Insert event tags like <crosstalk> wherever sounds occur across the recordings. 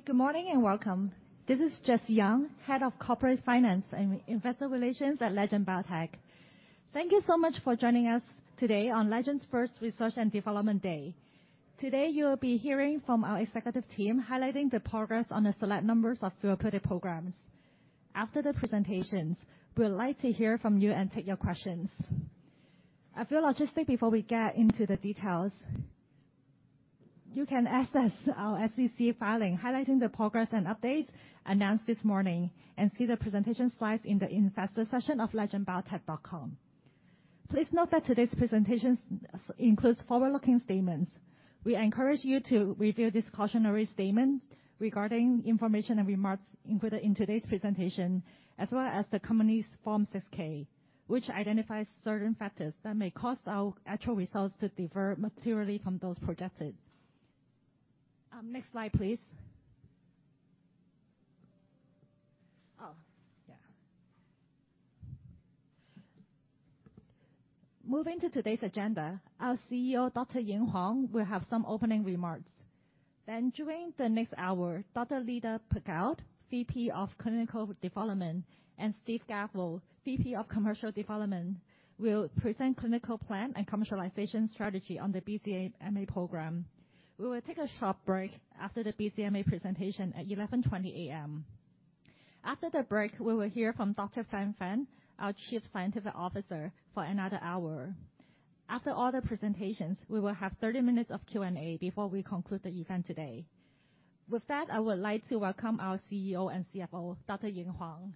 Hi, good morning and welcome. This is Jessie Yeung, Head of Corporate Finance and Investor Relations at Legend Biotech. Thank you so much for joining us today on Legend's first Research and Development Day. Today you'll be hearing from our executive team, highlighting the progress on a select number of therapeutic programs. After the presentations, we would like to hear from you and take your questions. A few logistics before we get into the details. You can access our SEC filing, highlighting the progress and updates announced this morning, and see the presentation slides in the investor session of legendbiotech.com. Please note that today's presentations includes forward-looking statements. We encourage you to review the cautionary statement regarding information and remarks included in today's presentation, as well as the company's Form 6-K, which identifies certain factors that may cause our actual results to differ materially from doses projected. Next slide, please. Moving to today's agenda, our CEO, Dr. Ying Huang, will have some opening remarks. During the next one hour, Dr. Lida Pacaud, VP of Clinical Development, and Steve Gavel, VP of Commercial Development, will present clinical plan and commercialization strategy on the BCMA program. We will take a short break after the BCMA presentation at 11:20 A.M. After the break, we will hear from Dr. Frank Fan, our Chief Scientific Officer, for another one hour. After all the presentations, we will have 30 minutes of Q&A before we conclude the event today. With that, I would like to welcome our CEO and CFO, Dr. Ying Huang.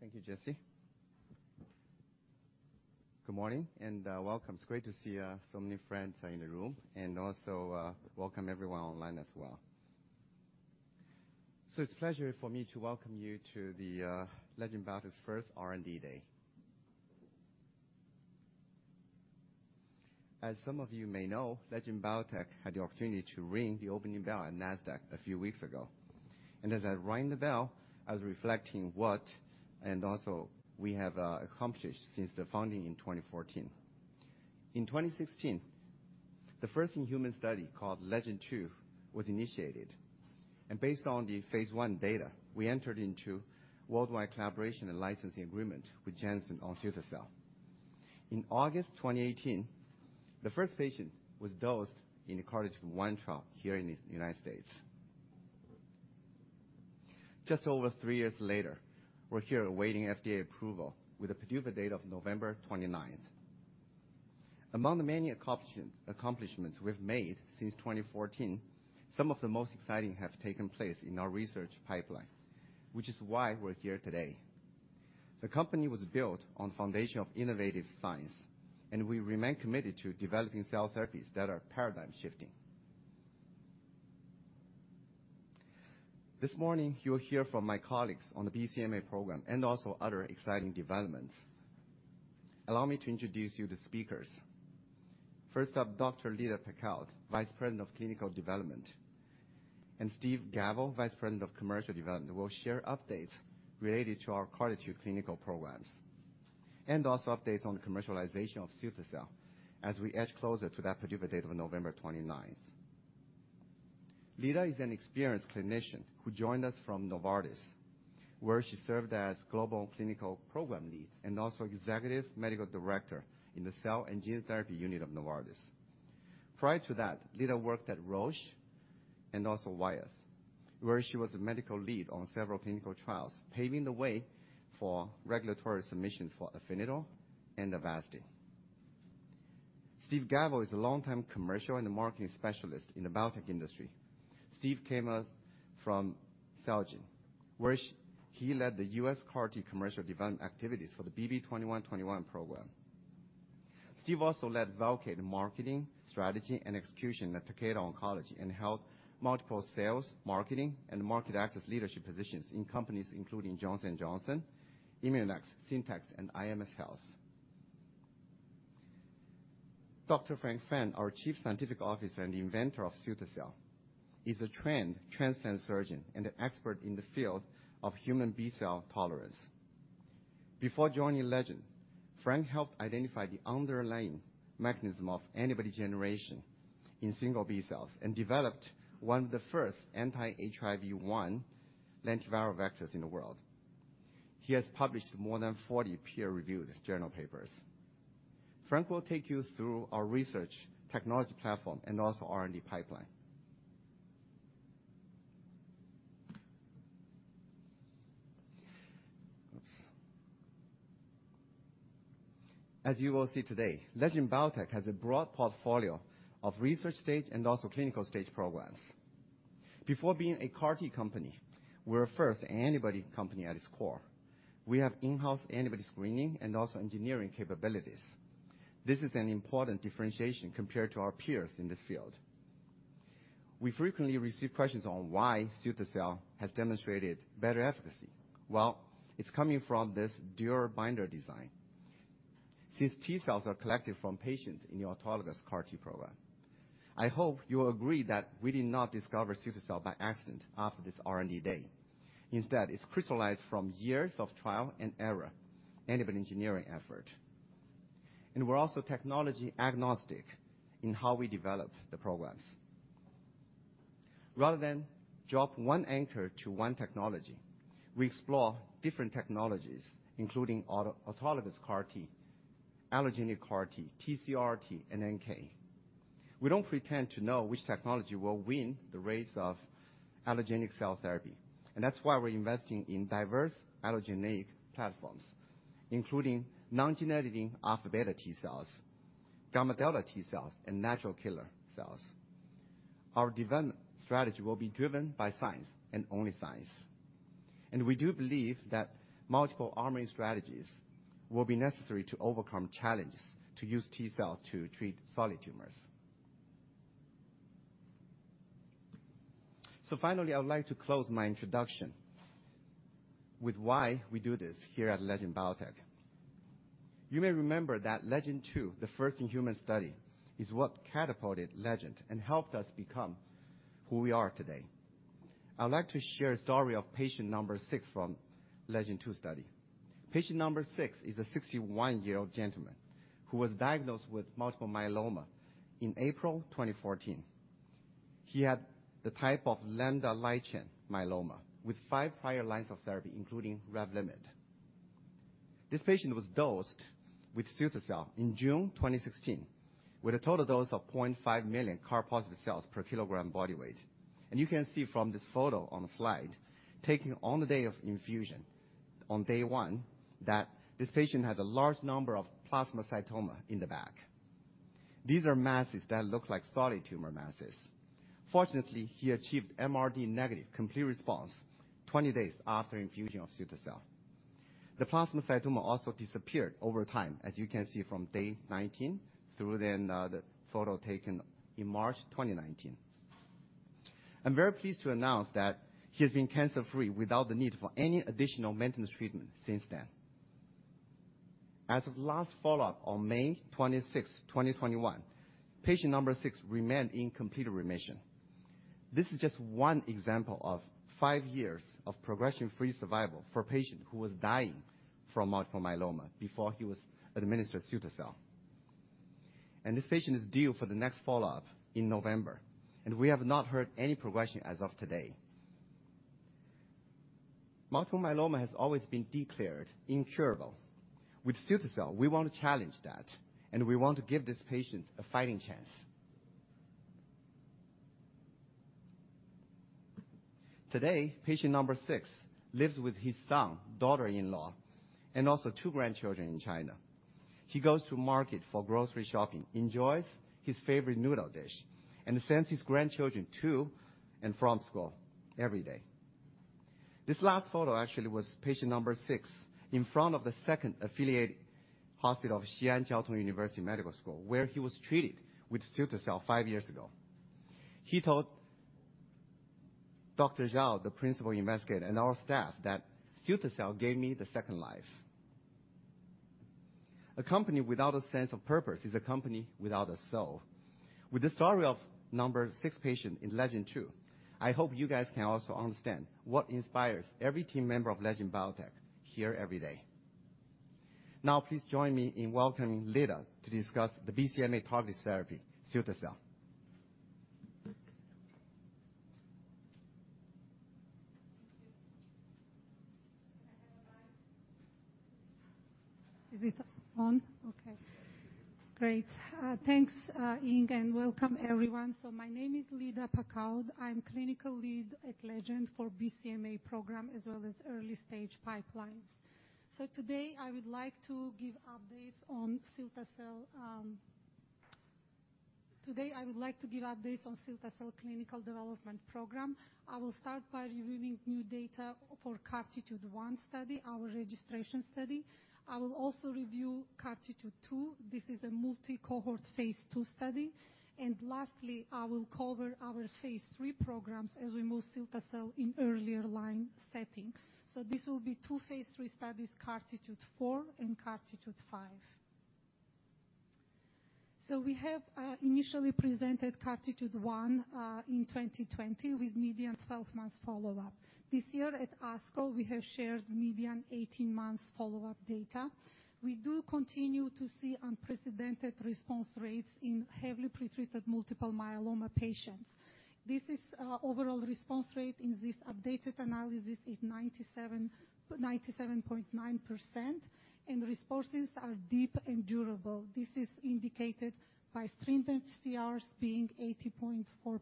Thank you, Jessie. Good morning and welcome. It's great to see so many friends are in the room, and also welcome everyone online as well. It's a pleasure for me to welcome you to Legend Biotech's first R&D Day. As some of you may know, Legend Biotech had the opportunity to ring the opening bell at Nasdaq a few weeks ago. As I rang the bell, I was reflecting what and also we have accomplished since the founding in 2014. In 2016, the first human study, called LEGEND-2, was initiated. Based on the phase I data, we entered into worldwide collaboration and licensing agreement with Janssen on cilta-cel. In August 2018, the first patient was dosed in the CARTITUDE-1 trial here in the U.S. Just over three years later, we're here awaiting FDA approval with a PDUFA date of November 29th. Among the many accomplishments we've made since 2014, some of the most exciting have taken place in our research pipeline, which is why we're here today. The company was built on foundation of innovative science, and we remain committed to developing cell therapies that are paradigm-shifting. This morning, you'll hear from my colleagues on the BCMA program and also other exciting developments. Allow me to introduce you to speakers. First up, Dr. Lida Pacaud, Vice President of Clinical Development, and Steve Gavel, Vice President of Commercial Development, will share updates related to our CAR T clinical programs, and also updates on the commercialization of CARVYKTI as we edge closer to that PDUFA date of November 29th. Lida is an experienced clinician who joined us from Novartis, where she served as Global Clinical Program Lead and also Executive Medical Director in the Cell and Gene Therapy unit of Novartis. Prior to that, Lida worked at Roche and also Wyeth, where she was a medical lead on several clinical trials, paving the way for regulatory submissions for Afinitor and Avastin. Steve Gavel is a longtime commercial and marketing specialist in the biotech industry. Steve came from Celgene, where he led the U.S. CAR T commercial development activities for the bb2121 program. Steve also led development, marketing, strategy, and execution at Takeda Oncology and held multiple sales, marketing, and market access leadership positions in companies including Johnson & Johnson, Immunex, Syntex, and IMS Health. Dr. Frank Fan, our Chief Scientific Officer and the inventor of cilta-cel, is a trained transplant surgeon and an expert in the field of human B cell tolerance. Before joining Legend, Frank helped identify the underlying mechanism of antibody generation in single B cells and developed one of the first anti-HIV-1 lentiviral vectors in the world. He has published more than 40 peer-reviewed journal papers. Frank will take you through our research technology platform and also R&D pipeline. Oops. As you will see today, Legend Biotech has a broad portfolio of research stage and also clinical stage programs. Before being a CAR T company, we're first antibody company at its core. We have in-house antibody screening and also engineering capabilities. This is an important differentiation compared to our peers in this field. We frequently receive questions on why cilta-cel has demonstrated better efficacy. Well, it's coming from this dual binder design. Since T cells are collected from patients in the autologous CAR T program, I hope you agree that we did not discover cilta-cel by accident after this R&D day. Instead, it's crystallized from years of trial and error and of an engineering effort. We're also technology agnostic in how we develop the programs. Rather than drop one anchor to one technology, we explore different technologies, including autologous CAR T, allogeneic CAR T, TCR T, and NK. We don't pretend to know which technology will win the race of allogeneic cell therapy. That's why we're investing in diverse allogeneic platforms, including non-genetic alpha beta T-cells, gamma delta T-cells, and natural killer cells. Our development strategy will be driven by science and only science. We do believe that multiple arming strategies will be necessary to overcome challenges to use T-cells to treat solid tumors. Finally, I would like to close my introduction with why we do this here at Legend Biotech. You may remember that LEGEND-2, the first in human study, is what catapulted Legend and helped us become who we are today. I would like to share a story of patient number six from LEGEND-2 study. Patient number 6 is a 61-year-old gentleman who was diagnosed with multiple myeloma in April 2014. He had the type of lambda light chain myeloma with five prior lines of therapy, including Revlimid. This patient was dosed with cilta-cel in June 2016, with a total dose of 0.5 million CAR-positive cells per kilogram body weight. You can see from this photo on the slide, taken on the day of infusion on day 1, that this patient had a large number of plasmacytoma in the back. These are masses that look like solid tumor masses. Fortunately, he achieved MRD negative complete response 20 days after infusion of cilta-cel. The plasmacytoma also disappeared over time, as you can see from day 19 through the photo taken in March 2019. I'm very pleased to announce that he has been cancer-free without the need for any additional maintenance treatment since then. As of last follow-up on May 26th, 2021, patient number 6 remained in complete remission. This is just one example of five years of progression-free survival for a patient who was dying from multiple myeloma before he was administered cilta-cel. This patient is due for the next follow-up in November, and we have not heard any progression as of today. Multiple myeloma has always been declared incurable. With cilta-cel, we want to challenge that, and we want to give this patient a fighting chance. Today, patient number 6 lives with his son, daughter-in-law, and also two grandchildren in China. He goes to market for grocery shopping, enjoys his favorite noodle dish, and sends his grandchildren to and from school every day. This last photo actually was patient number 6 in front of the second affiliate hospital of Xi'an Jiaotong University School of Medicine, where he was treated with cilta-cel five years ago. He told Dr. Zhao, the principal investigator, and our staff, that "cilta-cel gave me the second life." A company without a sense of purpose is a company without a soul. With the story of number 6 patient in LEGEND-2, I hope you guys can also understand what inspires every team member of Legend Biotech here every day. Now, please join me in welcoming Lida to discuss the BCMA target therapy, cilta-cel. Thank you. Can I have the mic? Is it on? Okay, great. Thanks, Ying, and welcome everyone. My name is Lida Pacaud. I'm clinical lead at Legend for BCMA program, as well as early-stage pipelines. Today, I would like to give updates on cilta-cel clinical development program. I will start by reviewing new data for CARTITUDE-1 study, our registration study. I will also review CARTITUDE-2. This is a multi-cohort phase II study. Lastly, I will cover our phase III programs as we move cilta-cel in earlier-line settings. This will be 2 phase III studies, CARTITUDE-4 and CARTITUDE-5. We have initially presented CARTITUDE-1 in 2020 with median 12 months follow-up. This year at ASCO, we have shared median 18 months follow-up data. We do continue to see unprecedented response rates in heavily pre-treated multiple myeloma patients. This is our overall response rate in this updated analysis is 97.9%, and responses are deep and durable. This is indicated by stringent CRs being 80.4%,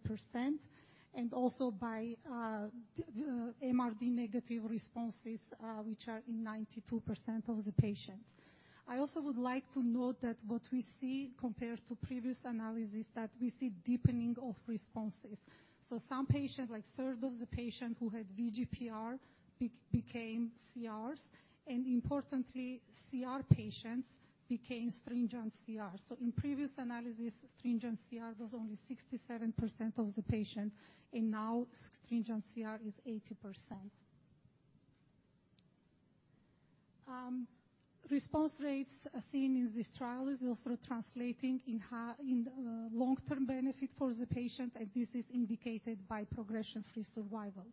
and also by MRD negative responses, which are in 92% of the patients. I also would like to note that what we see compared to previous analysis, that we see deepening of responses. Some patients, like third of the patients who had VGPR became CRs, and importantly, CR patients became stringent CR. In previous analysis, stringent CR was only 67% of the patients, and now stringent CR is 80%. Response rates seen in this trial is also translating in long-term benefit for the patient, and this is indicated by progression-free survival.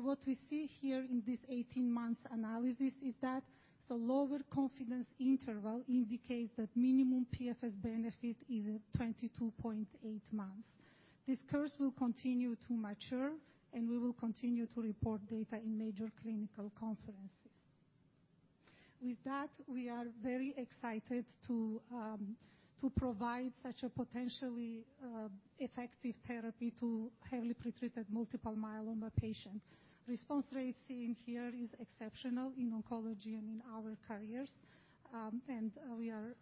What we see here in this 18 months analysis is that the lower confidence interval indicates that minimum PFS benefit is at 22.8 months. This course will continue to mature, and we will continue to report data in major clinical conferences. With that, we are very excited to provide such a potentially effective therapy to heavily pre-treated multiple myeloma patients. Response rates seen here is exceptional in oncology and in our careers, and we are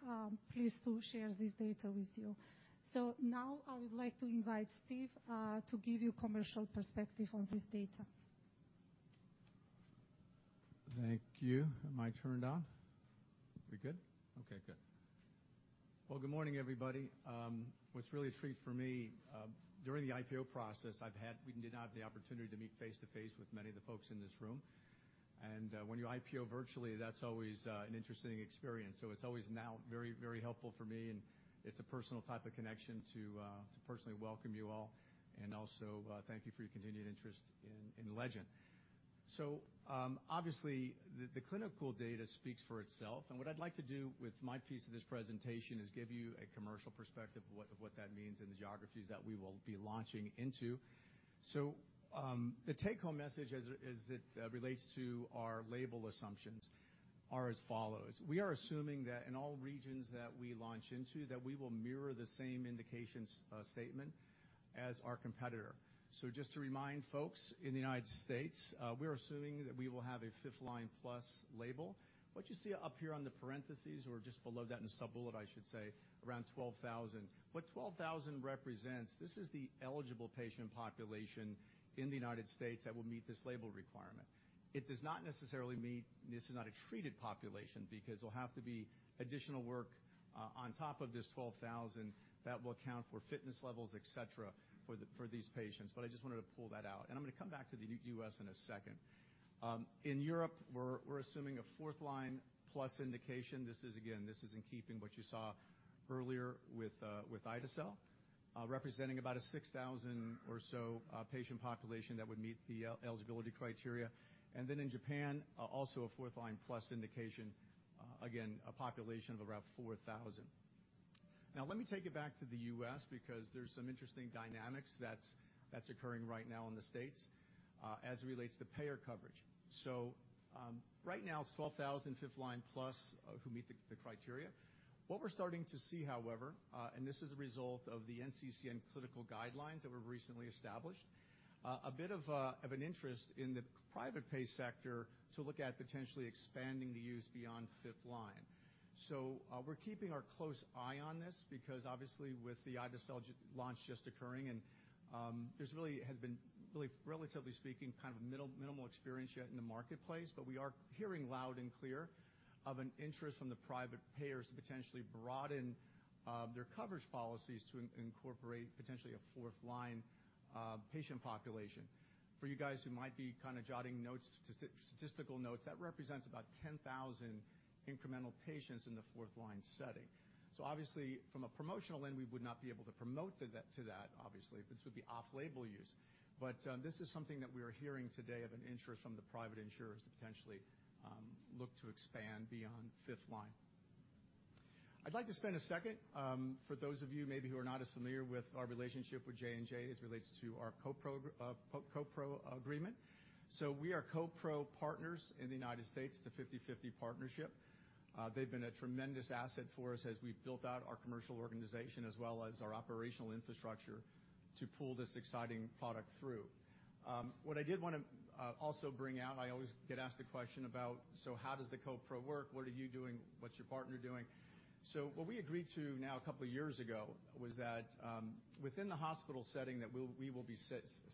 pleased to share this data with you. Now I would like to invite Steve to give you commercial perspective on this data. Thank you. Am I turned on? We good? Okay, good. Well, good morning, everybody. What's really a treat for me, during the IPO process, we did not have the opportunity to meet face to face with many of the folks in this room. When you IPO virtually, that's always an interesting experience. It's always now very helpful for me, and it's a personal type of connection to personally welcome you all and also thank you for your continued interest in Legend. Obviously, the clinical data speaks for itself. What I'd like to do with my piece of this presentation is give you a commercial perspective of what that means in the geographies that we will be launching into. The take-home message as it relates to our label assumptions are as follows. We are assuming that in all regions that we launch into, that we will mirror the same indications statement as our competitor. Just to remind folks, in the U.S., we're assuming that we will have a fifth-line-plus label. What you see up here on the parentheses or just below that in the sub-bullet, I should say, around 12,000. What 12,000 represents, this is the eligible patient population in the U.S. that will meet this label requirement. This is not a treated population because there'll have to be additional work on top of this 12,000 that will account for fitness levels, et cetera, for these patients. I just wanted to pull that out. I'm going to come back to the U.S. in a second. In Europe, we're assuming a fourth-line-plus indication. This is, again, in keeping what you saw earlier with ide-cel, representing about a 6,000 or so patient population that would meet the eligibility criteria. In Japan, also a fourth-line-plus indication, again, a population of around 4,000. Let me take it back to the U.S. because there's some interesting dynamics that's occurring right now in the States as it relates to payer coverage. Right now it's 12,000 fifth-line-plus who meet the criteria. What we're starting to see, however, and this is a result of the NCCN clinical guidelines that were recently established, a bit of an interest in the private pay sector to look at potentially expanding the use beyond fifth line. We're keeping our close eye on this because obviously with the ide-cel launch just occurring and there's really has been, relatively speaking, kind of a minimal experience yet in the marketplace, but we are hearing loud and clear of an interest from the private payers to potentially broaden their coverage policies to incorporate potentially a fourth-line patient population. For you guys who might be kind of jotting statistical notes, that represents about 10,000 incremental patients in the fourth-line setting. Obviously from a promotional end, we would not be able to promote to that, obviously. This would be off-label use. This is something that we are hearing today of an interest from the private insurers to potentially look to expand beyond fifth line. I'd like to spend a second for those of you maybe who are not as familiar with our relationship with J&J as it relates to our co-pro agreement. We are co-pro partners in the United States. It's a 50/50 partnership. They've been a tremendous asset for us as we've built out our commercial organization as well as our operational infrastructure to pull this exciting product through. What I did want to also bring out, I always get asked the question about, how does the co-pro work? What are you doing? What's your partner doing? What we agreed to now a couple of years ago was that within the hospital setting that we will be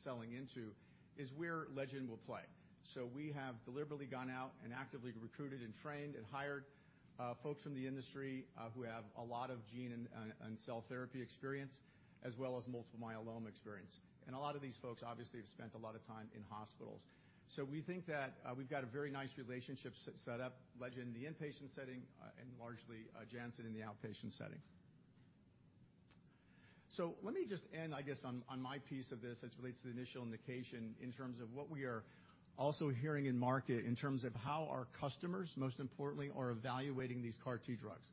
selling into is where Legend will play. We have deliberately gone out and actively recruited and trained and hired folks from the industry who have a lot of gene and cell therapy experience, as well as multiple myeloma experience. A lot of these folks obviously have spent a lot of time in hospitals. We think that we've got a very nice relationship set up, Legend in the inpatient setting and largely Janssen in the outpatient setting. Let me just end, I guess, on my piece of this as it relates to the initial indication in terms of what we are also hearing in market in terms of how our customers, most importantly, are evaluating these CAR T drugs.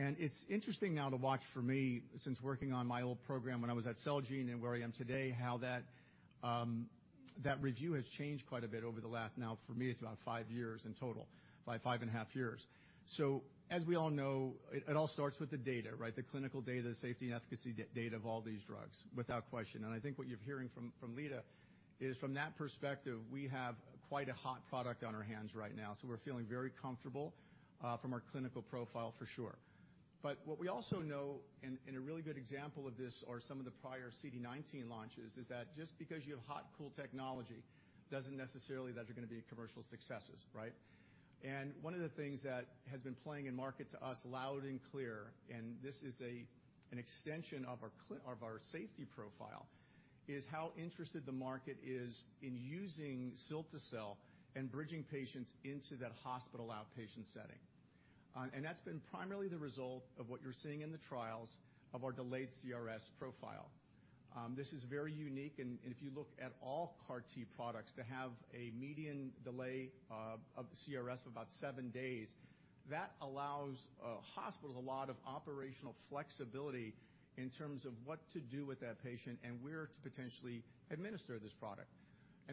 It's interesting now to watch for me, since working on my old program when I was at Celgene and where I am today, how that review has changed quite a bit over the last, now for me, it's about five years in total, 5 and a half years. As we all know, it all starts with the data, right. The clinical data, safety and efficacy data of all these drugs, without question. I think what you're hearing from Lida is from that perspective, we have quite a hot product on our hands right now. We're feeling very comfortable from our clinical profile for sure. What we also know, and a really good example of this are some of the prior CD19 launches, is that just because you have hot, cool technology doesn't necessarily that you're going to be commercial successes, right. One of the things that has been playing in market to us loud and clear, and this is an extension of our safety profile, is how interested the market is in using cilta-cel and bridging patients into that hospital outpatient setting. That's been primarily the result of what you're seeing in the trials of our delayed CRS profile. This is very unique, and if you look at all CAR T products, to have a median delay of CRS of about seven days, that allows hospitals a lot of operational flexibility in terms of what to do with that patient and where to potentially administer this product.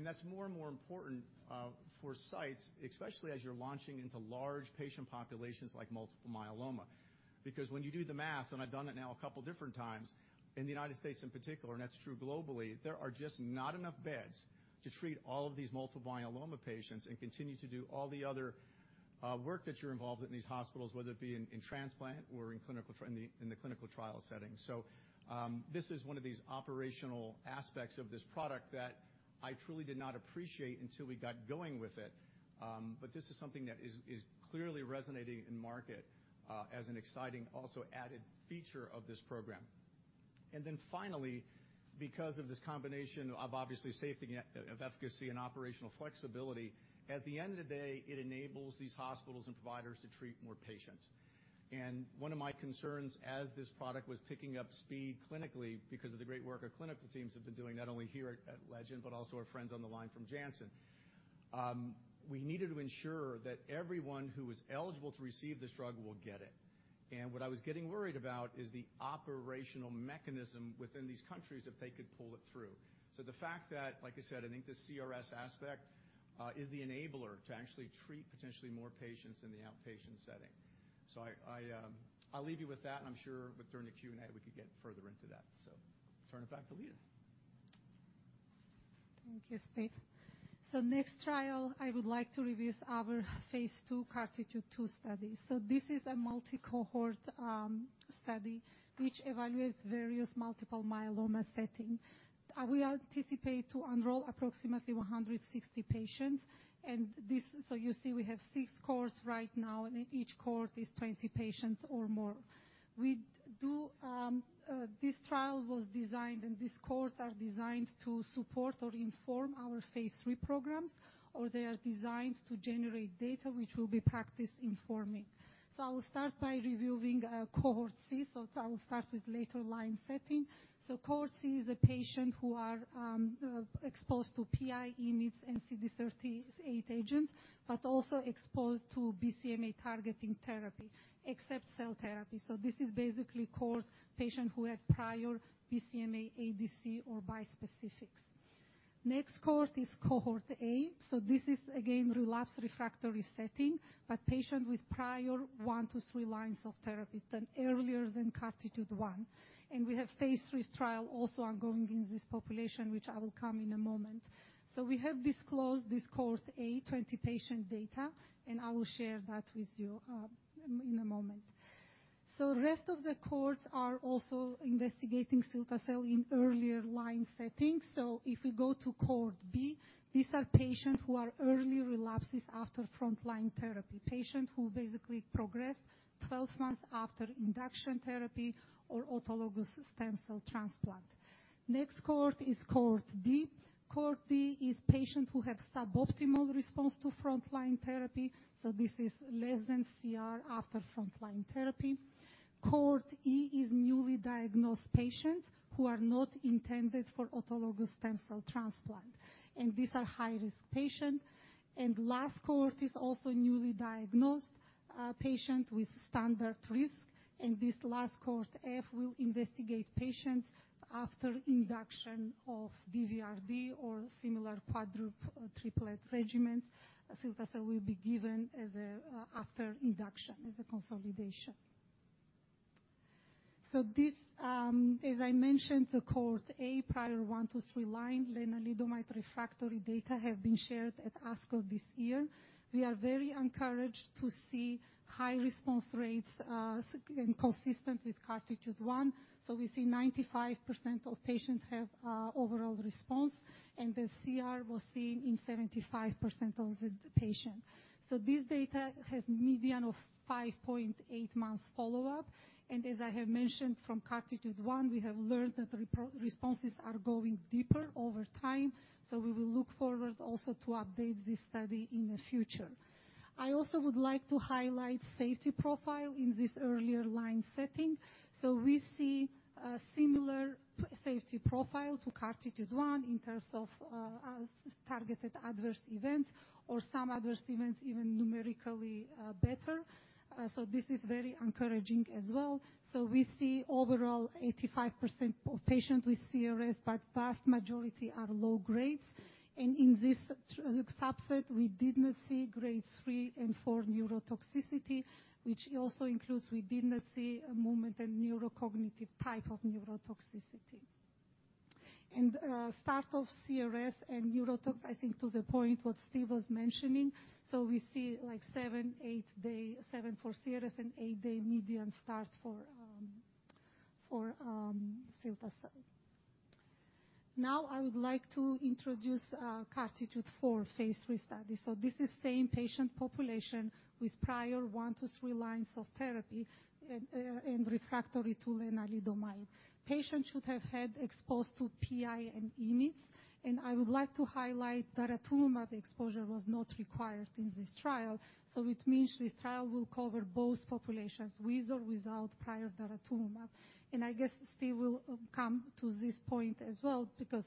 That's more and more important for sites, especially as you're launching into large patient populations like multiple myeloma. When you do the math, and I've done it now a couple different times, in the United States in particular, and that's true globally, there are just not enough beds to treat all of these multiple myeloma patients and continue to do all the other work that you're involved in in these hospitals, whether it be in transplant or in the clinical trial setting. This is one of these operational aspects of this product that I truly did not appreciate until we got going with it. This is something that is clearly resonating in market, as an exciting also added feature of this program. Finally, because of this combination of obviously safety, of efficacy, and operational flexibility, at the end of the day, it enables these hospitals and providers to treat more patients. One of my concerns as this product was picking up speed clinically, because of the great work our clinical teams have been doing, not only here at Legend, but also our friends on the line from Janssen, we needed to ensure that everyone who is eligible to receive this drug will get it. What I was getting worried about is the operational mechanism within these countries, if they could pull it through. The fact that, like I said, I think the CRS aspect is the enabler to actually treat potentially more patients in the outpatient setting. I'll leave you with that, and I'm sure during the Q&A, we could get further into that. Turn it back to Lida. Thank you, Steve. Next trial, I would like to review our Phase II CARTITUDE-2 study. This is a multi-cohort study which evaluates various multiple myeloma setting. We anticipate to enroll approximately 160 patients. You see we have six cohorts right now, and each cohort is 20 patients or more. This trial was designed, and these cohorts are designed to support or inform our Phase III programs, or they are designed to generate data which will be practice informing. I will start by reviewing cohort C. I will start with later line setting. Cohort C is a patients who are exposed to PI, IMiDs, and CD38 agent, but also exposed to BCMA-targeting therapy, except cell therapy. This is basically cohort patient who had prior BCMA ADC or bispecifics. Next cohort is cohort A. This is again relapsed refractory setting, but patient with prior 1 to 3 lines of therapy done earlier than CARTITUDE-1. We have phase III trial also ongoing in this population, which I will come in a moment. We have disclosed this cohort A, 20-patient data, and I will share that with you in a moment. Rest of the cohorts are also investigating cilta-cel in earlier line settings. If we go to cohort B, these are patients who are early relapses after frontline therapy, patient who basically progressed 12 months after induction therapy or autologous stem cell transplant. Next cohort is cohort D. Cohort D is patients who have suboptimal response to frontline therapy, so this is less than CR after frontline therapy. Cohort E is newly diagnosed patients who are not intended for autologous stem cell transplant, and these are high-risk patient. Last cohort is also newly diagnosed patient with standard risk. This last cohort F will investigate patients after induction of DVRd or similar quadruple triplet regimens. cilta-cel will be given after induction as a consolidation. This, as I mentioned, the cohort A, prior 1 to 3 line lenalidomide refractory data have been shared at ASCO this year. We are very encouraged to see high response rates, and consistent with CARTITUDE-1. We see 95% of patients have overall response, and the CR was seen in 75% of the patient. This data has median of 5.8 months follow-up. As I have mentioned from CARTITUDE-1, we have learned that responses are going deeper over time. We will look forward also to update this study in the future. I also would like to highlight safety profile in this earlier line setting. We see a similar safety profile to CARTITUDE-1 in terms of targeted adverse events or some adverse events even numerically better. This is very encouraging as well. We see overall 85% of patients with CRS, but vast majority are low grades. And in this subset, we did not see grades 3 and 4 neurotoxicity, which also includes we did not see a major neurocognitive type of neurotoxicity. Start of CRS and neurotox, I think to the point what Steve was mentioning, we see 7 for CRS and 8-day median start for cilta-cel. Now I would like to introduce CARTITUDE-4 phase III study. This is same patient population with prior 1-3 lines of therapy and refractory to lenalidomide. Patients should have had exposed to PI and IMiDs. I would like to highlight daratumumab exposure was not required in this trial. It means this trial will cover both populations with or without prior daratumumab. I guess Steve will come to this point as well because,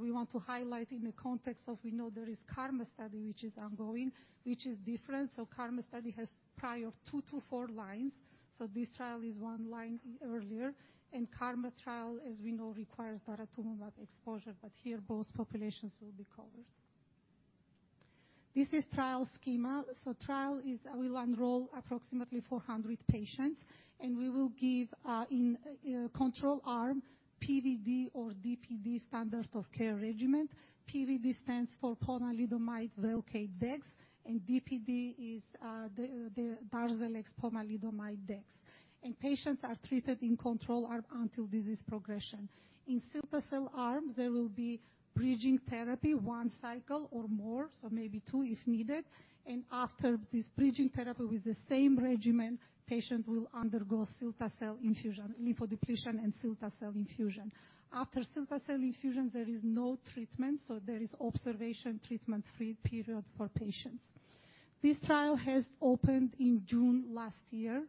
we want to highlight in the context of, we know there is KarMMa which is ongoing, which is different. KarMMa has prior 2 to 4 lines. This trial is 1 line earlier. KarMMa, as we know, requires daratumumab exposure. Here, both populations will be covered. This is trial schema. Trial will enroll approximately 400 patients, and we will give, in control arm, PVd or DPd standard of care regimen. PVd stands for pomalidomide, VELCADE, dex, and DPd is the DARZALEX, pomalidomide, dex. Patients are treated in control arm until disease progression. In cilta-cel arm, there will be bridging therapy, 1 cycle or more, so maybe 2 if needed. After this bridging therapy with the same regimen, patient will undergo cilta-cel infusion, lymphodepletion and cilta-cel infusion. After cilta-cel infusions, there is no treatment, so there is observation treatment-free period for patients. This trial has opened in June last year,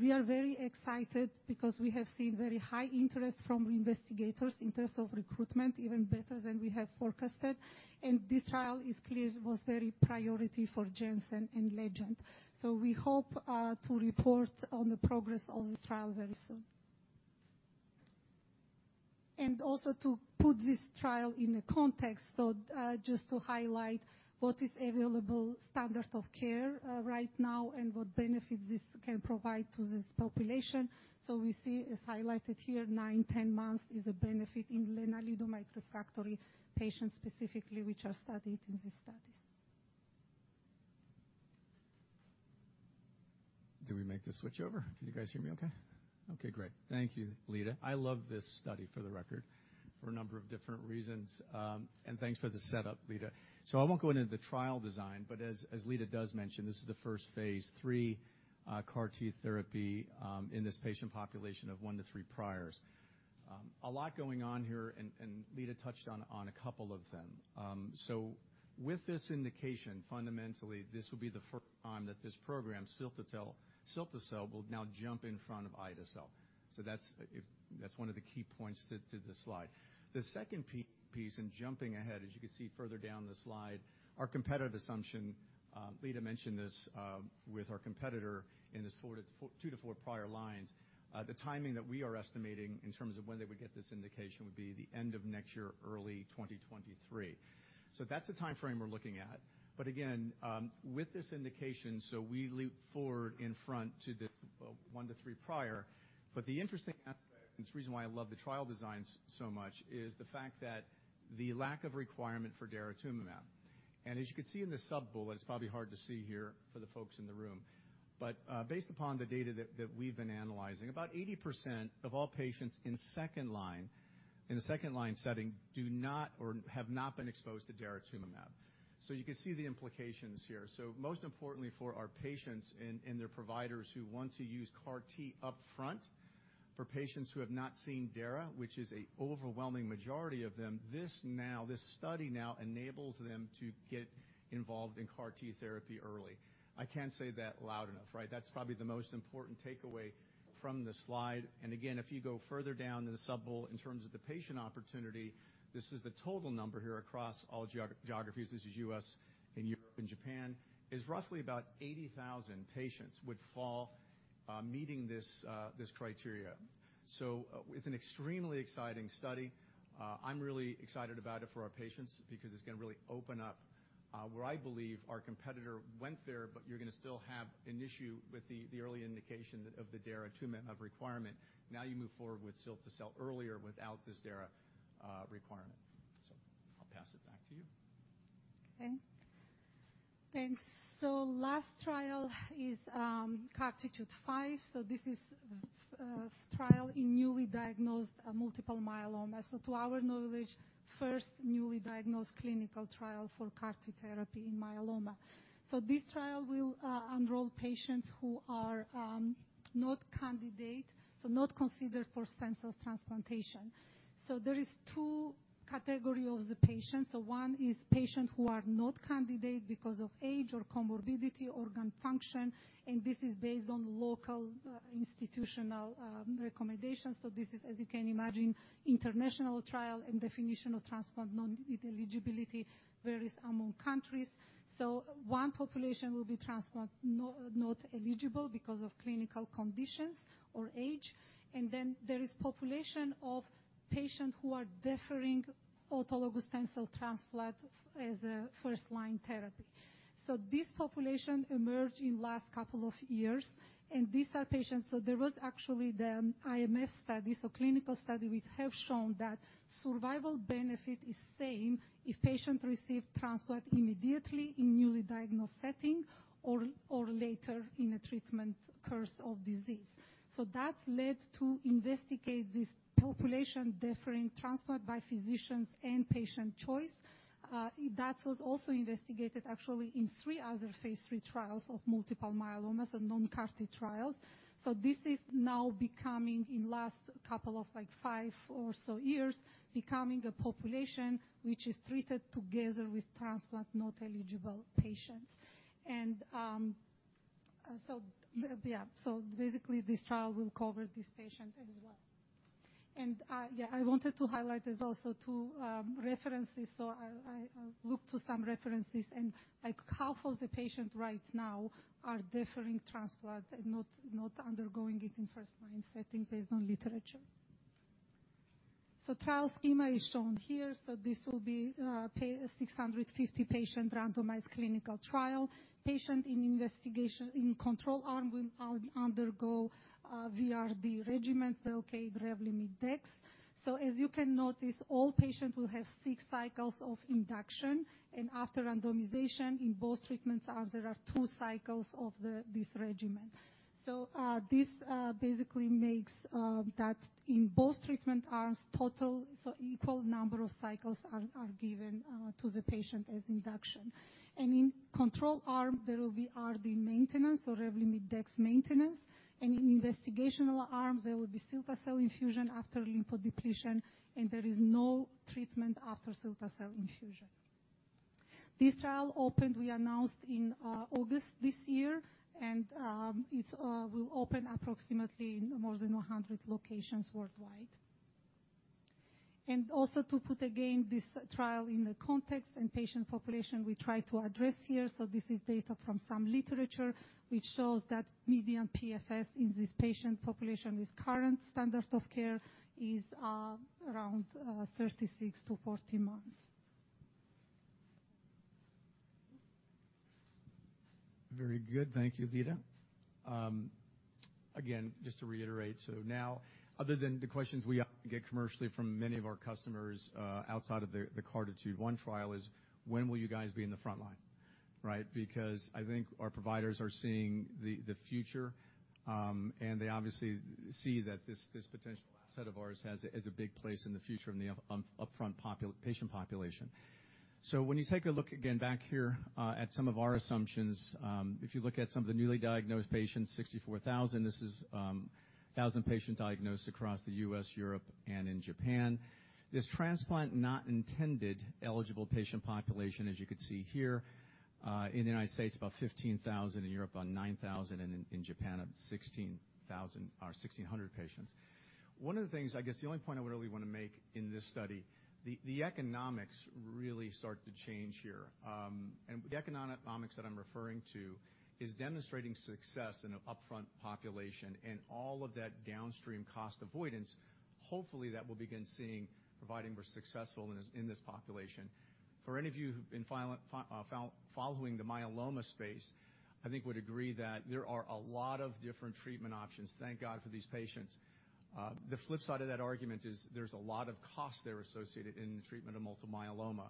we are very excited because we have seen very high interest from investigators in terms of recruitment, even better than we have forecasted. This trial is clear was very priority for Janssen and Legend. We hope to report on the progress of this trial very soon. Also to put this trial in a context. Just to highlight what is available standard of care right now and what benefit this can provide to this population. We see it's highlighted here, nine, 10 months is a benefit in lenalidomide-refractory patients specifically, which are studied in these studies. Did we make the switch over? Can you guys hear me okay? Okay, great. Thank you, Lida. I love this study for the record, for a number of different reasons. Thanks for the setup, Lida. I won't go into the trial design. As Lida does mention, this is the first phase III CAR T therapy, in this patient population of 1 to 3 priors. A lot going on here and Lida touched on a couple of them. With this indication, fundamentally, this will be the first time that this program, cilta-cel, will now jump in front of ide-cel. That's 1 of the key points to the slide. The second piece in jumping ahead, as you can see further down the slide, our competitive assumption, Lida mentioned this, with our competitor in this 2 to 4 prior lines. The timing that we are estimating in terms of when they would get this indication would be the end of next year, early 2023. That's the timeframe we're looking at. Again, with this indication, we leap forward in front to the 1 to 3 prior. The interesting aspect, and it's the reason why I love the trial designs so much, is the fact that the lack of requirement for daratumumab. As you can see in the sub-bullet, it's probably hard to see here for the folks in the room. Based upon the data that we've been analyzing, about 80% of all patients in the 2nd line setting do not or have not been exposed to daratumumab. You can see the implications here. Most importantly for our patients and their providers who want to use CAR T upfront, for patients who have not seen dara, which is a overwhelming majority of them, this study now enables them to get involved in CAR T therapy early. I can't say that loud enough, right? That's probably the most important takeaway from the slide. Again, if you go further down in the sub-bullet in terms of the patient opportunity, this is the total number here across all geographies, this is U.S. and Europe and Japan, is roughly about 80,000 patients would fall, meeting this criteria. It's an extremely exciting study. I'm really excited about it for our patients because it's going to really open up where I believe our competitor went there, but you're going to still have an issue with the early indication of the daratumumab requirement. You move forward with cilta-cel earlier without this dara requirement. I'll pass it back to you. Okay. Thanks. Last trial is CARTITUDE-5. This is trial in newly diagnosed multiple myeloma. To our knowledge, first newly diagnosed clinical trial for CAR T therapy in myeloma. This trial will enroll patients who are not candidate, so not considered for stem cell transplantation. There is 2 category of the patients. One is patient who are not candidate because of age or comorbidity, organ function, and this is based on local institutional recommendations. This is, as you can imagine, international trial and definition of transplant non-eligibility varies among countries. One population will be transplant not eligible because of clinical conditions or age. There is population of patient who are deferring autologous stem cell transplant as a first-line therapy. This population emerged in last couple of years, and these are patients. There was actually the IFM study. Clinical study which have shown that survival benefit is same if patient receive transplant immediately in newly diagnosed setting or later in a treatment course of disease. That led to investigate this population deferring transplant by physicians and patient choice. That was also investigated actually in 3 other phase III trials of multiple myeloma and non-CAR T trials. This is now becoming, in last couple of like 5 or so years, becoming a population which is treated together with transplant not eligible patients. This trial will cover this patient as well. I wanted to highlight this also to references. I looked to some references, and like half of the patients right now are deferring transplant and not undergoing it in first-line setting based on literature. Trial schema is shown here. This will be 650 patient randomized clinical trial. Patient in control arm will undergo VRd regimen, VELCADE Revlimid dex. As you can notice, all patients will have 6 cycles of induction, and after randomization in both treatment arms, there are 2 cycles of this regimen. This basically makes that in both treatment arms total, equal number of cycles are given to the patient as induction. In control arm, there will be RD maintenance or Revlimid dex maintenance. In investigational arms, there will be cilta-cel infusion after lymphodepletion, and there is no treatment after cilta-cel infusion. This trial opened, we announced in August this year, and it will open approximately in more than 100 locations worldwide. Also to put again, this trial in the context and patient population we try to address here. This is data from some literature, which shows that median PFS in this patient population with current standard of care is around 36-40 months. Very good. Thank you, Lida. Just to reiterate, other than the questions we get commercially from many of our customers outside of the CARTITUDE-1 trial is when will you guys be in the frontline? Right. I think our providers are seeing the future, and they obviously see that this potential asset of ours has a big place in the future in the upfront patient population. When you take a look again back here at some of our assumptions, if you look at some of the newly diagnosed patients, 64,000, this is 1,000 patients diagnosed across the U.S., Europe, and in Japan. This transplant not intended eligible patient population, as you could see here, in the United States, about 15,000, in Europe, about 9,000, and in Japan, about 1,600 patients. One of the things, I guess the only point I would really want to make in this study, the economics really start to change here. The economics that I'm referring to is demonstrating success in an upfront population and all of that downstream cost avoidance, hopefully, that we'll begin seeing providing we're successful in this population. For any of you who've been following the myeloma space, I think would agree that there are a lot of different treatment options, thank God, for these patients. The flip side of that argument is there's a lot of cost there associated in the treatment of multiple myeloma.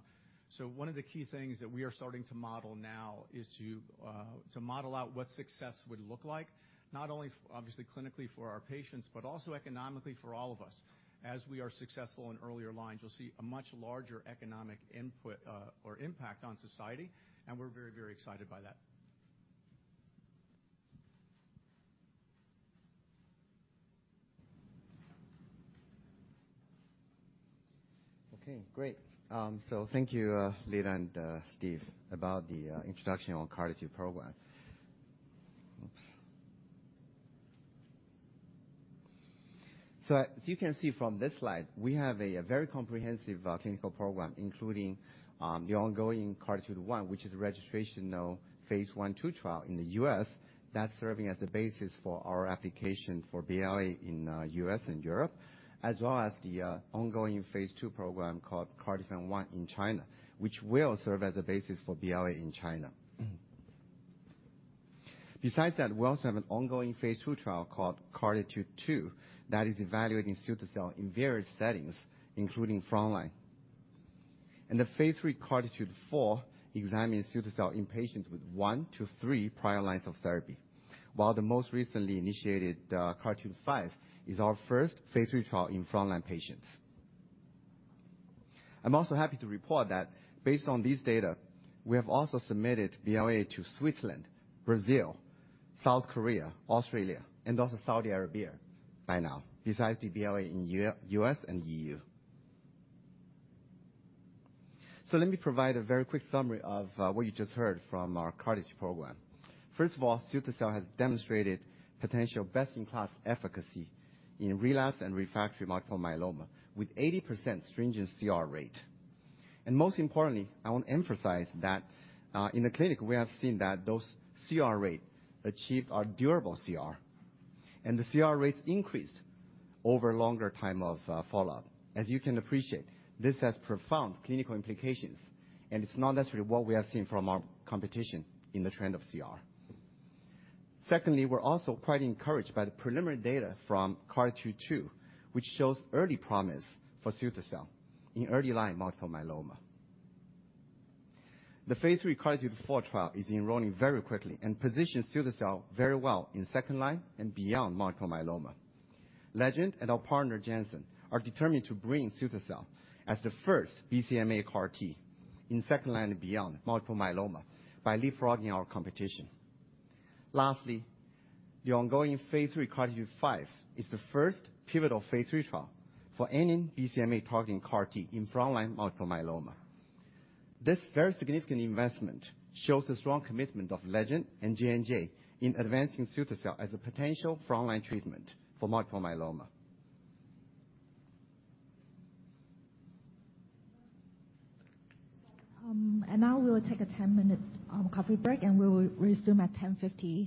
One of the key things that we are starting to model now is to model out what success would look like, not only obviously clinically for our patients, but also economically for all of us. As we are successful in earlier lines, you'll see a much larger economic input or impact on society, and we're very excited by that. Okay, great. Thank you, Lida and Steve, about the introduction on CARTITUDE program. Oops. As you can see from this slide, we have a very comprehensive clinical program, including the ongoing CARTITUDE-1, which is registrational phase I/II trial in the U.S. that's serving as the basis for our application for BLA in U.S. and Europe, as well as the ongoing phase II program called CARTIFAN-1 in China, which will serve as a basis for BLA in China. Besides that, we also have an ongoing phase II trial called CARTITUDE-2 that is evaluating cilta-cel in various settings, including frontline. The phase III CARTITUDE-4 examines cilta-cel in patients with 1-3 prior lines of therapy. While the most recently initiated, CARTITUDE-5, is our first phase III trial in frontline patients. I'm also happy to report that based on this data, we have also submitted BLAs in Switzerland, Brazil, South Korea, Australia, and also Saudi Arabia by now, besides the BLA in U.S. and EU. Let me provide a very quick summary of what you just heard from our CARTITUDE program. First of all, cilta-cel has demonstrated potential best-in-class efficacy in relapse and refractory multiple myeloma with 80% stringent CR rate. Most importantly, I want to emphasize that in the clinic, we have seen that those CR rates achieve durable CRs, and the CR rates increased over longer time of follow-up. As you can appreciate, this has profound clinical implications, and it's not necessarily what we have seen from our competition in the trend of CR. Secondly, we're also quite encouraged by the preliminary data from CARTITUDE-2, which shows early promise for cilta-cel in early line multiple myeloma. The phase III CARTITUDE-4 trial is enrolling very quickly and positions cilta-cel very well in second line and beyond multiple myeloma. Legend and our partner Janssen are determined to bring cilta-cel as the first BCMA CAR T in second line and beyond multiple myeloma by leapfrogging our competition. Lastly, the ongoing phase III CARTITUDE-5 is the first pivotal phase III trial for any BCMA-targeting CAR T in frontline multiple myeloma. This very significant investment shows the strong commitment of Legend and J&J in advancing cilta-cel as a potential frontline treatment for multiple myeloma. Now we will take a 10-minute coffee break, and we will resume at 10:50 A.M. Thank you.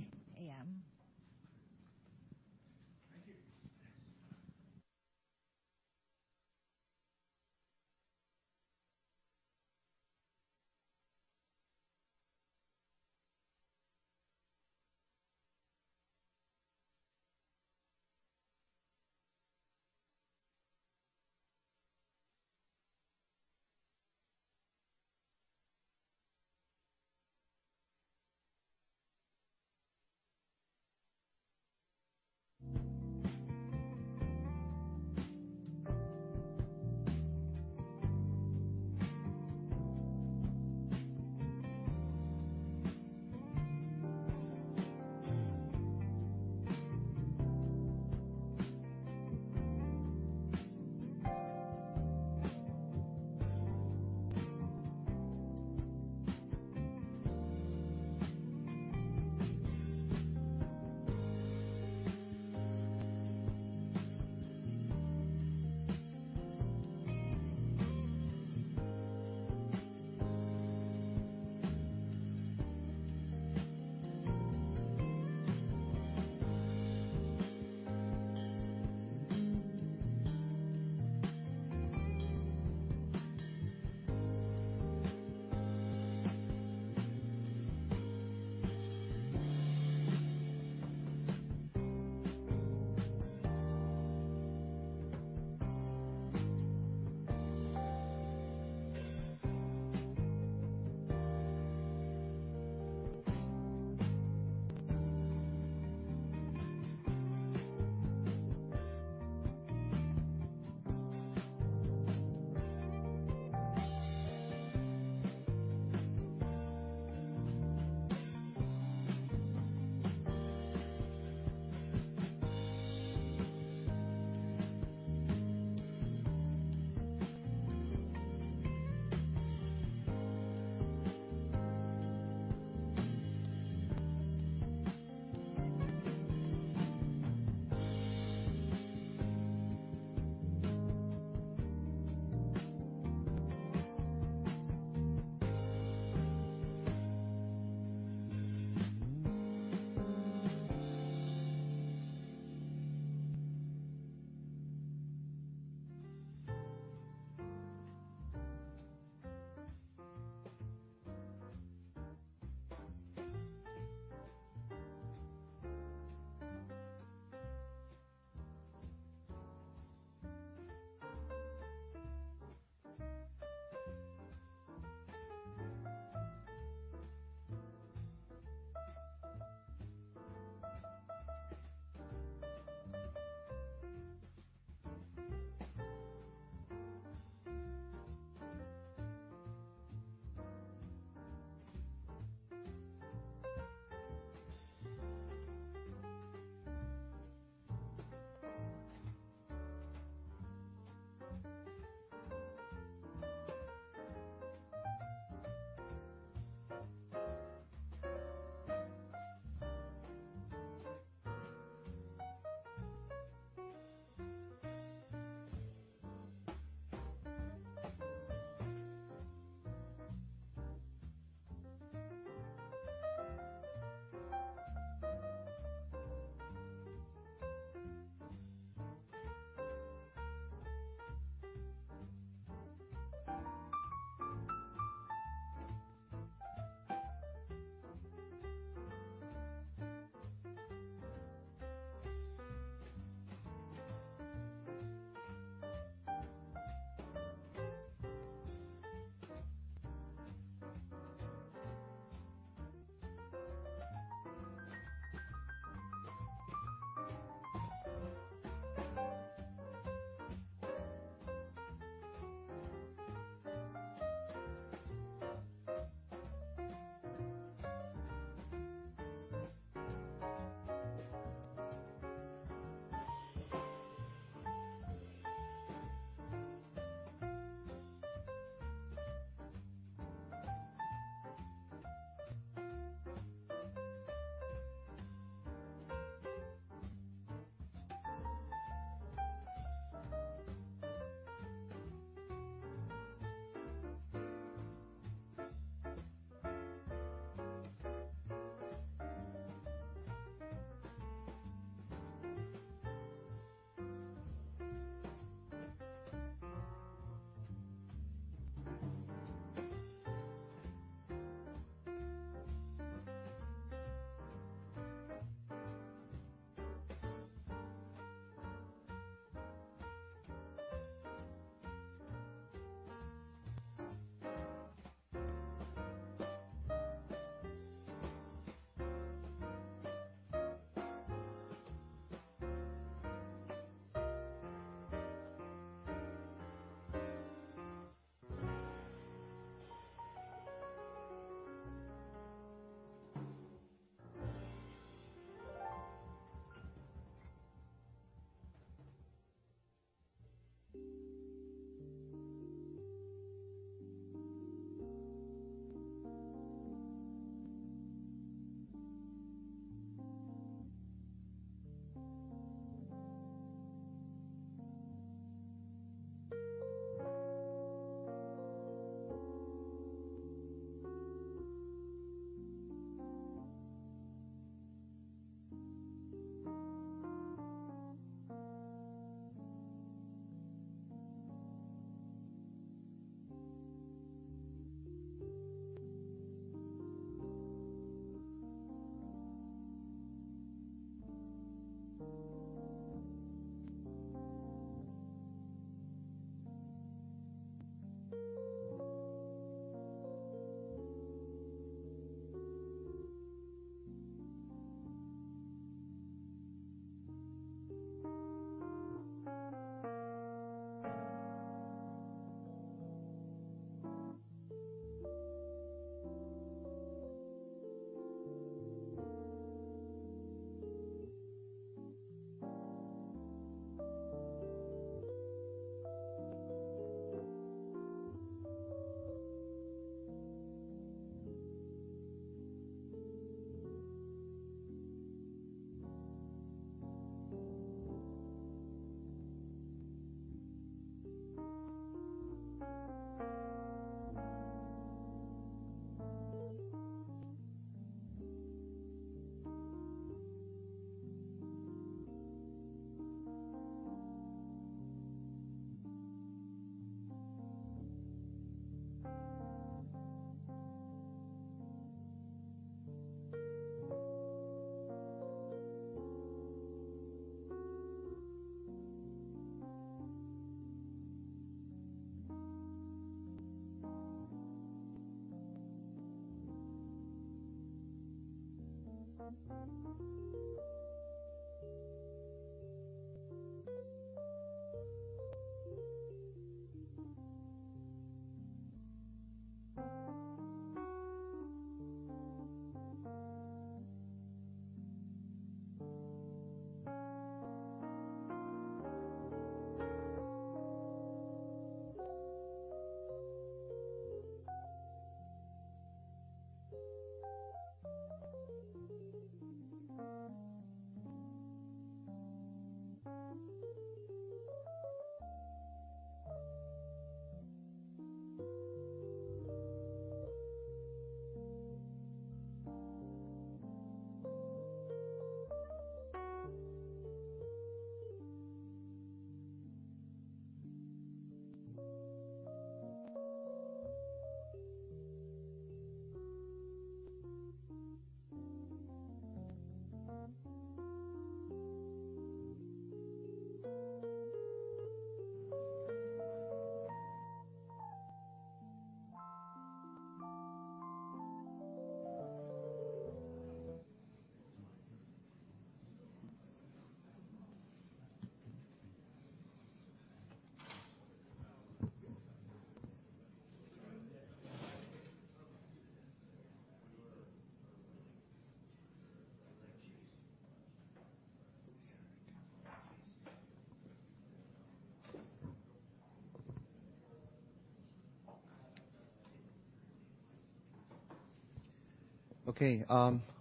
Okay.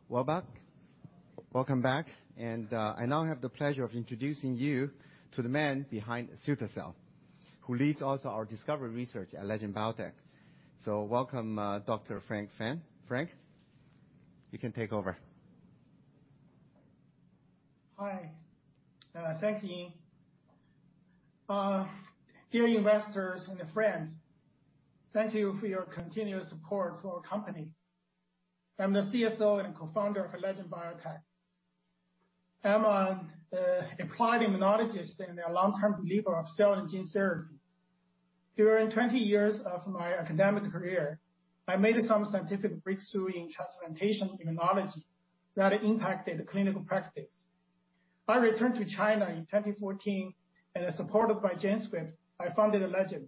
Welcome back. I now have the pleasure of introducing you to the man behind Cilta-cel, who leads also our discovery research at Legend Biotech. Welcome, Dr. Frank Fan. Frank, you can take over. Hi. Thank you, Ying. Dear investors and friends, thank you for your continuous support to our company. I'm the CSO and Co-founder of Legend Biotech. I'm an applied immunologist and a long-term believer of cell and gene therapy. During 20 years of my academic career, I made some scientific breakthrough in transplantation immunology that impacted clinical practice. I returned to China in 2014, and as supported by GenScript, I founded Legend.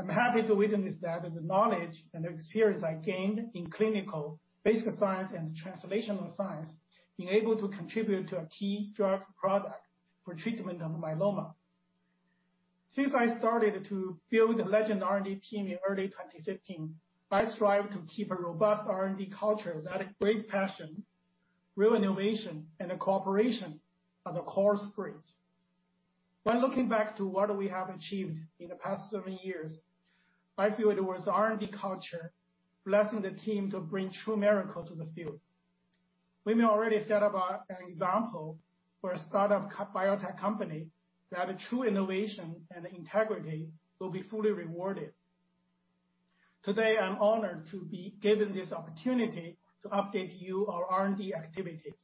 I'm happy to witness that the knowledge and the experience I gained in clinical, basic science, and translational science being able to contribute to a key drug product for treatment of myeloma. Since I started to build the Legend R&D team in early 2016, I strive to keep a robust R&D culture that great passion, real innovation, and cooperation are the core spirits. When looking back to what we have achieved in the past seven years, I feel it was R&D culture blessing the team to bring true miracle to the field. We may already set up an example for a start-up biotech company that a true innovation and integrity will be fully rewarded. Today, I'm honored to be given this opportunity to update you our R&D activities.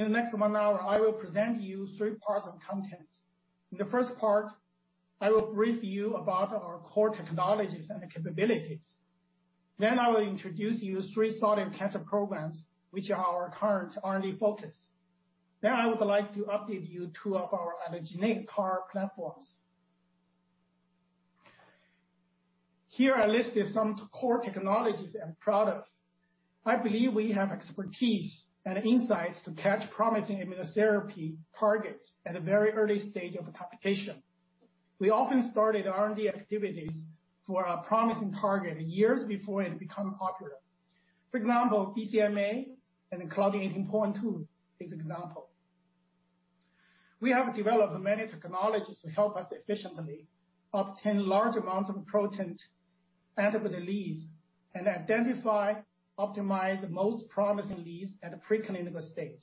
In the next one hour, I will present you three parts of contents. In the first part, I will brief you about our core technologies and capabilities. I will introduce you three solid cancer programs, which are our current R&D focus. I would like to update you two of our allogeneic CAR platforms. Here I listed some core technologies and products. I believe we have expertise and insights to catch promising immunotherapy targets at a very early stage of the application. We often started R&D activities for a promising target years before it became popular. For example, BCMA and Claudin 18.2 are examples. We have developed many technologies to help us efficiently obtain large amounts of proteins, antibodies, and identify, optimize the most promising leads at the preclinical stage.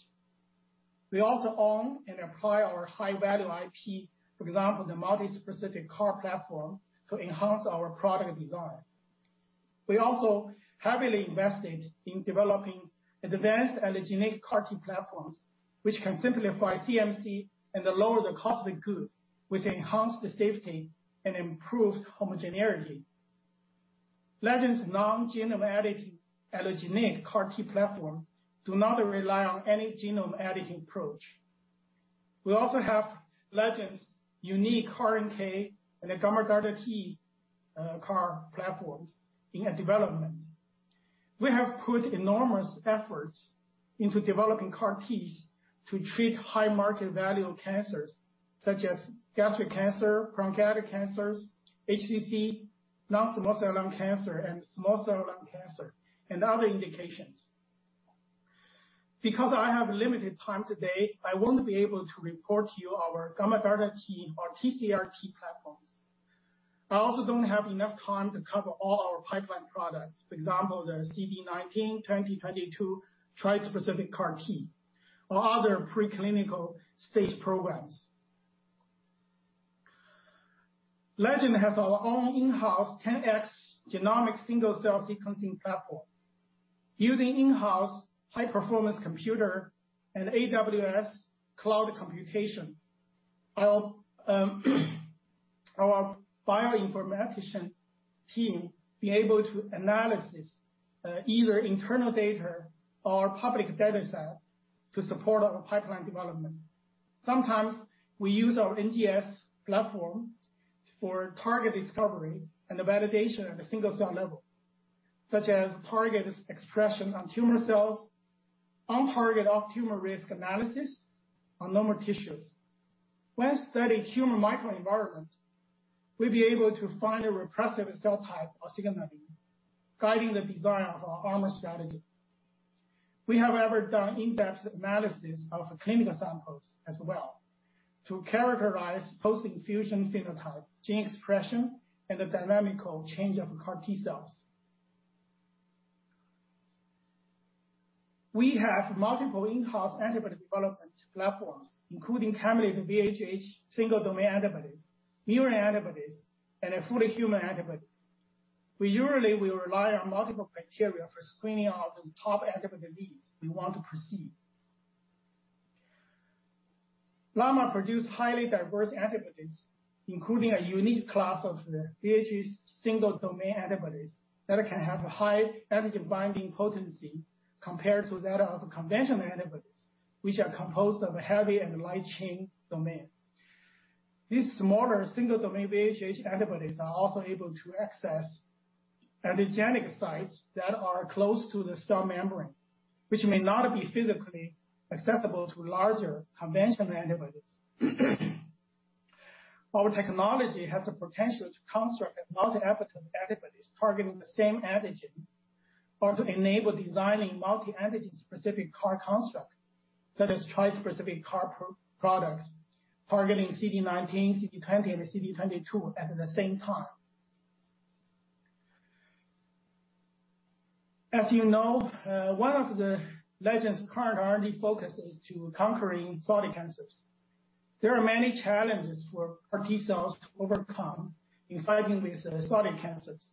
We also own and apply our high-value IP, for example, the multi-specific CAR platform, to enhance our product design. We also heavily invested in developing advanced allogeneic CAR-T platforms, which can simplify CMC and lower the cost of goods, which enhance the safety and improve homogeneity. Legend's non-genome editing allogeneic CAR-T platform does not rely on any genome editing approach. We also have Legend's unique CAR-NK and gamma delta T CAR platforms in development. I have put enormous efforts into developing CAR-Ts to treat high-market value cancers such as gastric cancer, pancreatic cancers, HCC, non-small cell lung cancer and small cell lung cancer, and other indications. I have limited time today, I won't be able to report to you our gamma delta T or TCR-T platforms. I also don't have enough time to cover all our pipeline products. For example, the CD19, CD20, CD22 tri-specific CAR-T or other preclinical stage programs. Legend has our own in-house 10x Genomics single-cell sequencing platform. Using in-house high-performance computer and AWS cloud computation, our bioinformatician team be able to analysis either internal data or public data set to support our pipeline development. Sometimes we use our NGS platform for target discovery and the validation at the single-cell level, such as target expression on tumor cells, on target off-tumor risk analysis on normal tissues. When studying tumor microenvironment, we will be able to find a repressive cell type or signaling, guiding the design of our armor strategy. We have even done in-depth analysis of clinical samples as well to characterize post-infusion phenotype, gene expression, and the dynamical change of CAR T cells. We have multiple in-house antibody development platforms, including camelid VHH single domain antibodies, murine antibodies, and fully human antibodies. We usually will rely on multiple criteria for screening out the top antibody leads we want to proceed. Llama produce highly diverse antibodies, including a unique class of VHH single domain antibodies that can have high antigen binding potency compared to that of conventional antibodies, which are composed of a heavy and light chain domain. These smaller single domain VHH antibodies are also able to access antigenic sites that are close to the cell membrane, which may not be physically accessible to larger conventional antibodies. Our technology has the potential to construct multi-epitope antibodies targeting the same antigen or to enable designing multi-antigen specific CAR constructs, such as tri-specific CAR products targeting CD19, CD20, and CD22 at the same time. As you know, one of the Legend's current R&D focus is to conquering solid cancers. There are many challenges for CAR-T cells to overcome in fighting with solid cancers.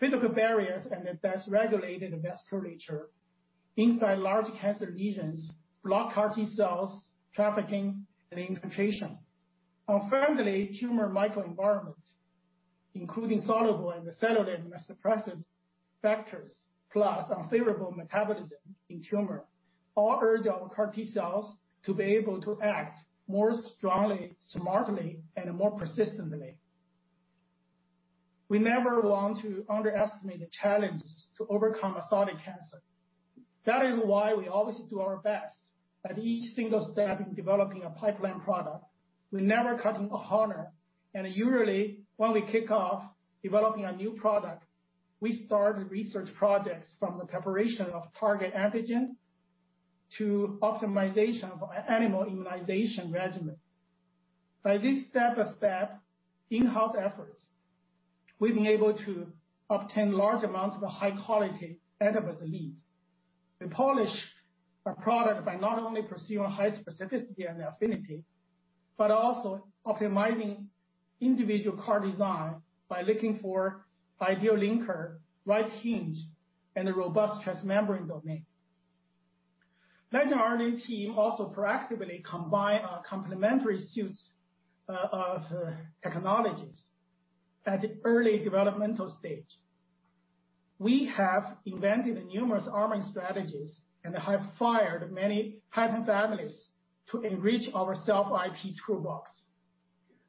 Physical barriers and the dysregulated vasculature inside large cancer lesions block CAR-T cells trafficking and infiltration. Unfortunately, tumor microenvironment, including soluble and cellular immunosuppressive factors, plus unfavorable metabolism in tumor, all urge our CAR-T cells to be able to act more strongly, smartly, and more persistently. We never want to underestimate the challenges to overcome a solid cancer. That is why we always do our best at each single step in developing a pipeline product. We never cut any corner. Usually, when we kick off developing a new product, we start research projects from the preparation of target antigen to optimization of animal immunization regimens. By this step-by-step in-house efforts, we've been able to obtain large amounts of high-quality antibody leads and polish our product by not only pursuing high specificity and affinity, but also optimizing individual CAR design by looking for ideal linker, right hinge, and a robust transmembrane domain. Legend R&D team also proactively combine our complementary suites of technologies at early developmental stage. We have invented numerous arming strategies and have filed many patent families to enrich our cell IP toolbox.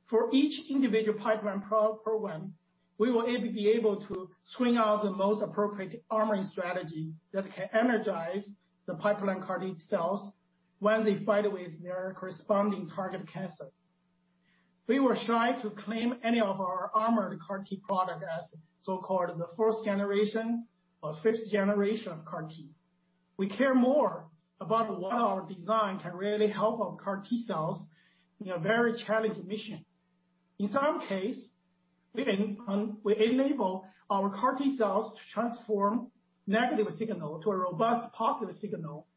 For each individual pipeline program, we will be able to screen out the most appropriate armoring strategy that can energize the pipeline CAR-T cells when they fight with their corresponding target cancer. We were shy to claim any of our armored CAR T product as so-called the first generation or fifth generation of CAR T. We care more about what our design can really help our CAR T cells in a very challenging mission. In some case, we enable our CAR T cells to transform negative signal to a robust positive signal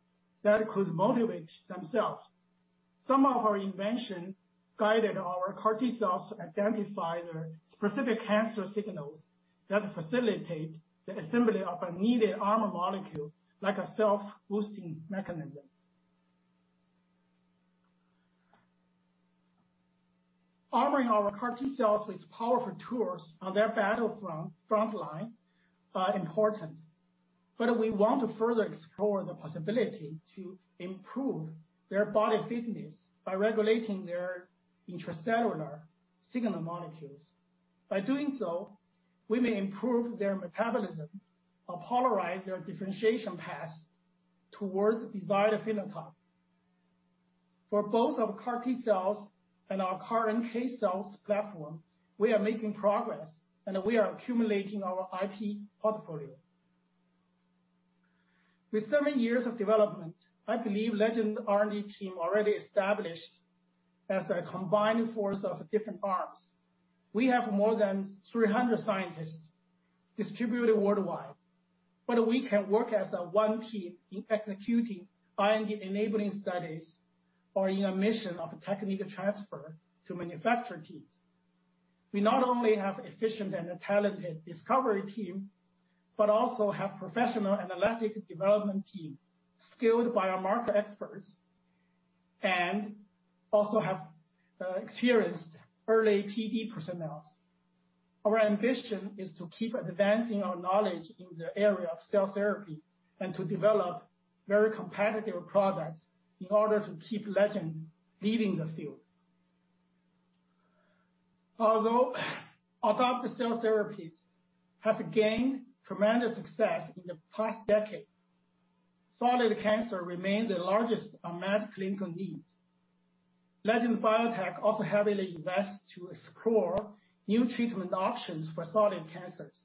that could motivate themselves. Some of our invention guided our CAR T cells to identify the specific cancer signals that facilitate the assembly of a needed armor molecule, like a self-boosting mechanism. Armoring our CAR T cells with powerful tools on their battle frontline are important, but we want to further explore the possibility to improve their body fitness by regulating their intracellular signal molecules. By doing so, we may improve their metabolism or polarize their differentiation path towards the desired phenotype. For both our CAR T-cells and our CAR-NK cells platform, we are making progress, and we are accumulating our IP portfolio. With seven years of development, I believe Legend R&D team already established as a combined force of different arms. We have more than 300 scientists distributed worldwide, but we can work as a one team in executing R&D enabling studies or in a mission of technical transfer to manufacture teams. We not only have efficient and talented discovery team, but also have professional and elastic development team, skilled biomarker experts, and also have experienced early PD personnel. Our ambition is to keep advancing our knowledge in the area of cell therapy and to develop very competitive products in order to keep Legend leading the field. Although adoptive cell therapies have gained tremendous success in the past decade, solid cancer remain the largest unmet clinical needs. Legend Biotech also heavily invest to explore new treatment options for solid cancers.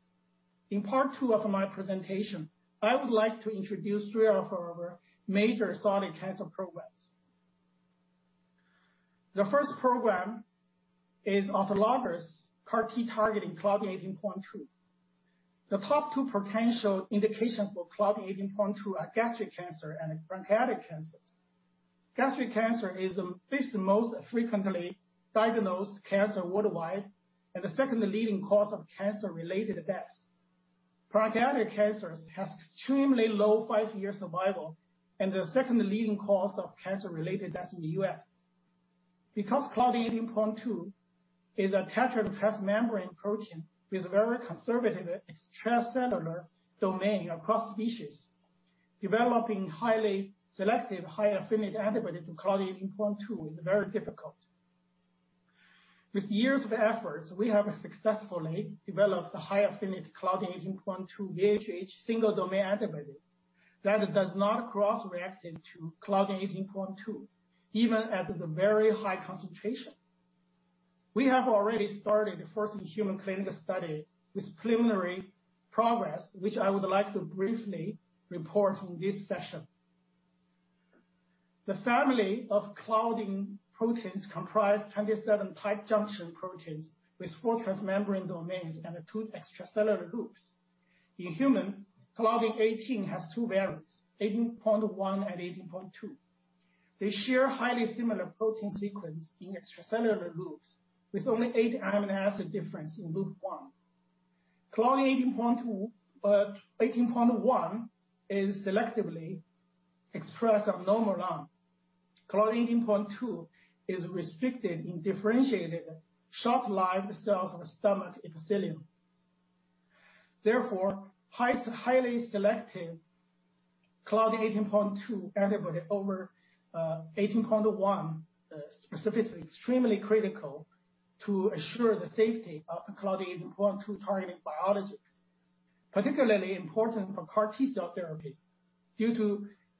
In part 2 of my presentation, I would like to introduce 3 of our major solid cancer programs. The first program is autologous CAR-T targeting Claudin 18.2. The top 2 potential indications for Claudin 18.2 are gastric cancer and pancreatic cancers. Gastric cancer is the 5th most frequently diagnosed cancer worldwide and the 2nd leading cause of cancer-related deaths. Pancreatic cancers has extremely low 5-year survival and the 2nd leading cause of cancer-related deaths in the U.S. Because Claudin 18.2 is a tetra transmembrane protein with very conservative extracellular domain across species, developing highly selective high affinity antibody to Claudin 18.2 is very difficult. With years of efforts, we have successfully developed the high affinity Claudin 18.2 VHH single domain antibodies that does not cross-react to Claudin 18.2, even at the very high concentration. We have already started the first human clinical study with preliminary progress, which I would like to briefly report in this session. The family of Claudin proteins comprise 27 tight junction proteins with 4 transmembrane domains and 2 extracellular loops. In human, Claudin 18 has 2 variants, 18.1 and 18.2. They share highly similar protein sequence in extracellular loops with only 8 amino acid difference in loop 1. Claudin 18.1 is selectively expressed of normal lung. Claudin 18.2 is restricted in differentiated short-lived cells of the stomach epithelium. Highly selective Claudin 18.2 antibody over 18.1 specificity extremely critical to assure the safety of the Claudin 18.2 targeting biologics. Particularly important for CAR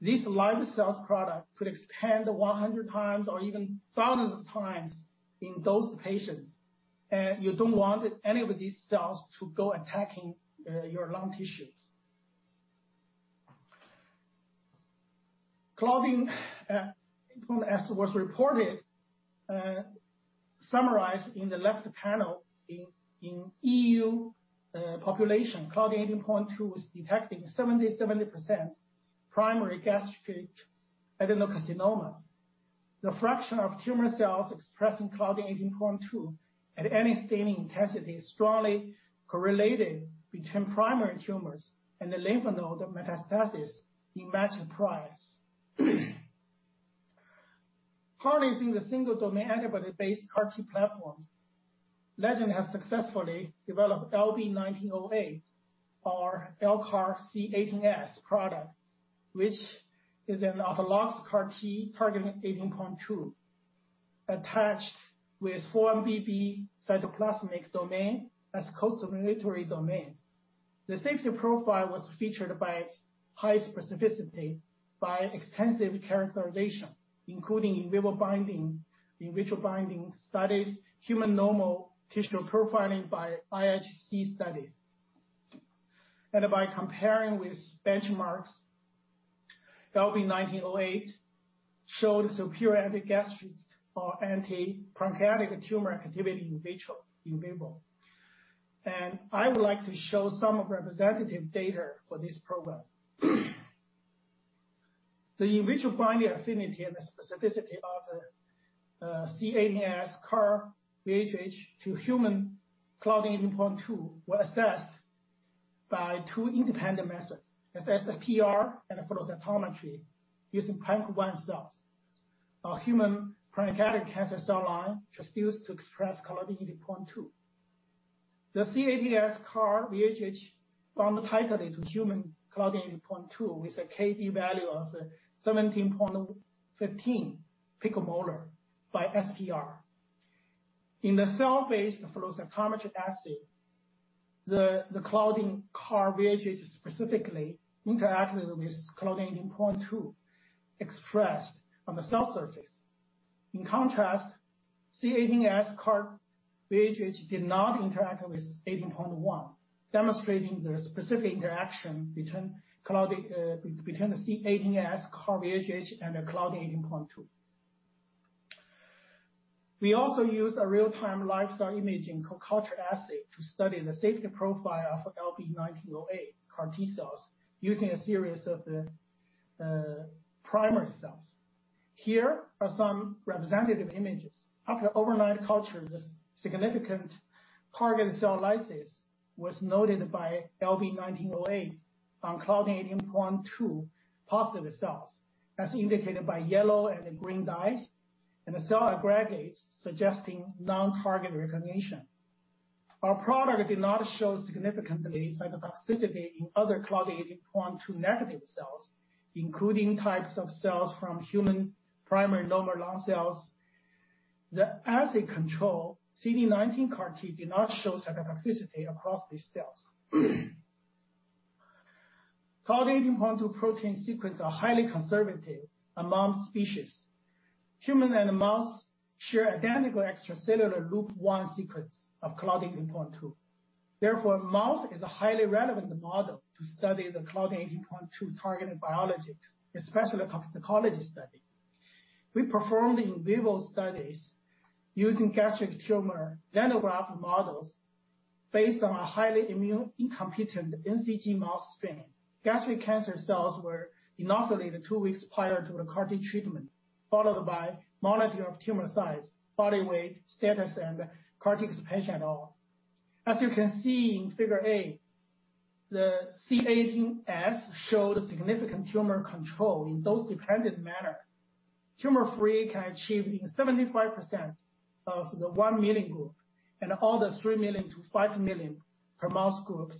T-cell therapy due to this live cells product could expand 100 times or even thousands of times in those patients. You don't want any of these cells to go attacking your lung tissues. Claudin, as was reported, summarized in the left panel in E.U. population, Claudin 18.2 was detected in 70%-100% primary gastric adenocarcinomas. The fraction of tumor cells expressing Claudin 18.2 at any staining intensity is strongly correlated between primary tumors and the lymph node metastasis in matched pairs. Harnessing the single domain antibody-based CAR T platforms, Legend has successfully developed LB1908, our LCAR-C18S product, which is an autologous CAR T targeting 18.2, attached with 4-1BB cytoplasmic domain as costimulatory domains. The safety profile was featured by its high specificity by extensive characterization, including in vivo binding, in vitro binding studies, human normal tissue profiling by IHC studies. By comparing with benchmarks, LB1908 showed superior anti-gastric or anti-pancreatic tumor activity in vitro, in vivo. I would like to show some representative data for this program. The in vitro binding affinity and the specificity of the C18S CAR VHH to human Claudin 18.2 were assessed by 2 independent methods, SPR and flow cytometry using PANC-1 cells. A human pancreatic cancer cell line transduced to express Claudin 18.2. The C18S CAR VHH bound tightly to human Claudin 18.2 with a KD value of 17.15 picomolar by SPR. In the cell-based flow cytometry assay, the Claudin CAR VHH specifically interacted with Claudin 18.2 expressed on the cell surface. In contrast, C18S CAR VHH did not interact with 18.1, demonstrating the specific interaction between the C18S CAR VHH and the Claudin 18.2. We also use a real-time live-cell imaging coculture assay to study the safety profile of LB1908 CAR T-cells using a series of primary cells. Here are some representative images. After overnight culture, the significant target cell lysis was noted by LB1908 on Claudin 18.2 positive cells, as indicated by yellow and green dyes and the cell aggregates suggesting non-target recognition. Our product did not show significant cytotoxicity in other Claudin 18.2 negative cells, including types of cells from human primary normal lung cells. The assay control, CD19 CAR T, did not show cytotoxicity across these cells. Claudin 18.2 protein sequence are highly conservative among species. Human and mouse share identical extracellular loop 1 sequence of Claudin 18.2. Mouse is a highly relevant model to study the Claudin 18.2 targeted biologics, especially toxicology study. We performed in vivo studies using gastric tumor xenograft models based on a highly immune incompetent NCG mouse strain. Gastric cancer cells were inoculated 2 weeks prior to the CAR T treatment, followed by monitoring of tumor size, body weight, status, and CAR T expansion. As you can see in Figure A, the C18S showed significant tumor control in dose-dependent manner. Tumor-free can achieve in 75% of the 1 million group and all the 3 million-5 million per mouse groups,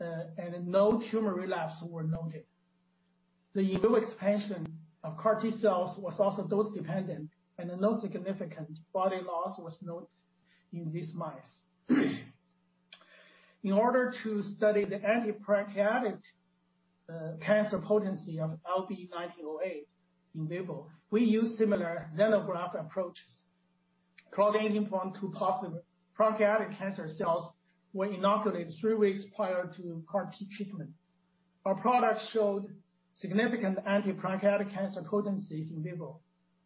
and no tumor relapse were noted. The in vivo expansion of CAR T cells was also dose-dependent, and no significant body loss was noted in these mice. In order to study the anti-pancreatic cancer potency of LB1908 in vivo, we used similar xenograft approaches. Claudin 18.2 positive pancreatic cancer cells were inoculated three weeks prior to CAR T treatment. Our product showed significant anti-pancreatic cancer potencies in vivo.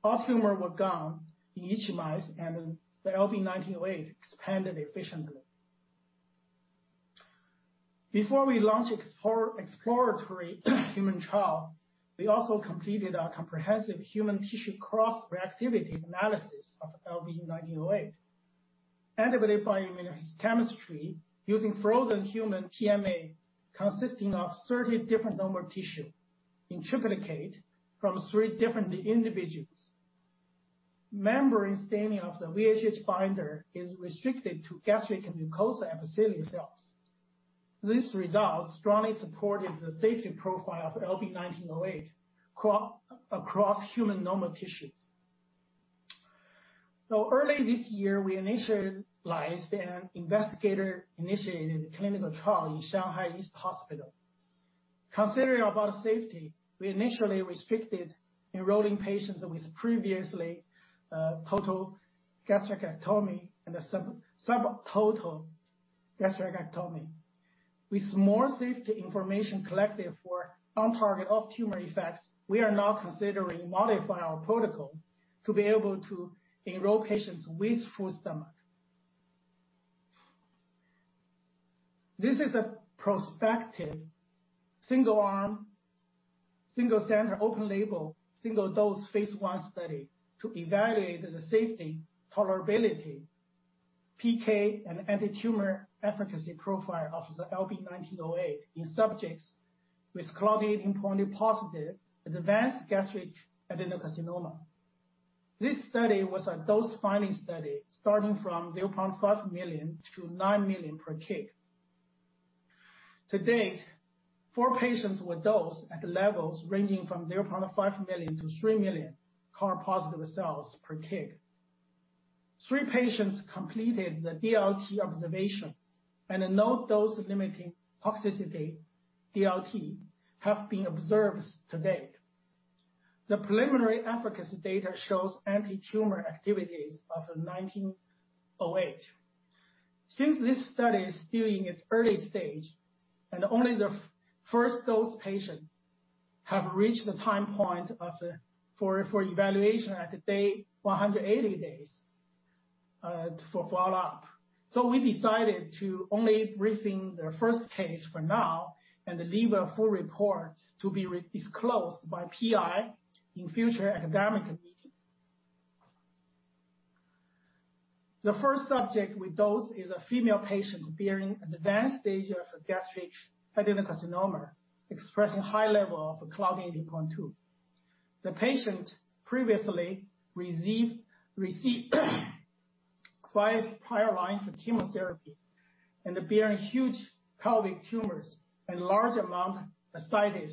All tumor were gone in each mice, the LB1908 expanded efficiently. Before we launch exploratory human trial, we also completed our comprehensive human tissue cross-reactivity analysis of LB1908. Antibody by immunochemistry using frozen human TMA consisting of 30 different normal tissue in triplicate from three different individuals. Membrane staining of the VHH binder is restricted to gastric mucosa and epithelial cells. This result strongly supported the safety profile of LB1908 across human normal tissues. Early this year, we initialized an investigator-initiated clinical trial in Shanghai East Hospital. Considering about safety, we initially restricted enrolling patients with previously total gastrectomy and subtotal gastrectomy. With more safety information collected for on-target off-tumor effects, we are now considering modify our protocol to be able to enroll patients with full stomach. This is a prospective single-arm, single-center, open-label, single-dose phase I study to evaluate the safety, tolerability, PK and antitumor efficacy profile of the LB1908 in subjects with Claudin 18.2-positive advanced gastric adenocarcinoma. This study was a dose-finding study starting from 0.5 million to 9 million per kg. To date, 4 patients were dosed at levels ranging from 0.5 million to 3 million CAR-positive cells per kg. 3 patients completed the DLT observation, no dose-limiting toxicity, DLT, have been observed to date. The preliminary efficacy data shows antitumor activities of 1908. This study is still in its early stage, and only the first-dose patients have reached the time point for evaluation at the day 180 days, for follow-up. We decided to only present the first case for now and leave a full report to be disclosed by PI in future academic meetings. The first subject we dosed is a female patient bearing an advanced stage of gastric adenocarcinoma, expressing high level of Claudin 18.2. The patient previously received 5 prior lines of chemotherapy and bearing huge pelvic tumors and large amount ascites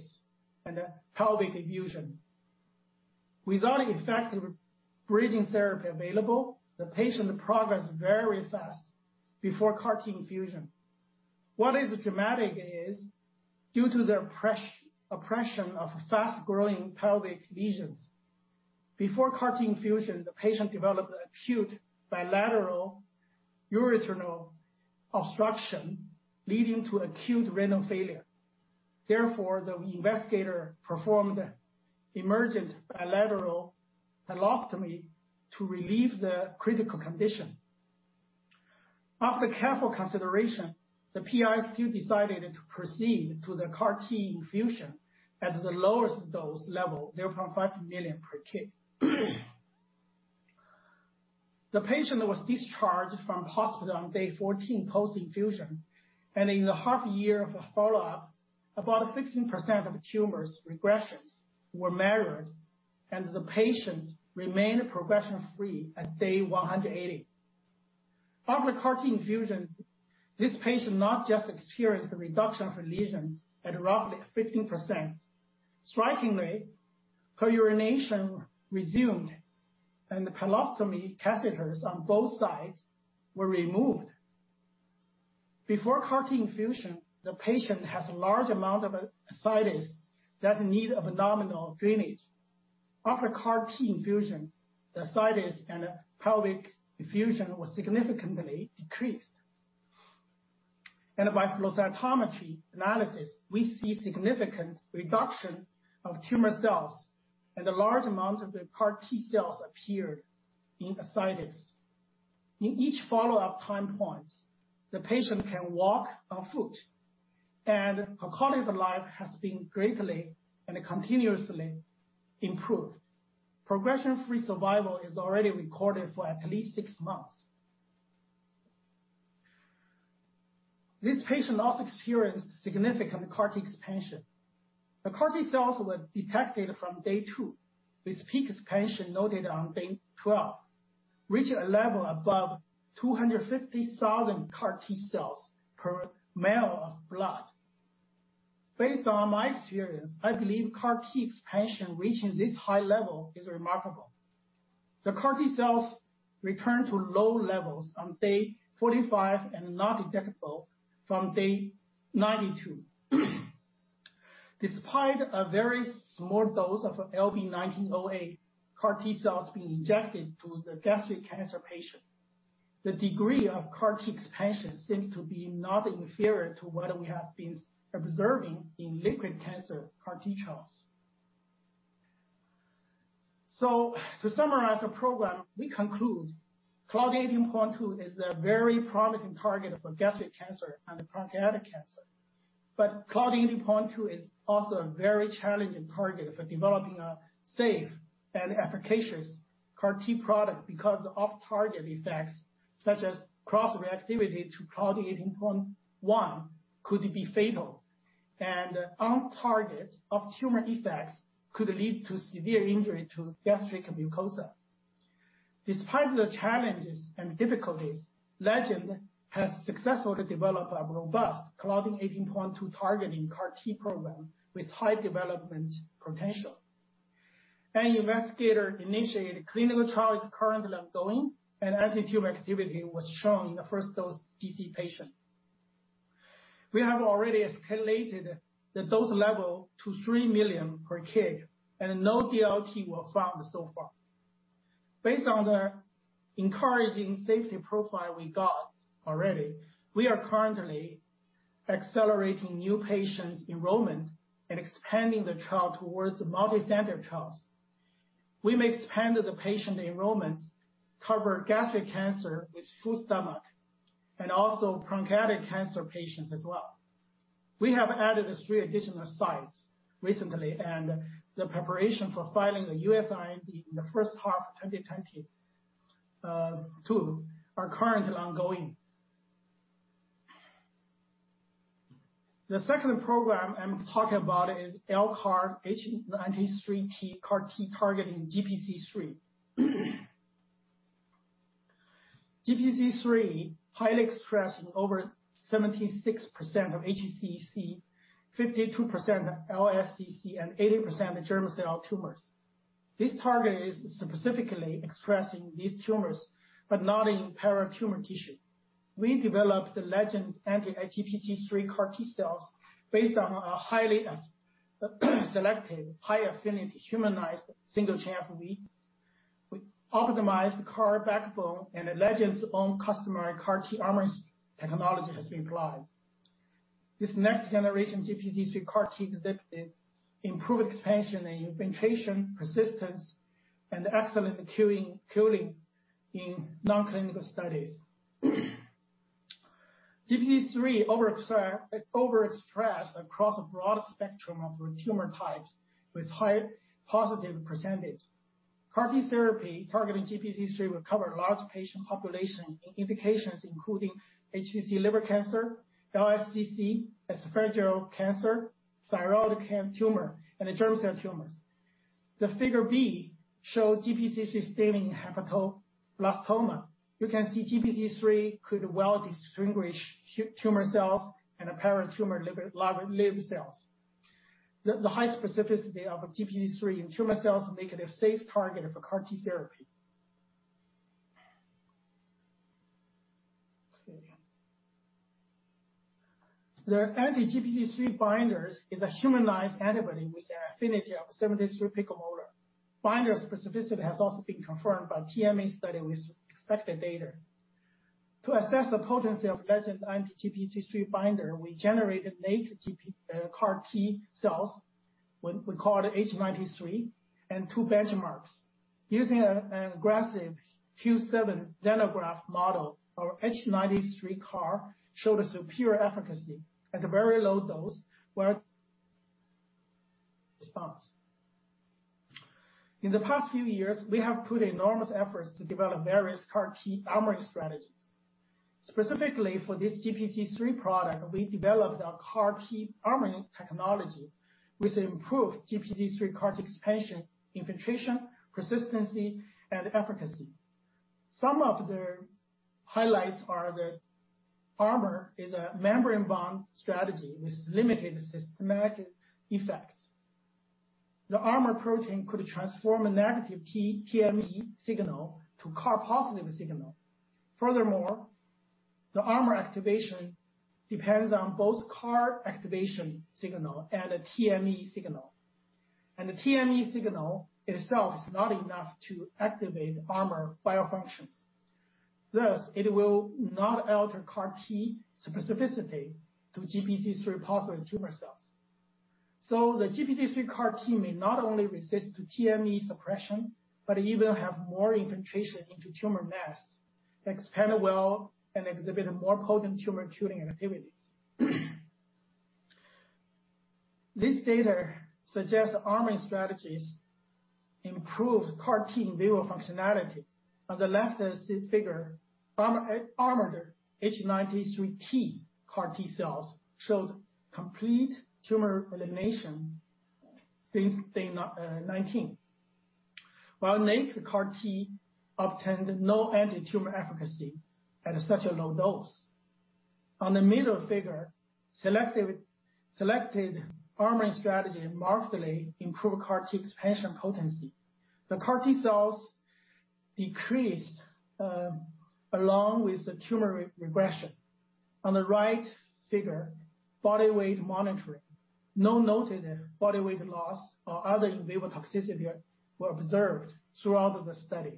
and pelvic effusion. Without effective bridging therapy available, the patient progressed very fast before CAR T infusion. What is dramatic is, due to the oppression of fast-growing pelvic lesions, before CAR-T infusion, the patient developed acute bilateral ureteral obstruction, leading to acute renal failure. The investigator performed emergent bilateral pyelostomy to relieve the critical condition. After careful consideration, the PI still decided to proceed to the CAR-T infusion at the lowest dose level, 0.5 million per kg. The patient was discharged from hospital on day 14 post-infusion, and in the half year of follow-up, about 15% of tumors regressions were measured, and the patient remained progression-free at day 180. After CAR-T infusion, this patient not just experienced the reduction of her lesion at roughly 15%. Strikingly, her urination resumed, and the pyelostomy catheters on both sides were removed. Before CAR-T infusion, the patient has large amount of ascites that need abdominal drainage. After CAR-T infusion, the ascites and pelvic effusion was significantly decreased. By flow cytometry analysis, we see significant reduction of tumor cells and a large amount of the CAR-T cells appeared in ascites. In each follow-up time points, the patient can walk on foot, and her quality of life has been greatly and continuously improved. Progression-free survival is already recorded for at least 6 months. This patient also experienced significant CAR-T expansion. The CAR-T cells were detected from day 2, with peak expansion noted on day 12, reaching a level above 250,000 CAR-T cells per ml of blood. Based on my experience, I believe CAR-T expansion reaching this high level is remarkable. The CAR-T cells returned to low levels on day 45 and not detectable from day 92. Despite a very small dose of LB1908 CAR-T cells being injected to the gastric cancer patient, the degree of CAR-T expansion seems to be not inferior to what we have been observing in liquid cancer CAR-T cells. To summarize the program, we conclude Claudin 18.2 is a very promising target for gastric cancer and pancreatic cancer. Claudin 18.2 is also a very challenging target for developing a safe and efficacious CAR-T product because off-target effects such as cross-reactivity to Claudin 18.1 could be fatal, and on-target on tumor effects could lead to severe injury to gastric mucosa. Despite the challenges and difficulties, Legend has successfully developed a robust Claudin 18.2 targeting CAR-T program with high development potential. An investigator-initiated clinical trial is currently ongoing, and antitumor activity was shown in the first dose DLT patient. We have already escalated the dose level to 3 million per kg, and no DLT were found so far. Based on the encouraging safety profile we got already, we are currently accelerating new patients' enrollment and expanding the trial towards multi-center trials. We may expand the patient enrollments to cover gastric cancer with full stomach, and also pancreatic cancer patients as well. We have added 3 additional sites recently, and the preparation for filing the U.S. IND in the first half of 2022 are currently ongoing. The second program I'm talking about is LCAR-H93T CAR T targeting GPC3. GPC3 highly expressed in over 76% of HCC, 52% of LSCC, and 80% of germ cell tumors. This target is specifically expressed in these tumors, but not in paracarcinoma tissue. We developed the Legend anti-GPC3 CAR T cells based on a selected high-affinity humanized single chain variable fragment. We optimized the CAR backbone, and Legend's own customary CAR T armor technology has been applied. This next-generation GPC3 CAR T exhibited improved expansion and infiltration, persistence, and excellent killing in non-clinical studies. GPC3 overexpressed across a broad spectrum of tumor types with high positive %. CAR T therapy targeting GPC3 will cover a large patient population in indications including HCC liver cancer, LSCC, esophageal cancer, thyroid tumor, and germ cell tumors. The Figure B shows GPC3 staining hepatoblastoma. You can see GPC3 could well distinguish tumor cells and apparent tumor-like liver cells. The high specificity of GPC3 in tumor cells make it a safe target for CAR T therapy. The anti-GPC3 binders is a humanized antibody with an affinity of 73 picomolar. Binder specificity has also been confirmed by TMA study with expected data. To assess the potency of Legend anti-GPC3 binder, we generated native CAR T cells, we call it H93, and two benchmarks. Using an aggressive Huh7 xenograft model, our H93 CAR showed a superior efficacy at a very low dose where response. In the past few years, we have put enormous efforts to develop various CAR-T armoring strategies. Specifically for this GPC3 product, we developed a CAR-T armoring technology with improved GPC3 CAR-T expansion, infiltration, persistency, and efficacy. Some of the highlights are the armor is a membrane-bound strategy with limited systematic effects. The armor protein could transform a negative TME signal to CAR-positive signal. Furthermore, the armor activation depends on both CAR activation signal and a TME signal. The TME signal itself is not enough to activate armor bio functions. Thus, it will not alter CAR-T specificity to GPC3-positive tumor cells. The GPC3 CAR T may not only resist to TME suppression, but even have more infiltration into tumor mass, expand well, and exhibit more potent tumor killing activities. This data suggests armoring strategies improve CAR-T in vivo functionalities. On the left figure, armored H93T CAR T cells showed complete tumor elimination since day 19, while naked CAR-T obtained no anti-tumor efficacy at such a low dose. On the middle figure, selected armoring strategy markedly improved CAR-T expansion potency. The CAR-T cells decreased along with the tumor regression. On the right figure, body weight monitoring. No noted body weight loss or other in vivo toxicity were observed throughout the study.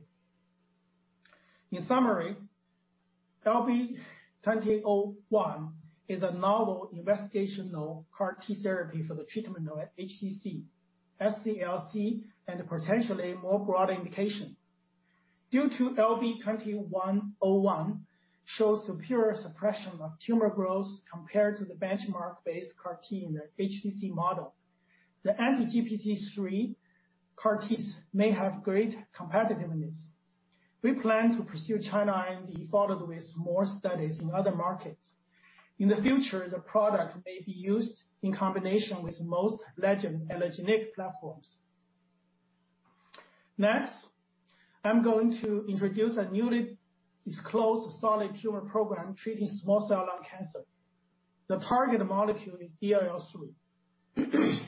In summary, LB21-01 is a novel investigational CAR T therapy for the treatment of HCC, SCLC, and potentially more broad indication. Due to LB2101 show superior suppression of tumor growth compared to the benchmark-based CAR-T in the HCC model, the anti-GPC3 CAR-Ts may have great competitiveness. We plan to pursue China IND, followed with more studies in other markets. In the future, the product may be used in combination with most Legend allogeneic platforms. Next, I'm going to introduce a newly disclosed solid tumor program treating small cell lung cancer. The target molecule is DLL3.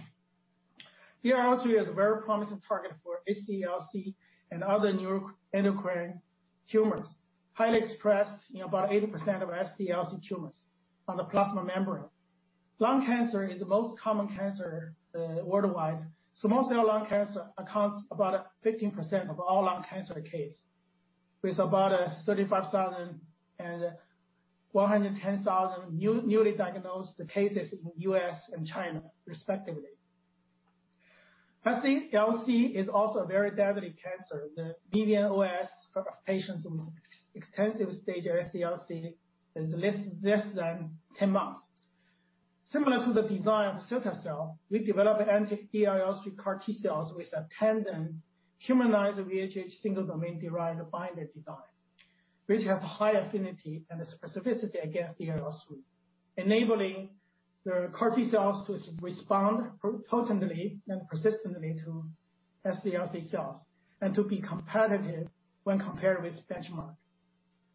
DLL3 is a very promising target for SCLC and other neuroendocrine tumors, highly expressed in about 80% of SCLC tumors on the plasma membrane. Lung cancer is the most common cancer worldwide. Small cell lung cancer accounts about 15% of all lung cancer case, with about 35,000 and 110,000 newly diagnosed cases in U.S. and China, respectively. SCLC is also a very deadly cancer. The median OS for patients with extensive stage SCLC is less than 10 months. Similar to the design of Cilta-cel, we developed anti-DLL3 CAR T cells with a tandem humanized VHH single domain-derived binder design, which has high affinity and specificity against DLL3, enabling the CAR T cells to respond potently and persistently to SCLC cells and to be competitive when compared with benchmark.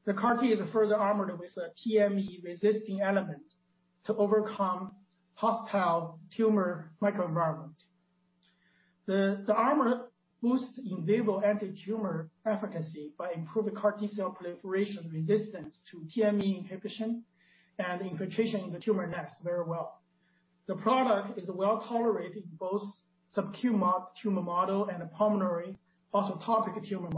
The CAR T is further armored with a TME-resisting element to overcome hostile tumor microenvironment. The armor boosts in vivo anti-tumor efficacy by improving CAR T cell proliferation resistance to TME inhibition and infiltration in the tumor nest very well. The product is well-tolerated in both subcutaneous tumor model and pulmonary orthotopic tumor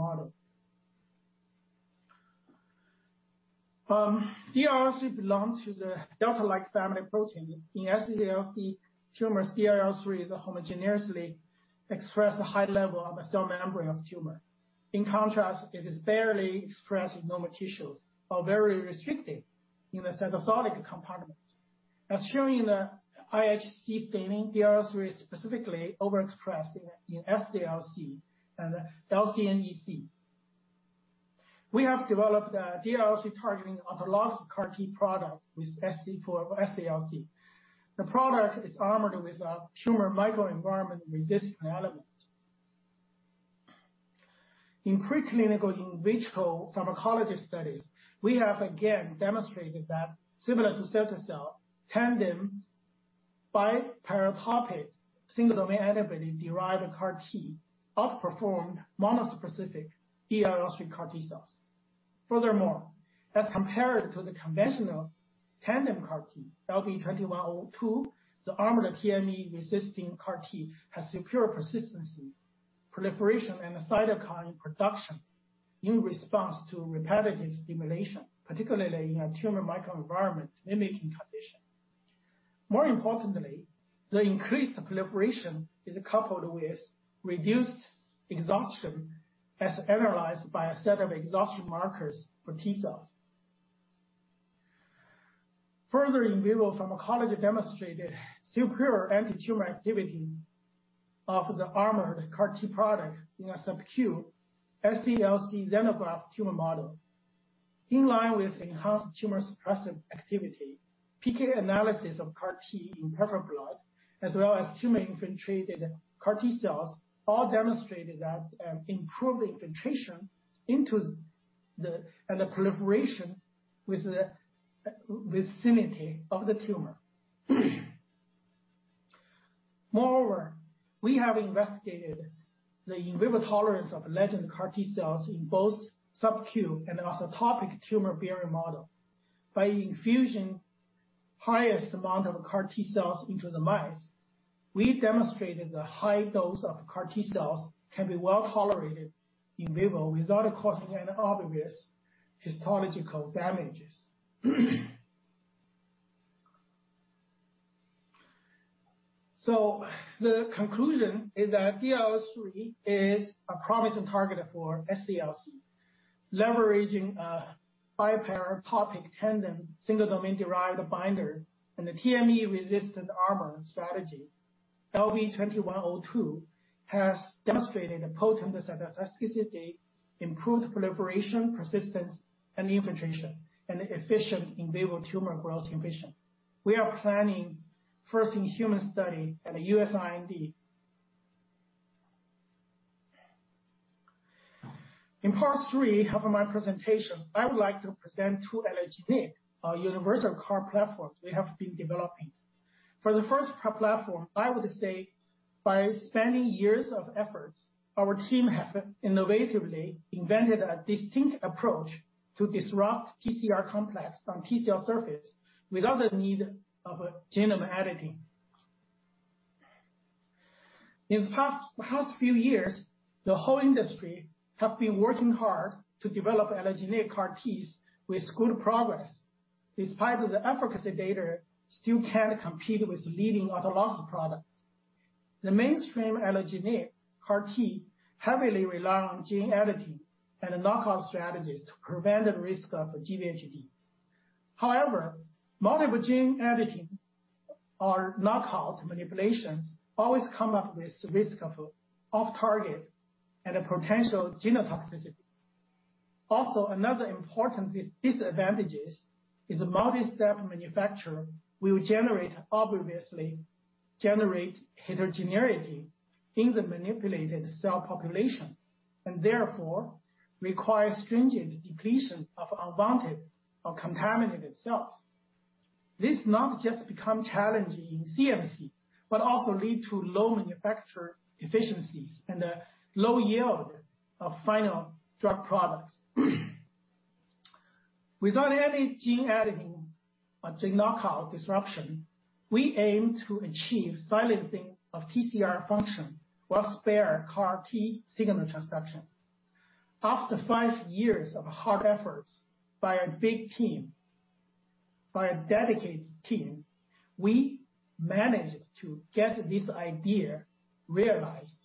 model. DLL3 belongs to the delta-like family protein. In SCLC tumors, DLL3 is homogeneously expressed at high level on the cell membrane of tumor. In contrast, it is barely expressed in normal tissues or very restricted in the cytosolic compartment. As shown in the IHC staining, DLL3 is specifically overexpressed in SCLC and LCNEC. We have developed a DLL3 targeting autologous CAR T product with <inaudible> of SCLC. The product is armored with a tumor microenvironment-resistant element. In preclinical in vitro pharmacology studies, we have again demonstrated that similar to Cilta-cel, tandem bi-paratope single-domain antibody-derived CAR T outperformed monospecific DLL3 CAR T cells. Furthermore, as compared to the conventional tandem CAR T, LB2102, the armored TME-resisting CAR T has superior persistency, proliferation, and cytokine production in response to repetitive stimulation, particularly in a tumor microenvironment-mimicking condition. More importantly, the increased proliferation is coupled with reduced exhaustion as analyzed by a set of exhaustion markers for T cells. Further in vivo pharmacology demonstrated superior anti-tumor activity of the armored CAR T product in a subcu SCLC xenograft tumor model. In line with enhanced tumor-suppressive activity, PK analysis of CAR T in peripheral blood as well as tumor-infiltrated CAR T cells all demonstrated that improved infiltration into and the proliferation with vicinity of the tumor. Moreover, we have investigated the in vivo tolerance of Legend CAR T cells in both subcu and orthotopic tumor-bearing model. By infusing highest amount of CAR T cells into the mice, we demonstrated the high dose of CAR T cells can be well tolerated in vivo without causing any obvious histological damages. The conclusion is that DLL3 is a promising target for SCLC. Leveraging a bi-paratope tandem single-domain-derived binder and the TME-resistant armor strategy, LB2102 has demonstrated potent cytotoxicity, improved proliferation, persistence, and infiltration, and efficient in vivo tumor growth inhibition. We are planning first-in-human study in the U.S. IND. In part 3 of my presentation, I would like to present two allogeneic, our universal CAR platform we have been developing. For the first platform, I would say by spending years of efforts, our team have innovatively invented a distinct approach to disrupt TCR complex from T-cell surface without the need of genome editing. In the past few years, the whole industry have been working hard to develop allogeneic CAR Ts with good progress. Despite the efficacy data, still can't compete with leading autologous products. The mainstream allogeneic CAR T heavily rely on gene editing and knockout strategies to prevent the risk of GvHD. Multiple gene editing or knockout manipulations always come up with risk of off-target and potential genotoxicity. Also, another important disadvantage is multi-step manufacture will obviously generate heterogeneity in the manipulated cell population, and therefore require stringent depletion of unwanted or contaminated cells. This not just become challenging in CMC, but also lead to low manufacture efficiencies and a low yield of final drug products. Without any gene editing or gene knockout disruption, we aim to achieve silencing of TCR function while spare CAR T signal transduction. After five years of hard efforts by a dedicated team, we managed to get this idea realized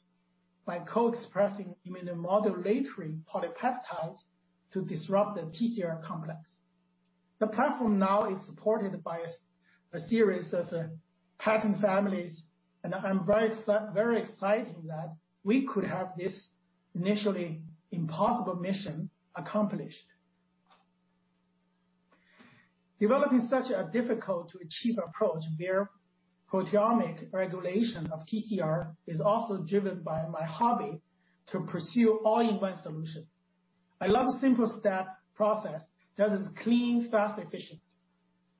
by co-expressing immunomodulatory polypeptides to disrupt the TCR complex. The platform now is supported by a series of patent families, and I'm very excited that we could have this initially impossible mission accomplished. Developing such a difficult-to-achieve approach where proteomic regulation of TCR is also driven by my hobby to pursue all-in-one solution. I love simple step process that is clean, fast, efficient.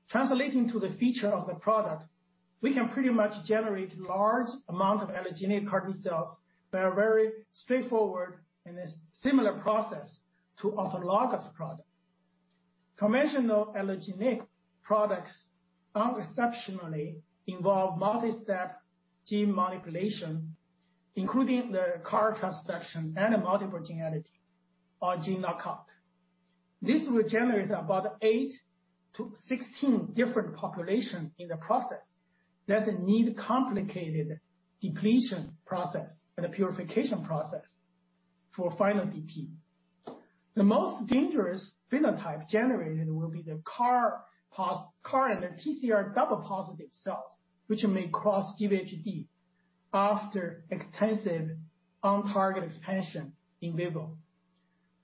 Translating to the feature of the product, we can pretty much generate large amount of allogeneic CAR-T cells that are very straightforward in a similar process to autologous product. Conventional allogeneic products unexceptionally involve multi-step gene manipulation, including the CAR transduction and multiple gene editing or gene knockout. This will generate about 8-16 different population in the process that need complicated depletion process and a purification process for final DP. The most dangerous phenotype generated will be the CAR and the TCR double positive cells, which may cause GvHD after extensive on-target expansion in vivo.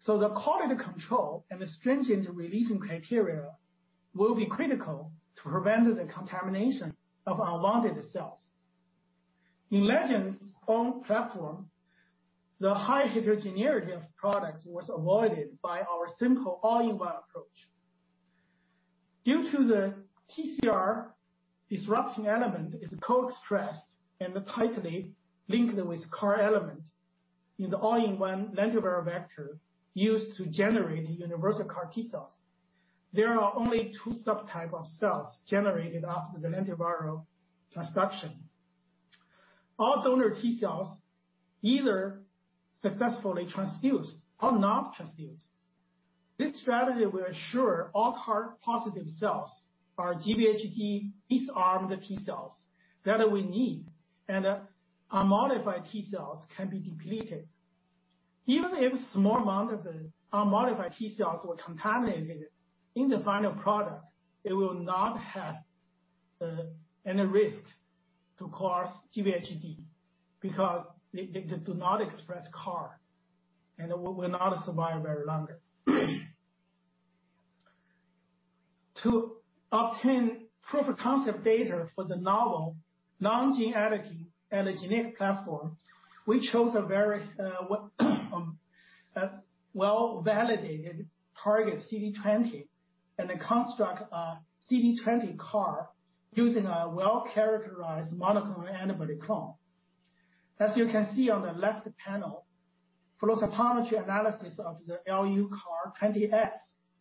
The quality control and the stringent releasing criteria will be critical to prevent the contamination of unwanted cells. In Legend's own platform, the high heterogeneity of products was avoided by our simple all-in-one approach. Due to the TCR disruption element is co-expressed and tightly linked with CAR element in the all-in-one lentiviral vector used to generate universal CAR T cells. There are only 2 subtype of cells generated after the lentiviral transduction. All donor T cells either successfully transduced or not transduced. This strategy will ensure all CAR positive cells are GvHD disarmed T cells that we need, and unmodified T cells can be depleted. Even if small amount of the unmodified T cells were contaminated in the final product, it will not have any risk to cause GvHD because they do not express CAR and will not survive very longer. To obtain proof of concept data for the novel non-gene-edited allogeneic platform, we chose a very well-validated target, CD20, and then construct a CD20 CAR using a well-characterized monoclonal antibody clone. As you can see on the left panel, flow cytometry analysis of the LuCAR20-S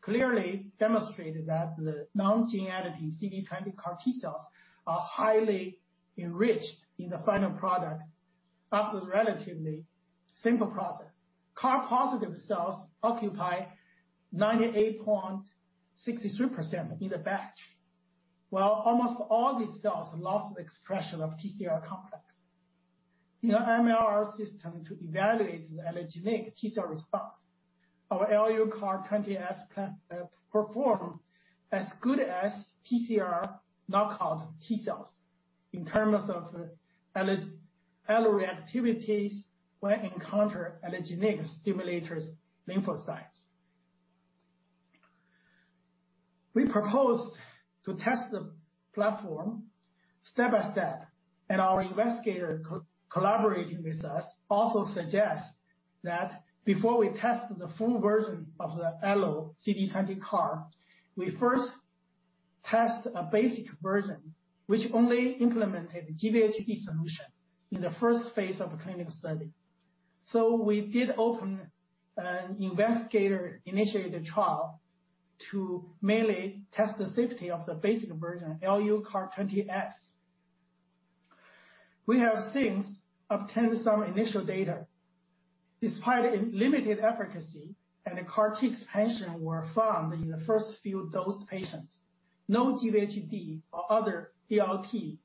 clearly demonstrated that the non-gene editing CD20 CAR T-cells are highly enriched in the final product after the relatively simple process. CAR-positive cells occupy 98.63% in the batch, while almost all these cells lost the expression of TCR complex. In our MLR system to evaluate the allogeneic T-cell response, our LuCAR20-S performed as good as TCR knockout T-cells in terms of allo reactivities when encounter allogeneic stimulators lymphocytes. We proposed to test the platform step by step, and our investigator collaborating with us also suggest that before we test the full version of the allo CD20 CAR, we first test a basic version which only implemented GvHD solution in the phase I of the clinical study. We did open an investigator-initiated trial to mainly test the safety of the basic version, LuCAR20-S. We have since obtained some initial data. Despite limited efficacy and the CAR-T expansion were found in the first few dosed patients, no GvHD or other GVHR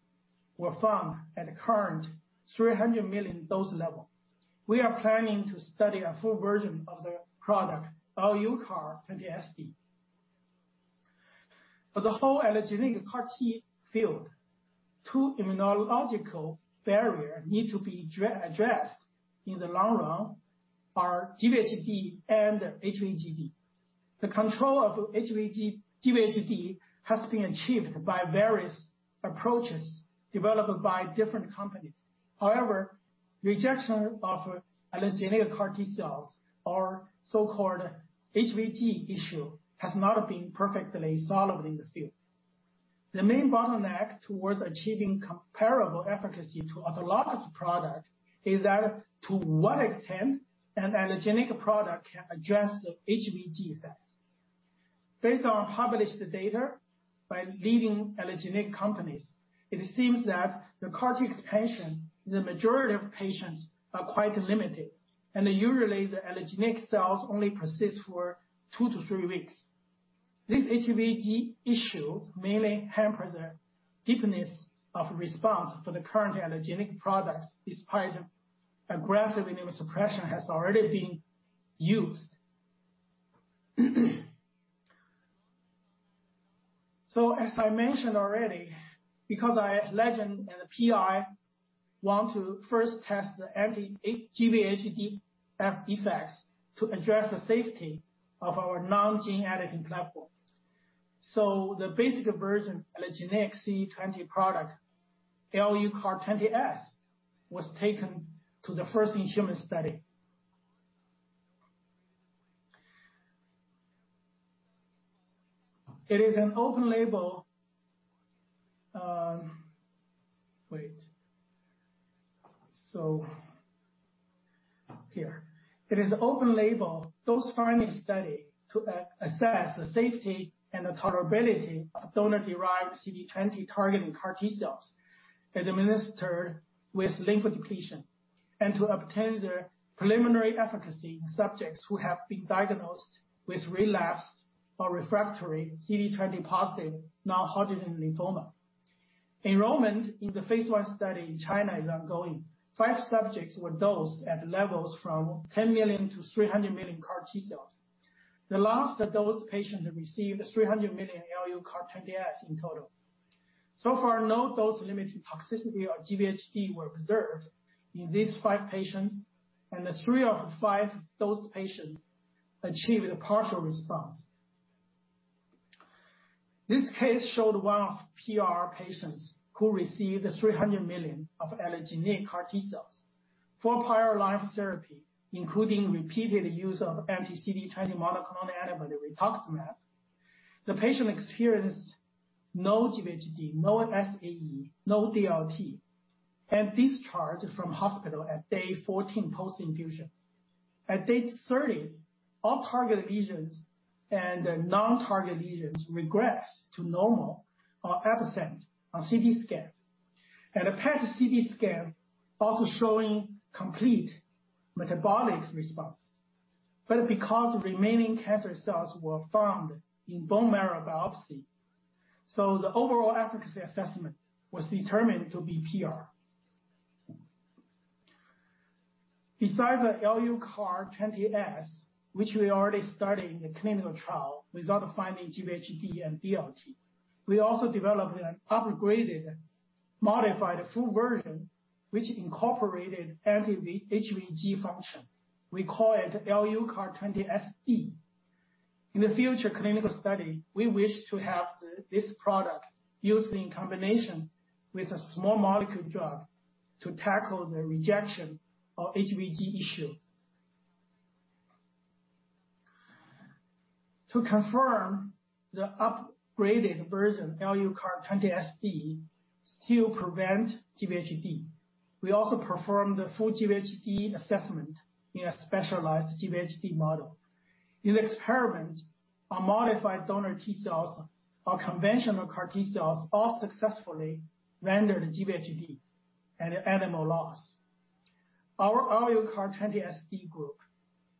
were found at the current 300 million dose level. We are planning to study a full version of the product, LuCAR20-SD. For the whole allogeneic CAR-T field, 2 immunological barrier need to be addressed in the long run are GvHD and HVG. The control of GvHD has been achieved by various approaches developed by different companies. However, rejection of allogeneic CAR T cells or so-called HVG issue has not been perfectly solved in the field. The main bottleneck towards achieving comparable efficacy to autologous product is that to what extent an allogeneic product can address the HVG effects. Based on published data by leading allogeneic companies, it seems that the CAR T expansion in the majority of patients are quite limited. Usually, the allogeneic cells only persist for 2-3 weeks. This HVG issue mainly hampers the deepness of response for the current allogeneic products despite aggressive immunosuppression has already been used. As I mentioned already, because Legend Biotech and the PI want to first test the anti-GvHD effects to address the safety of our non-gene editing platform. The basic version, allogeneic CD20 product, LuCAR20-S, was taken to the first in-human study. It is an open-label, dose-finding study to assess the safety and the tolerability of donor-derived CD20-targeting CAR T cells, administered with lymph depletion, and to obtain the preliminary efficacy in subjects who have been diagnosed with relapsed or refractory CD20 positive non-Hodgkin lymphoma. Enrollment in the phase I study in China is ongoing. Five subjects were dosed at levels from 10 million to 300 million CAR T cells. The last of those patients received 300 million LuCAR20-S in total. Far, no dose-limiting toxicity or GvHD were observed in these five patients, and three of the five dosed patients achieved a partial response. This case showed one of PR patients who received 300 million of allogeneic CAR T cells. Four prior lines of therapy, including repeated use of anti-CD20 monoclonal antibody rituximab. The patient experienced no GvHD, no SAE, no DLT, and discharged from hospital at day 14 post-infusion. At day 30, all target lesions and non-target lesions regressed to normal or absent on CT scan. A PET/CT scan also showing complete metabolic response. Because remaining cancer cells were found in bone marrow biopsy, the overall efficacy assessment was determined to be PR. Besides the LuCAR20-S, which we already started in the clinical trial without finding GvHD and DLT, we also developed an upgraded, modified full version which incorporated anti-HVG function. We call it LuCAR20-S. In the future clinical study, we wish to have this product used in combination with a small molecule drug to tackle the rejection of HVG issues. To confirm the upgraded version, LuCAR20-S, still prevent GvHD, we also performed the full GvHD assessment in a specialized GvHD model. In experiment, unmodified donor T cells or conventional CAR T cells all successfully rendered GvHD and animal loss. Our LuCAR20-S group,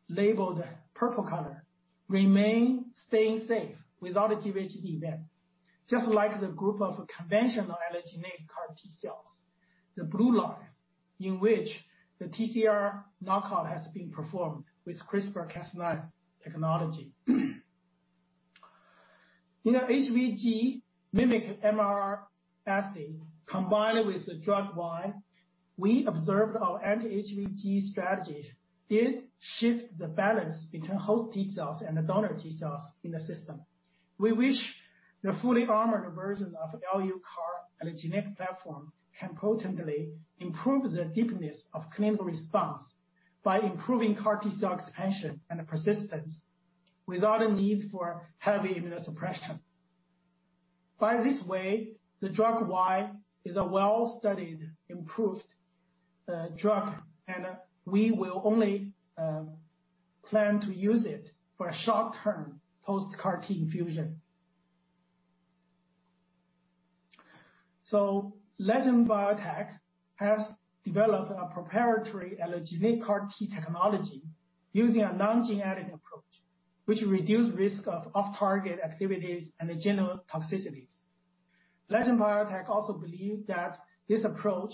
labeled purple color, remain staying safe without a GvHD event, just like the group of conventional allogeneic CAR T cells, the blue lines, in which the TCR knockout has been performed with CRISPR-Cas9 technology. In a HVG mimic MLR assay combined with the drug Y, we observed our anti-HVG strategy did shift the balance between host T cells and the donor T cells in the system. We wish the fully armored version of LuCAR allogeneic platform can potently improve the deepness of clinical response by improving CAR T cell expansion and persistence without a need for heavy immunosuppression. By this way, the drug Y is a well-studied approved drug, and we will only plan to use it for a short-term post-CAR-T infusion. Legend Biotech has developed a proprietary allogeneic CAR T technology using a non-gene-editing approach, which reduce risk of off-target activities and general toxicities. Legend Biotech also believe that this approach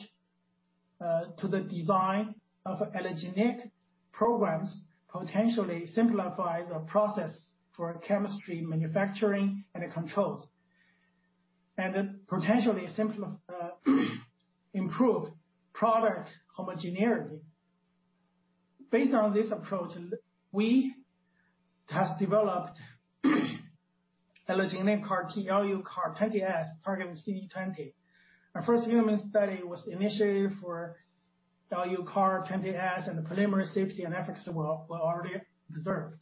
to the design of allogeneic programs potentially simplifies the process for chemistry, manufacturing, and controls, and potentially improve product homogeneity. Based on this approach, we have developed allogeneic CAR T LuCAR20-S targeting CD20. Our first human study was initiated for LuCAR20-S. The preliminary safety and efficacy were already observed.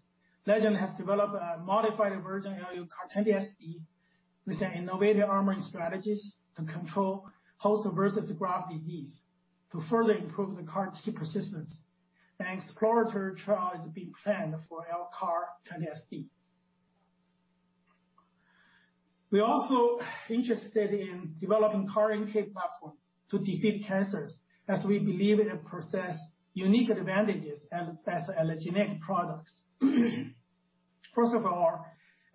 Legend has developed a modified version of LuCAR20-S with an innovative armoring strategies to control host versus graft disease to further improve the CAR T persistence. An exploratory trial is being planned for LuCAR20-S. We're also interested in developing CAR-NK platform to defeat cancers, as we believe it possess unique advantages as allogeneic products. First of all,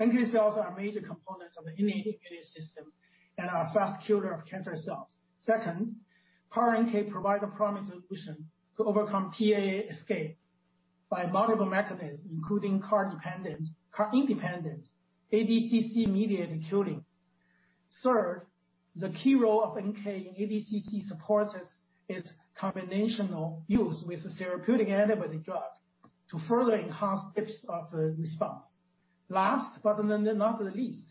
NK cells are major components of the innate immune system and are fast killer of cancer cells. Second, CAR-NK provide a promising solution to overcome TA escape by multiple mechanisms, including CAR-independent ADCC-mediated killing. The key role of NK in ADCC supports its combinational use with a therapeutic antibody drug to further enhance depth of the response. Last, but not the least,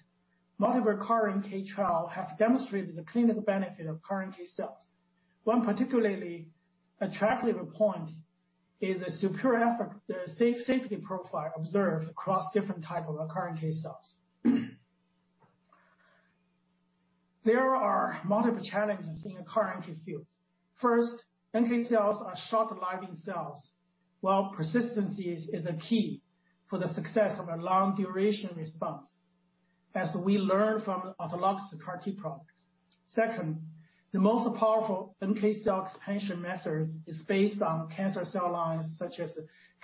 multiple CAR-NK trials have demonstrated the clinical benefit of CAR-NK cells. One particularly attractive point is the superior effect, the safety profile observed across different types of CAR-NK cells. There are multiple challenges in the CAR-NK field. NK cells are short-lived cells, while persistency is a key for the success of a long duration response, as we learn from autologous CAR T products. The most powerful NK cell expansion methods are based on cancer cell lines such as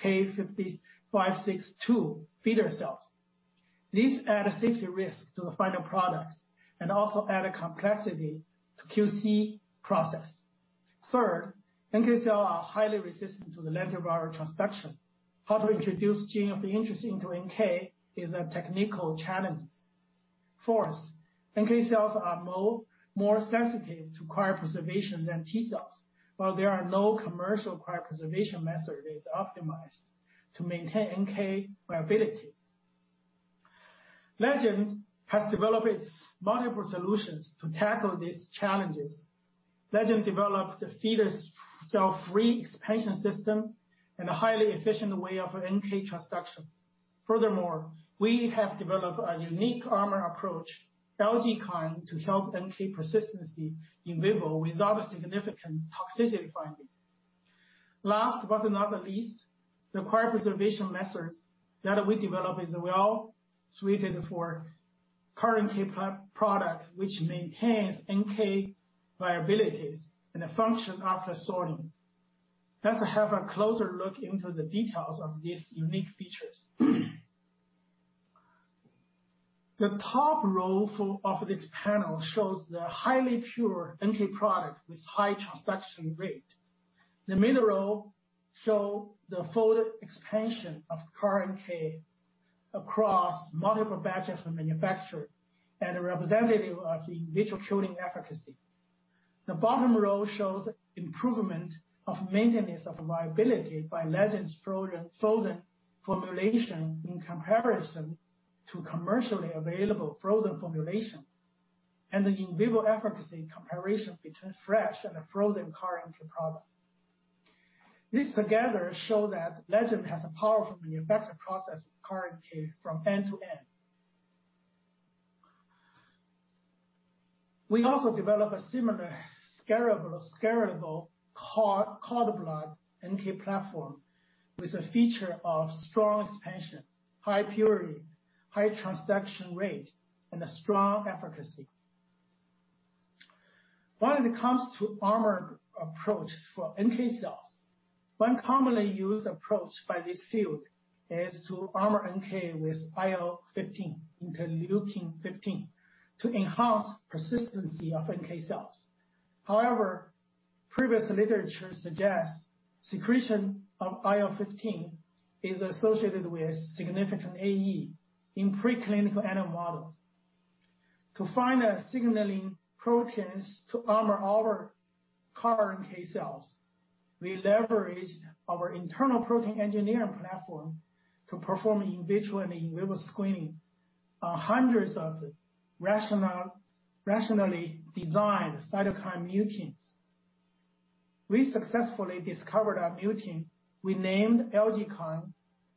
K562 feeder cells. These add a safety risk to the final products and also add a complexity to QC process. NK cells are highly resistant to the lentiviral transduction. How to introduce gene of interest into NK is a technical challenges. Fourth, NK cells are more sensitive to cryopreservation than T cells, while there are no commercial cryopreservation method that is optimized to maintain NK viability. Legend has developed its multiple solutions to tackle these challenges. Legend developed a feeder cell-free expansion system and a highly efficient way of NK transduction. Furthermore, we have developed a unique armor approach, LGKINE, to help NK persistency in vivo without a significant toxicity finding. Last, but not the least, the cryopreservation methods that we develop is well-suited for CAR-NK product, which maintains NK viabilities and the function after sorting. Let's have a closer look into the details of these unique features. The top row of this panel shows the highly pure NK product with high transduction rate. The middle row shows the folded expansion of CAR-NK across multiple batches for manufacture and a representative of the individual killing efficacy. The bottom row shows improvement of maintenance of viability by Legend's frozen formulation in comparison to commercially available frozen formulation, and the in vivo efficacy comparison between fresh and a frozen CAR-NK product. This together shows that Legend has a powerful manufacture process of CAR-NK from end to end. We also develop a similar scalable cord blood NK platform with a feature of strong expansion, high purity, high transduction rate, and a strong efficacy. When it comes to armored approach for NK cells, one commonly used approach by this field is to armor NK with IL-15, interleukin 15, to enhance persistency of NK cells. Previous literature suggests secretion of IL-15 is associated with significant AE in preclinical animal models. To find a signaling proteins to armor our CAR-NK cells, we leveraged our internal protein engineering platform to perform individual in vivo screening on hundreds of rationally designed cytokine mutants. We successfully discovered a mutant we named LGKINE,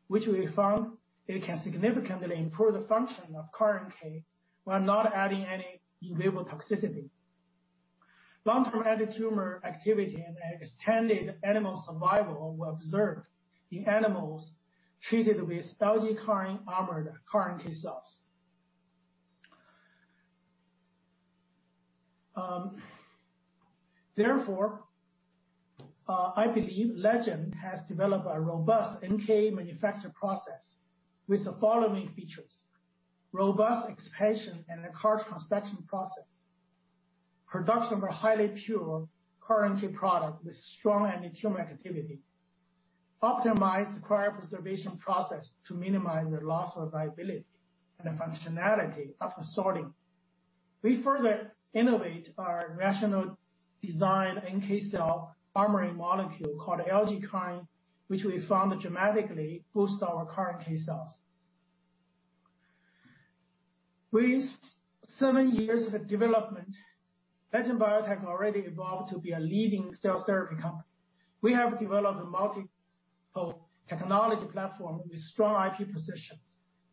which we found it can significantly improve the function of CAR-NK while not adding any in vivo toxicity. Long-term anti-tumor activity and extended animal survival were observed in animals treated with LGKINE armored CAR-NK cells. Therefore, I believe Legend has developed a robust NK manufacture process with the following features. Robust expansion and a CAR transduction process. Production of a highly pure CAR-NK product with strong anti-tumor activity. Optimized cryopreservation process to minimize the loss of viability and the functionality after sorting. We further innovate our rational design NK cell armoring molecule called LGKINE, which we found dramatically boost our CAR-NK cells. With seven years of development, Legend Biotech already evolved to be a leading cell therapy company. We have developed a multiple technology platform with strong IP positions,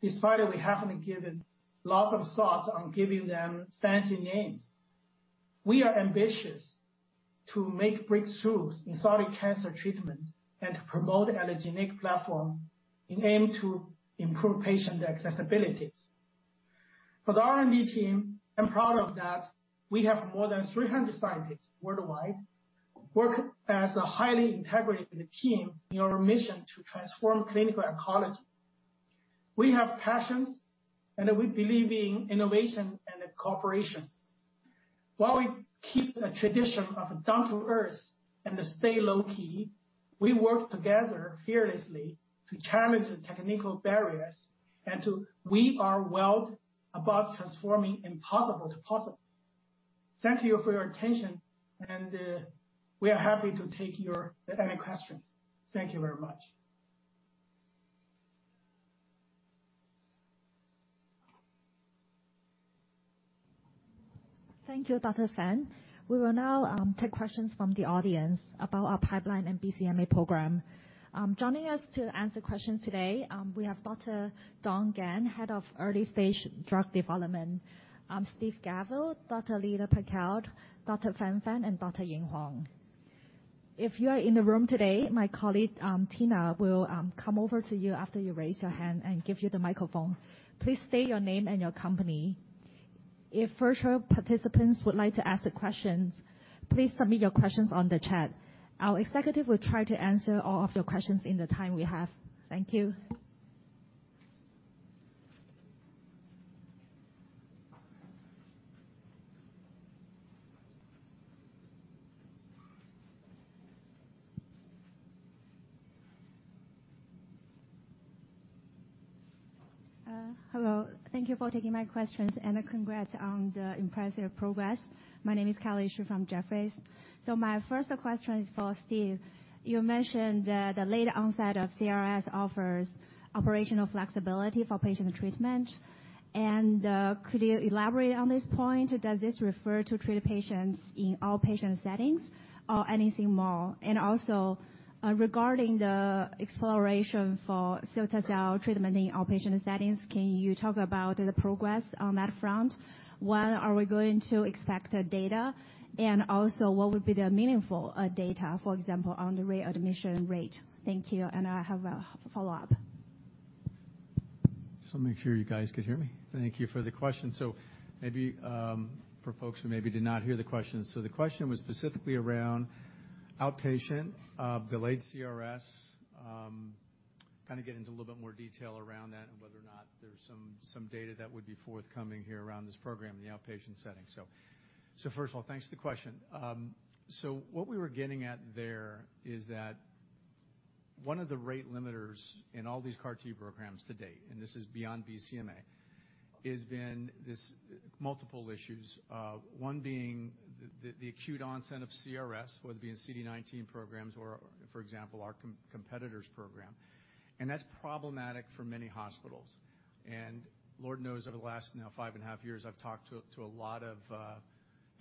despite we haven't given lots of thoughts on giving them fancy names. We are ambitious to make breakthroughs in solid cancer treatment and to promote allogeneic platform in aim to improve patient accessibilities. For the R&D team, I'm proud of that we have more than 300 scientists worldwide work as a highly integrated team in our mission to transform clinical oncology. We have passions and we believe in innovation and cooperation. While we keep a tradition of down to earth and to stay low-key, we work together fearlessly to challenge the technical barriers. We are well above transforming impossible to possible. Thank you for your attention, we are happy to take your any questions. Thank you very much. Thank you, Dr. Fan. We will now take questions from the audience about our pipeline and BCMA program. Joining us to answer questions today, we have Dr. Dong Geng, head of early stage drug development, Steve Gavel, Dr. Lida Pacaud, Dr. Frank Fan, and Dr. Ying Huang. If you are in the room today, my colleague, Tina, will come over to you after you raise your hand and give you the microphone. Please state your name and your company. If virtual participants would like to ask the questions, please submit your questions on the chat. Our executive will try to answer all of your questions in the time we have. Thank you. Hello. Thank you for taking my questions, and congrats on the impressive progress. My name is Kelly Shi from Jefferies. My first question is for Steve. You mentioned the late onset of CRS offers operational flexibility for patient treatment. Could you elaborate on this point? Does this refer to treat patients in all patient settings or anything more? Also, regarding the exploration for cilta-cel treatment in all patient settings, can you talk about the progress on that front? When are we going to expect data? Also, what would be the meaningful data, for example, on the re-admission rate? Thank you, and I have a follow-up. Just want to make sure you guys could hear me. Thank you for the question. Maybe for folks who maybe did not hear the question. The question was specifically around outpatient, delayed CRS, kind of get into a little bit more detail around that and whether or not there's some data that would be forthcoming here around this program in the outpatient setting. First of all, thanks for the question. What we were getting at there is that one of the rate limiters in all these CAR-T programs to date, and this is beyond BCMA, has been this multiple issues. One being the acute onset of CRS, whether it be in CD19 programs or for example, our competitor's program. That's problematic for many hospitals. Lord knows over the last now five and a half years, I've talked to a lot of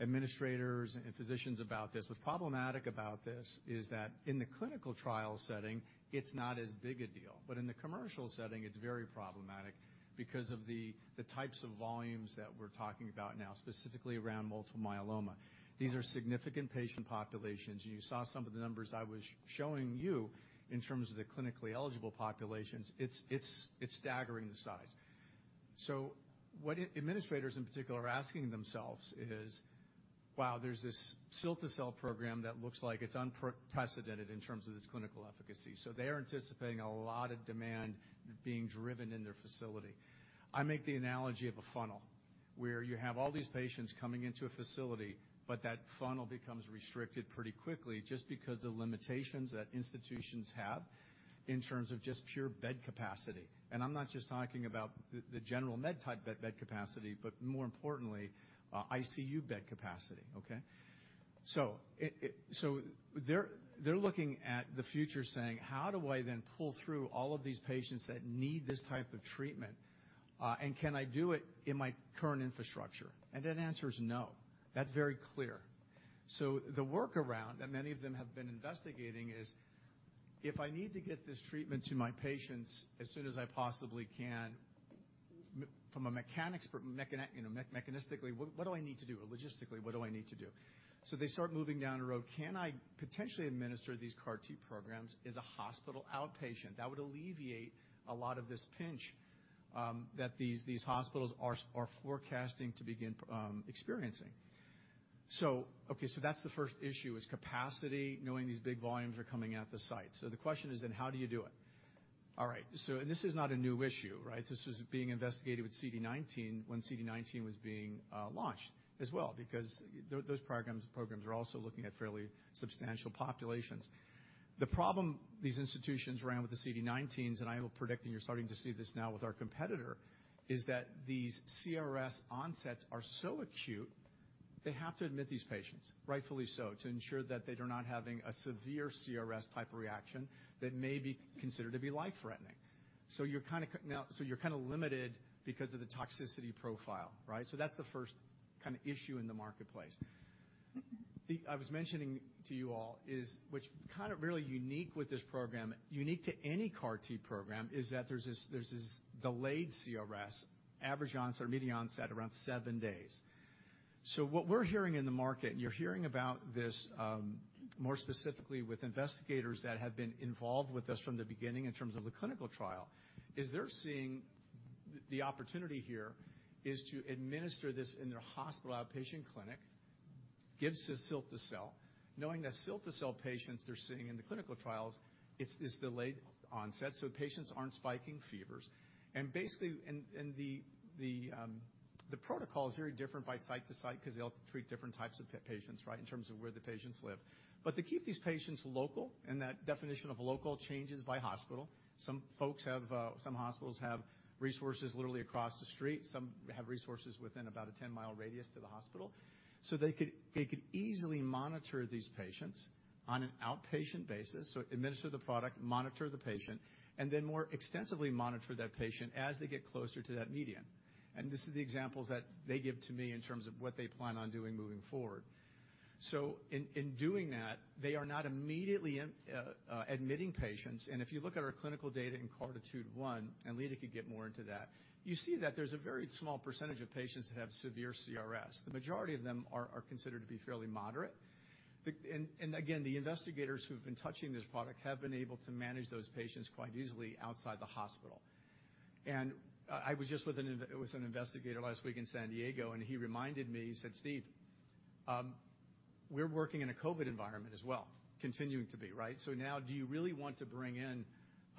administrators and physicians about this. What's problematic about this is that in the clinical trial setting, it's not as big a deal, but in the commercial setting, it's very problematic because of the types of volumes that we're talking about now, specifically around multiple myeloma. These are significant patient populations. You saw some of the numbers I was showing you in terms of the clinically eligible populations. It's staggering the size. What administrators in particular are asking themselves is, "Wow, there's this cilta-cel program that looks like it's unprecedented in terms of its clinical efficacy." They're anticipating a lot of demand being driven in their facility. I make the analogy of a funnel, where you have all these patients coming into a facility, but that funnel becomes restricted pretty quickly just because the limitations that institutions have in terms of just pure bed capacity. I'm not just talking about the general med-type bed capacity, but more importantly, ICU bed capacity, okay? They're looking at the future saying, "How do I then pull through all of these patients that need this type of treatment? Can I do it in my current infrastructure?" That answer is no. That's very clear. The workaround that many of them have been investigating is, if I need to get this treatment to my patients as soon as I possibly can, Mechanistically, what do I need to do? Logistically, what do I need to do? They start moving down a road. Can I potentially administer these CAR T programs as a hospital outpatient? That would alleviate a lot of this pinch that these hospitals are forecasting to begin experiencing. Okay, so that's the first issue is capacity, knowing these big volumes are coming at the site. The question is then how do you do it? All right. This is not a new issue, right? This was being investigated with CD19 when CD19 was being launched as well because those programs are also looking at fairly substantial populations. The problem these institutions ran with the CD19s, and I'm predicting you're starting to see this now with our competitor, is that these CRS onsets are so acute they have to admit these patients, rightfully so, to ensure that they are not having a severe CRS type reaction that may be considered to be life-threatening. You're kind of limited because of the toxicity profile, right? That's the first kind of issue in the marketplace. I was mentioning to you all, which really unique with this program, unique to any CAR T program, is that there's this delayed CRS, average onset or median onset around seven days. What we're hearing in the market, and you're hearing about this more specifically with investigators that have been involved with us from the beginning in terms of the clinical trial, is they're seeing the opportunity here is to administer this in their hospital outpatient clinic, give cilta-cel, knowing that cilta-cel patients they're seeing in the clinical trials, it's this delayed onset, so patients aren't spiking fevers. Basically, the protocol is very different by site to site because they all treat different types of patients, right, in terms of where the patients live. To keep these patients local, and that definition of local changes by hospital. Some hospitals have resources literally across the street. Some have resources within about a 10-mile radius to the hospital. They could easily monitor these patients on an outpatient basis. Administer the product, monitor the patient, and then more extensively monitor that patient as they get closer to that median. This is the examples that they give to me in terms of what they plan on doing moving forward. In doing that, they are not immediately admitting patients. If you look at our clinical data in CARTITUDE-1, and Lida could get more into that, you see that there's a very small percentage of patients that have severe CRS. The majority of them are considered to be fairly moderate. Again, the investigators who've been touching this product have been able to manage those patients quite easily outside the hospital. I was just with an investigator last week in San Diego, and he reminded me, he said, "Steve, we're working in a COVID environment as well, continuing to be, right? Now do you really want to bring in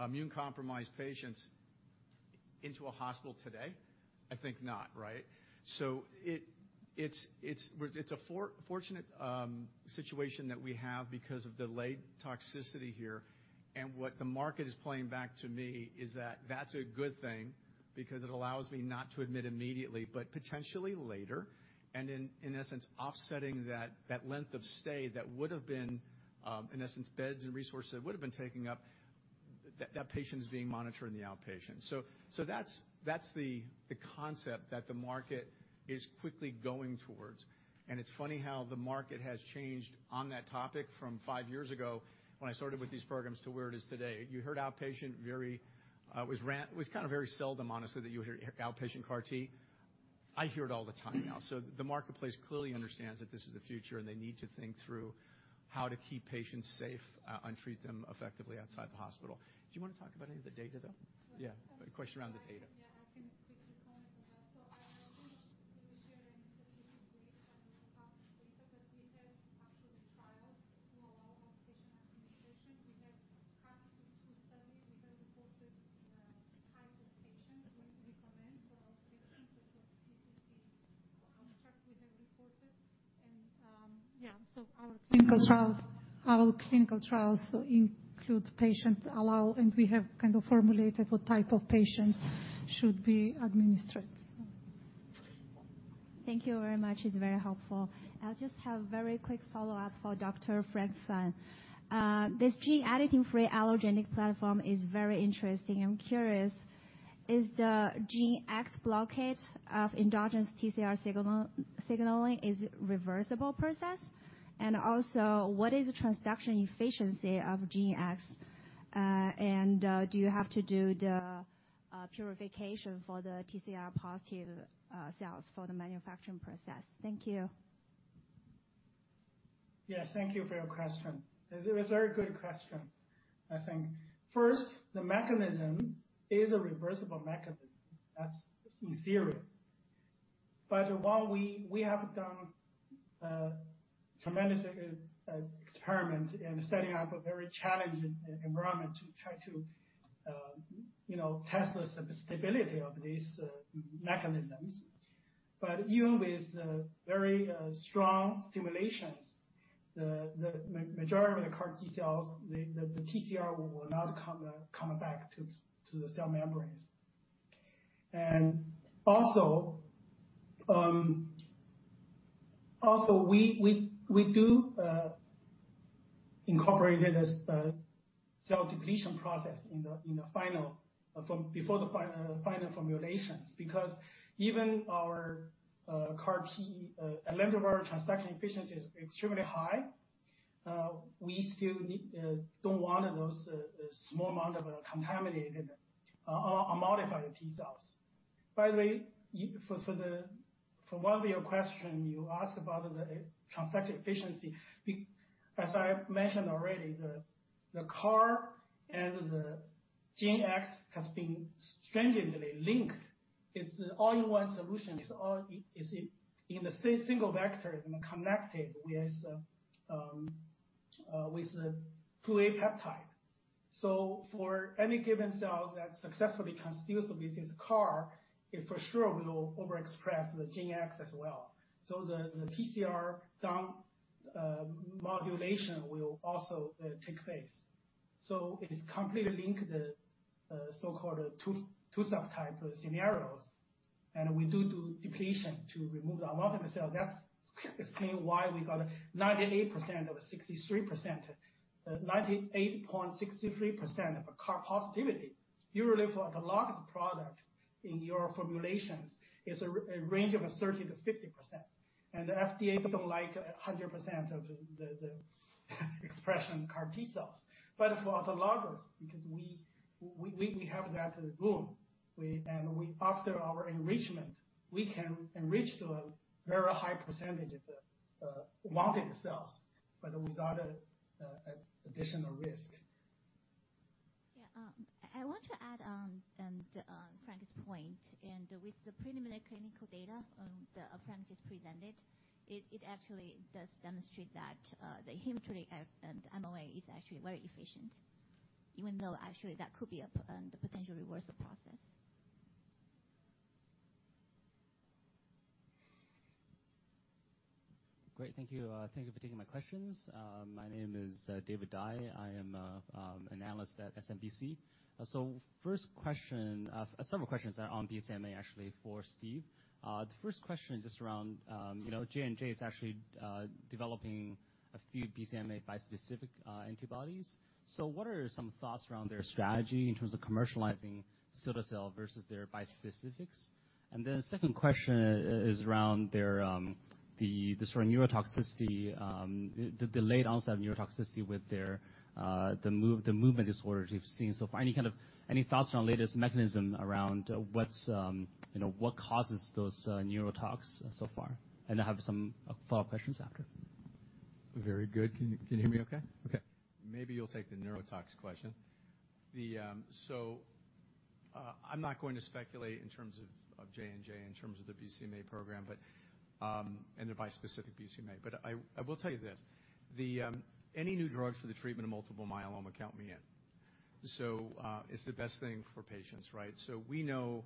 immune-compromised patients into a hospital today?" I think not, right? It's a fortunate situation that we have because of delayed toxicity here. What the market is playing back to me is that that's a good thing because it allows me not to admit immediately, but potentially later, and in essence, offsetting that length of stay that would've been, in essence, beds and resources that would've been taken up, that patient is being monitored in the outpatient. That's the concept that the market is quickly going towards. It's funny how the market has changed on that topic from five years ago when I started with these programs to where it is today. You heard outpatient. It was kind of very seldom, honestly, that you would hear outpatient CAR T. I hear it all the time now. The marketplace clearly understands that this is the future, and they need to think through how to keep patients safe and treat them effectively outside the hospital. Do you want to talk about any of the data, though? Right. Yeah. A question around the data. Yeah, I can quickly comment on that. I think we shared in previous brief some of the data that we have actually trials to allow outpatient administration. We have CARTITUDE-2 study. We have reported the type of patients we recommend for outpatient, because this is the abstract we have reported. Yeah, our clinical trials include patients allow, and we have kind of formulated what type of patients should be administered. Thank you very much. It's very helpful. I'll just have very quick follow-up for Dr. Frank Fan. This gene editing-free allogeneic platform is very interesting. I'm curious, is the <inaudible> blockade of endogenous TCR signaling, is it reversible process? Also, what is the transduction efficiency of, <inaudible> and do you have to do the purification for the TCR positive cells for the manufacturing process? Thank you. Thank you for your question. It's a very good question, I think. First, the mechanism is a reversible mechanism. That's in theory. While we have done a tremendous experiment in setting up a very challenging environment to try to test the stability of these mechanisms. Even with very strong stimulations, the majority of the CAR T cells, the TCR will not come back to the cell membranes. Also, we do incorporate cell depletion process before the final formulations, because Although our transduction efficiency is extremely high, we still don't want those small amount of contaminated or modified T cells. By the way, for one of your question, you asked about the transduction efficiency. As I mentioned already, the CAR and the <inaudible> has been stringently linked. It's all-in-one solution. It's in the single vector and connected with the F2A peptide. For any given cells that successfully transduce with this CAR, it for sure will overexpress the <inaudible> as well. The TCR down modulation will also take place. It is completely linked, the so-called 2 subtype scenarios, and we do depletion to remove the amount of the cell. That explain why we got 98.63% of CAR positivity. Usually, for the largest product in your formulations is a range of 30%-50%. The FDA don't like 100% of the expression CAR T cells. For autologous, because we have that room, and after our enrichment, we can enrich to a very high percentage of the wanted cells, but without additional risk. Yeah. I want to add on Frank's point, and with the preliminary clinical data that Frank just presented, it actually does demonstrate that the hematologic MOA is actually very efficient, even though actually that could be a potential reversal process. Great. Thank you for taking my questions. My name is David Dai. I am an analyst at SMBC. First question, several questions are on BCMA actually for Steve. The first question is just around J&J's actually developing a few BCMA bispecific antibodies. What are some thoughts around their strategy in terms of commercializing cilta-cel versus their bispecifics? Second question is around the sort of neurotoxicity, the delayed onset of neurotoxicity with the movement disorders we've seen so far. Any thoughts on latest mechanism around what causes those neurotox so far? I have some follow-up questions after. Very good. Can you hear me okay? Okay. Maybe you'll take the neurotox question. I'm not going to speculate in terms of J&J in terms of their BCMA program, and their bispecific BCMA. I will tell you this, any new drug for the treatment of multiple myeloma, count me in. It's the best thing for patients, right? We know,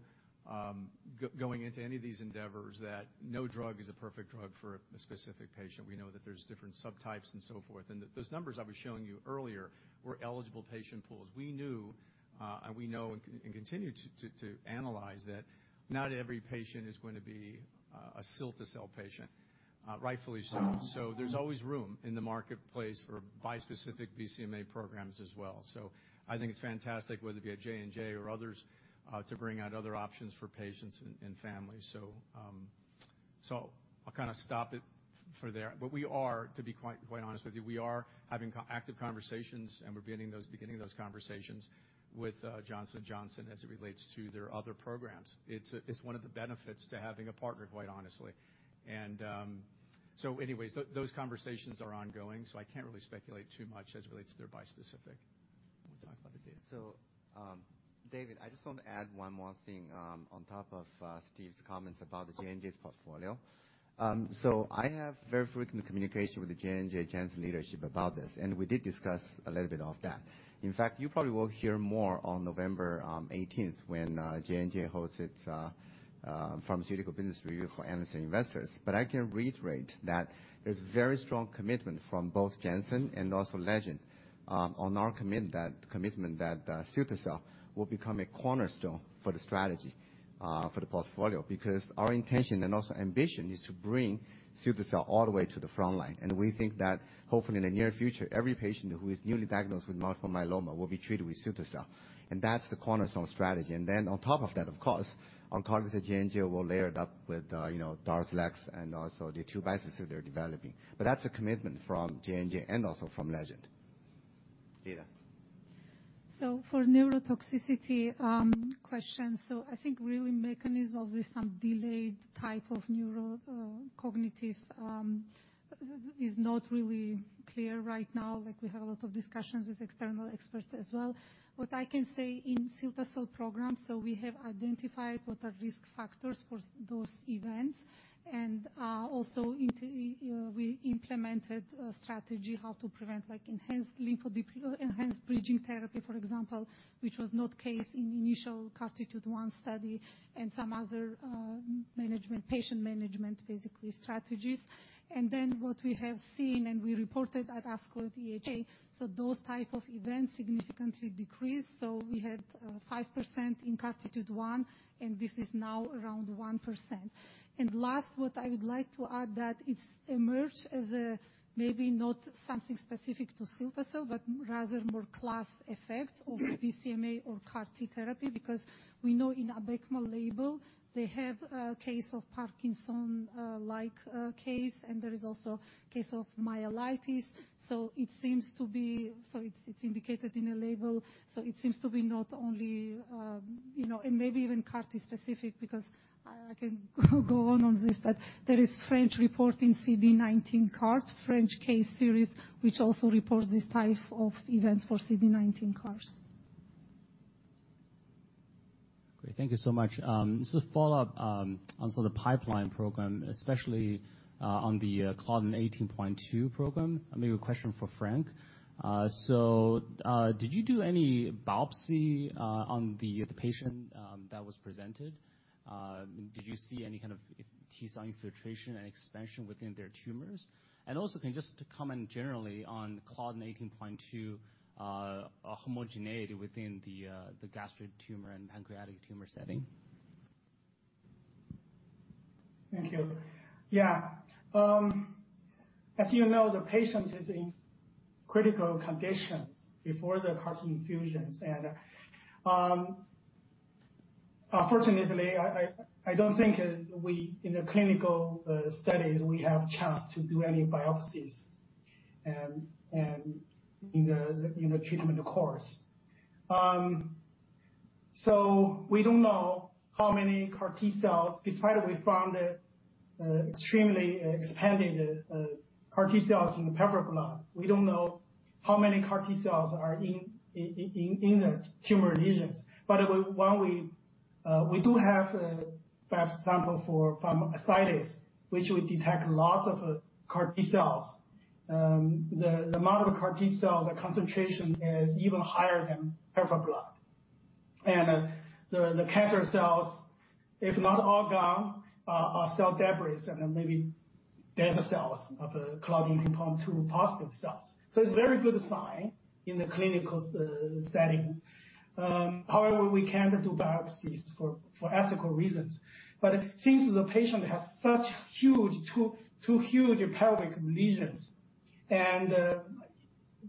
going into any of these endeavors that no drug is a perfect drug for a specific patient. We know that there's different subtypes and so forth, and that those numbers I was showing you earlier were eligible patient pools. We knew, and we know and continue to analyze that not every patient is going to be a cilta-cel patient, rightfully so. There's always room in the marketplace for bispecific BCMA programs as well. I think it's fantastic, whether it be at J&J or others, to bring out other options for patients and families. I'll kind of stop it there. We are, to be quite honest with you, we are having active conversations, and we're beginning those conversations with Johnson & Johnson as it relates to their other programs. It's one of the benefits to having a partner, quite honestly. Anyways, those conversations are ongoing, so I can't really speculate too much as it relates to their bispecific. Want to talk about the data? David, I just want to add one more thing on top of Steve Gavel's comments about the J&J's portfolio. I have very frequent communication with the J&J Janssen leadership about this, and we did discuss a little bit of that. In fact, you probably will hear more on November 18th when J&J hosts its pharmaceutical business review for analysts and investors. I can reiterate that there's very strong commitment from both Janssen and also Legend on our commitment that cilta-cel will become a cornerstone for the strategy for the portfolio. Our intention and also ambition is to bring cilta-cel all the way to the frontline. We think that hopefully in the near future, every patient who is newly diagnosed with multiple myeloma will be treated with cilta-cel, and that's the cornerstone strategy. On top of that, of course, oncology J&J will layer it up with DARZALEX and also the two bispecific they're developing. That's a commitment from J&J and also from Legend. Data. For neurotoxicity, question, I think really mechanism of this, some delayed type of neurocognitive, is not really clear right now. We have a lot of discussions with external experts as well. What I can say in cilta-cel program, we have identified what are risk factors for those events, and also we implemented a strategy how to prevent enhanced bridging therapy, for example, which was not case in initial CARTITUDE-1 study and some other patient management, basically, strategies. What we have seen, and we reported at ASCO EHA, those type of events significantly decreased. We had 5% in CARTITUDE-1, and this is now around 1%. Last, what I would like to add that it's emerged as a maybe not something specific to cilta-cel, but rather more class effects of BCMA or CAR T therapy, because we know in ABECMA label, they have a case of Parkinson-like case, and there is also case of myelitis. It's indicated in the label, it seems to be and maybe even CARTITUDE specific because I can go on on this, but there is French report in CD19 CAR T, French case series, which also reports this type of events for CD19 CAR T. Great. Thank you so much. Just a follow-up on sort of pipeline program, especially on the CLDN18.2 program, maybe a question for Frank. Did you do any biopsy on the patient that was presented? Did you see any kind of T-zone infiltration and expansion within their tumors? Can you just comment generally on CLDN18.2 homogeneity within the gastric tumor and pancreatic tumor setting? Thank you. Yeah. As you know, the patient is in critical conditions before the CAR T infusion. Unfortunately, I don't think in the clinical studies, we have a chance to do any biopsies in the treatment course. We don't know how many CAR T cells, despite we found extremely expanded CAR T cells in the peripheral blood. We don't know how many CAR T cells are in the tumor lesions. We do have a biopsy sample from ascites, which we detect lots of CAR T cells. The amount of CAR T cells, the concentration is even higher than peripheral blood. The cancer cells, if not all gone, are cell debris and maybe dead cells of CLDN18.2 positive cells. It's a very good sign in the clinical setting. We can't do biopsies for ethical reasons. Since the patient has such two huge pelvic lesions and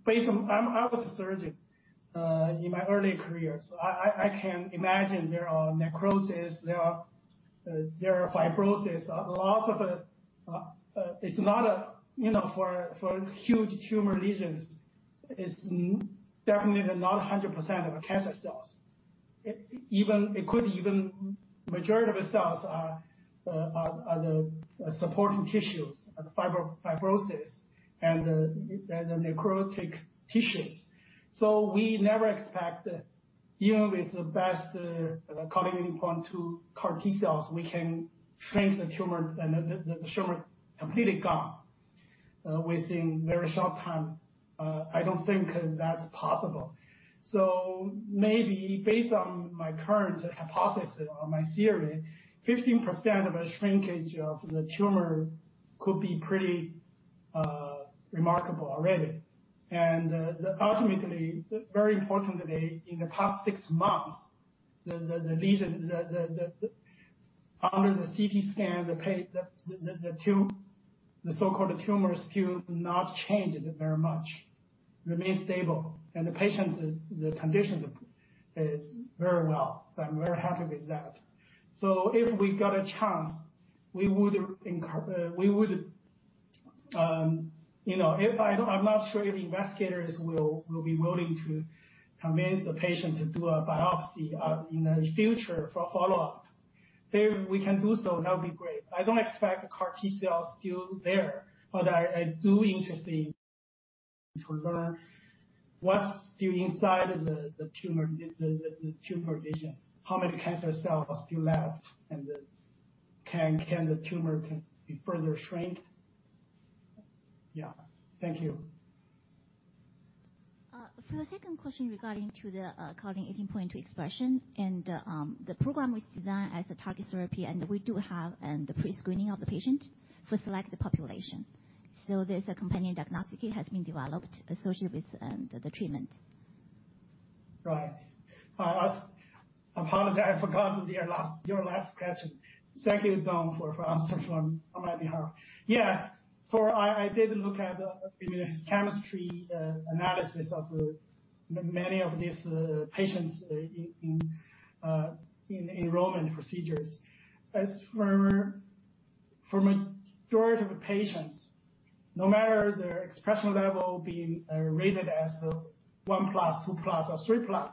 based on I was a surgeon in my early career. I can imagine there are necrosis, there are fibrosis, lots of For huge tumor lesions, it's definitely not 100% of cancer cells. It could even, majority of the cells are the supporting tissues, fibrosis, and the necrotic tissues. We never expect, even with the best CLDN18.2 CAR T cells, we can shrink the tumor, and the tumor completely gone within very short time. I don't think that's possible. Maybe based on my current hypothesis or my theory, 15% of a shrinkage of the tumor could be pretty remarkable already. Ultimately, very importantly, in the past six months, the lesion, under the CT scan, the so-called tumor still not changed very much. Remain stable. The patient, the condition is very well. I'm very happy with that. If we got a chance, we would I'm not sure if investigators will be willing to convince the patient to do a biopsy in the future for follow-up. If we can do so, that would be great. I don't expect the CAR T cells still there, but I do interesting to learn what's still inside of the tumor lesion, how many cancer cells still left, and can the tumor can be further shrink? Yeah. Thank you. For the second question regarding to the CLDN18.2 expression, and the program was designed as a targeted therapy, and we do have the pre-screening of the patient for select the population. There's a companion diagnostic has been developed associated with the treatment. Right. I apologize. I forgotten your last question. Thank you, Dong, for answering on my behalf. Yes, I did look at the immunochemistry analysis of many of these patients in enrollment procedures. As for majority of the patients, no matter their expression level being rated as 1 plus, 2 plus, or 3 plus,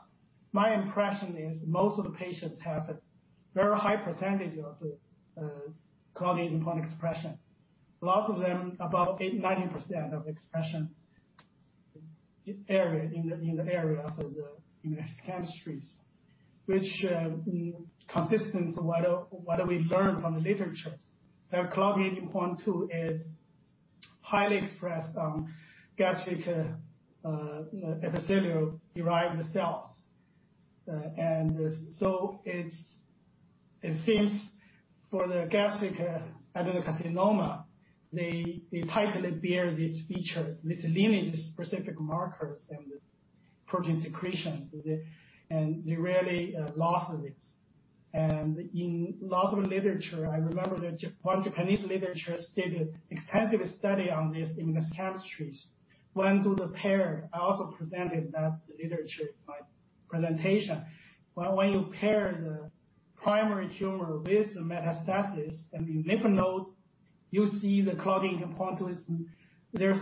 my impression is most of the patients have a very high percentage of CLDN18.2 expression. Lots of them, about 90% of expression in the area of the immunochemistries, which consistent what we've learned from the literatures. That CLDN18.2 is highly expressed on gastric epithelial-derived cells. It seems for the gastric adenocarcinoma, they tightly bear these features, these lineage-specific markers and protein secretion, and they rarely lost this. In lots of literature, I remember that 1 Japanese literature stated extensive study on this immunochemistries. I also presented that literature in my presentation. When you pair the primary tumor with the metastasis and the lymph node, you see the CLDN18.2 is, there's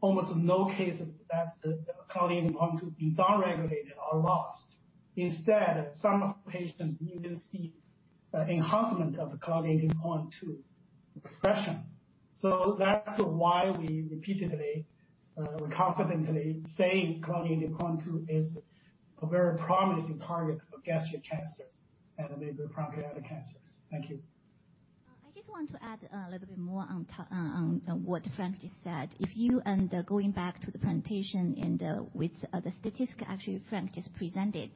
almost no case that the CLDN18.2 being down-regulated or lost. Instead, some of the patients, you will see enhancement of the CLDN18.2 expression. That's why we repeatedly, confidently saying CLDN18.2 is a very promising target for gastric cancers and maybe pancreatic cancers. Thank you. I just want to add a little bit more on what Frank just said. If you end going back to the presentation and with the statistic actually Frank just presented,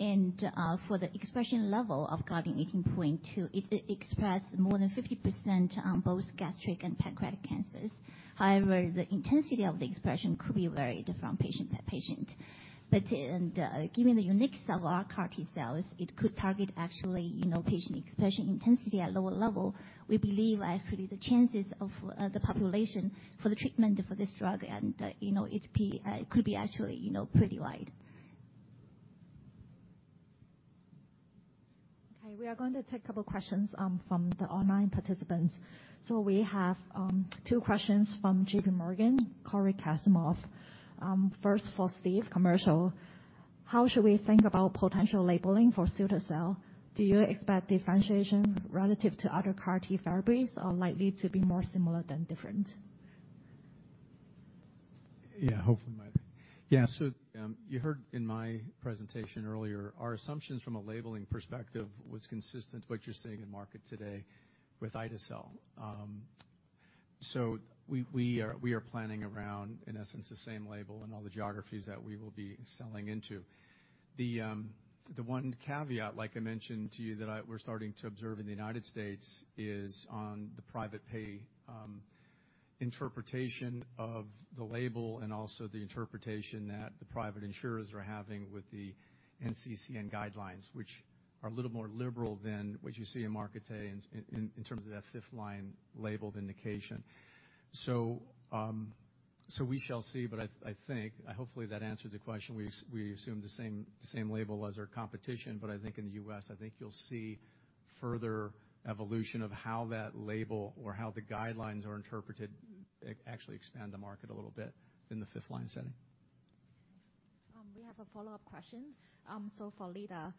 and for the expression level of CLDN18.2, it express more than 50% on both gastric and pancreatic cancers. However, the intensity of the expression could be very different patient by patient. Given the uniqueness of our CAR T cells, it could target actually patient expression intensity at lower level. We believe actually the chances of the population for the treatment for this drug and it could be actually pretty wide. Okay, we are going to take a couple questions from the online participants. We have two questions from JPMorgan, Cory Kasimov. First, for Steve, commercial. How should we think about potential labeling for cilta-cel? Do you expect differentiation relative to other CAR T therapies or likely to be more similar than different? Hopefully Mike. You heard in my presentation earlier, our assumptions from a labeling perspective was consistent to what you're seeing in market today with ide-cel. We are planning around, in essence, the same label in all the geographies that we will be selling into. The one caveat, like I mentioned to you, that we're starting to observe in the U.S., is on the private pay interpretation of the label and also the interpretation that the private insurers are having with the NCCN guidelines, which are a little more liberal than what you see in market today in terms of that fifth-line labeled indication. We shall see. Hopefully that answers the question. We assume the same label as our competition, but I think in the U.S., I think you'll see further evolution of how that label or how the guidelines are interpreted, actually expand the market a little bit in the fifth-line setting. We have a follow-up question for Lida.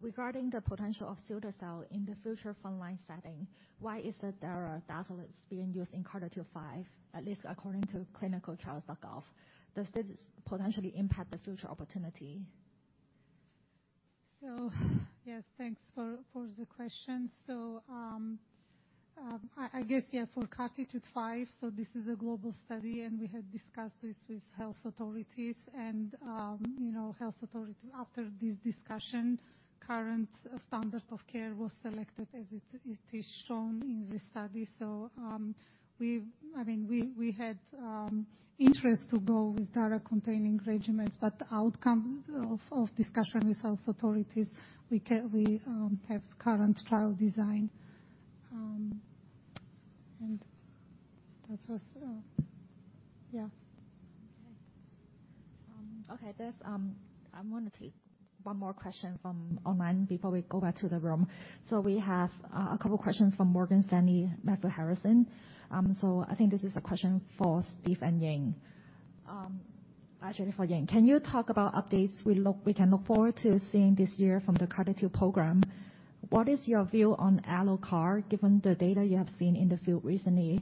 Regarding the potential of cilta-cel in the future front-line setting, why is it Dara-Rd is being used in CARTITUDE-5, at least according to clinicaltrials.gov? Does this potentially impact the future opportunity? Yes, thanks for the question. I guess, yeah, for CARTITUDE-5, this is a global study, and we have discussed this with health authorities and health authority after this discussion, current standards of care was selected as it is shown in this study. We had interest to go with Dara-containing regimens, but the outcome of discussion with health authorities, we have current trial design. Okay. I want to take one more question from online before we go back to the room. We have a couple questions from Morgan Stanley, Matthew Harrison. I think this is a question for Steve and Ying. Actually for Ying. Can you talk about updates we can look forward to seeing this year from the CARTITUDE program? What is your view on allo CAR, given the data you have seen in the field recently,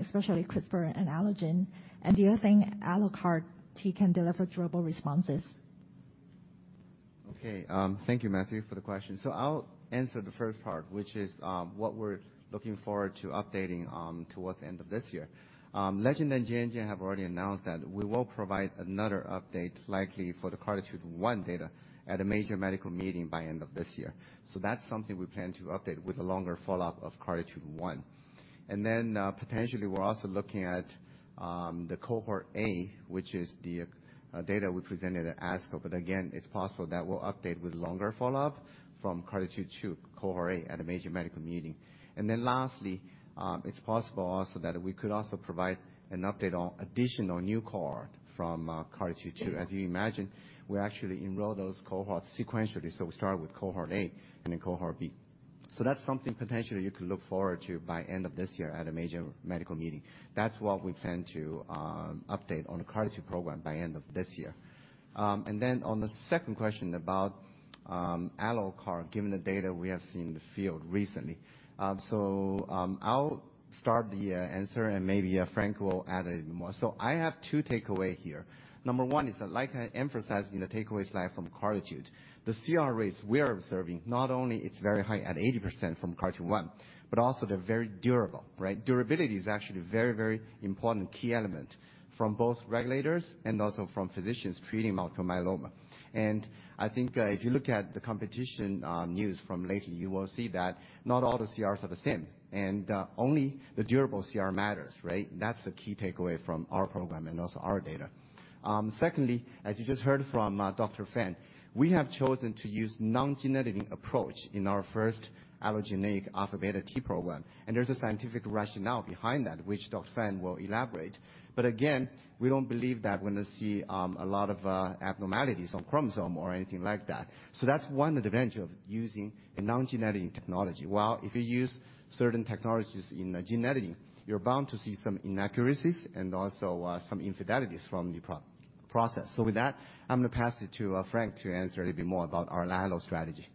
especially CRISPR and allogeneic? Do you think allo CAR T can deliver durable responses? Thank you, Matthew, for the question. I'll answer the first part, which is what we're looking forward to updating towards the end of this year. Legend Biotech and Janssen have already announced that we will provide another update, likely for the CARTITUDE-1 data, at a major medical meeting by end of this year. That's something we plan to update with a longer follow-up of CARTITUDE-1. Potentially, we're also looking at the Cohort A, which is the data we presented at ASCO. Again, it's possible that we'll update with longer follow-up from CARTITUDE-2, Cohort A, at a major medical meeting. Lastly, it's possible also that we could also provide an update on additional new cohort from CARTITUDE-2. As you imagine, we actually enroll those cohorts sequentially, we start with Cohort A and then Cohort B. That's something potentially you could look forward to by end of this year at a major medical meeting. That's what we plan to update on the CARTITUDE program by end of this year. On the second question about allo CAR, given the data we have seen in the field recently. I'll start the answer, and maybe Frank will add a little more. I have 2 takeaway here. Number 1 is that like I emphasized in the takeaways slide from CARTITUDE, the CR rates we are observing, not only it's very high at 80% from CARTITUDE-1, but also they're very durable, right. Durability is actually very important key element from both regulators and also from physicians treating multiple myeloma. I think if you look at the competition news from lately, you will see that not all the CRs are the same. Only the durable CR matters, right? That's the key takeaway from our program and also our data. Secondly, as you just heard from Dr. Fan, we have chosen to use non-gene editing approach in our first allogeneic alpha beta T program. There's a scientific rationale behind that, which Dr. Fan will elaborate. Again, we don't believe that we're going to see a lot of abnormalities on chromosome or anything like that. That's one advantage of using a non-gene editing technology. While if you use certain technologies in gene editing, you're bound to see some inaccuracies and also some infidelities from the process. With that, I'm going to pass it to Frank to answer a little bit more about our allo strategy.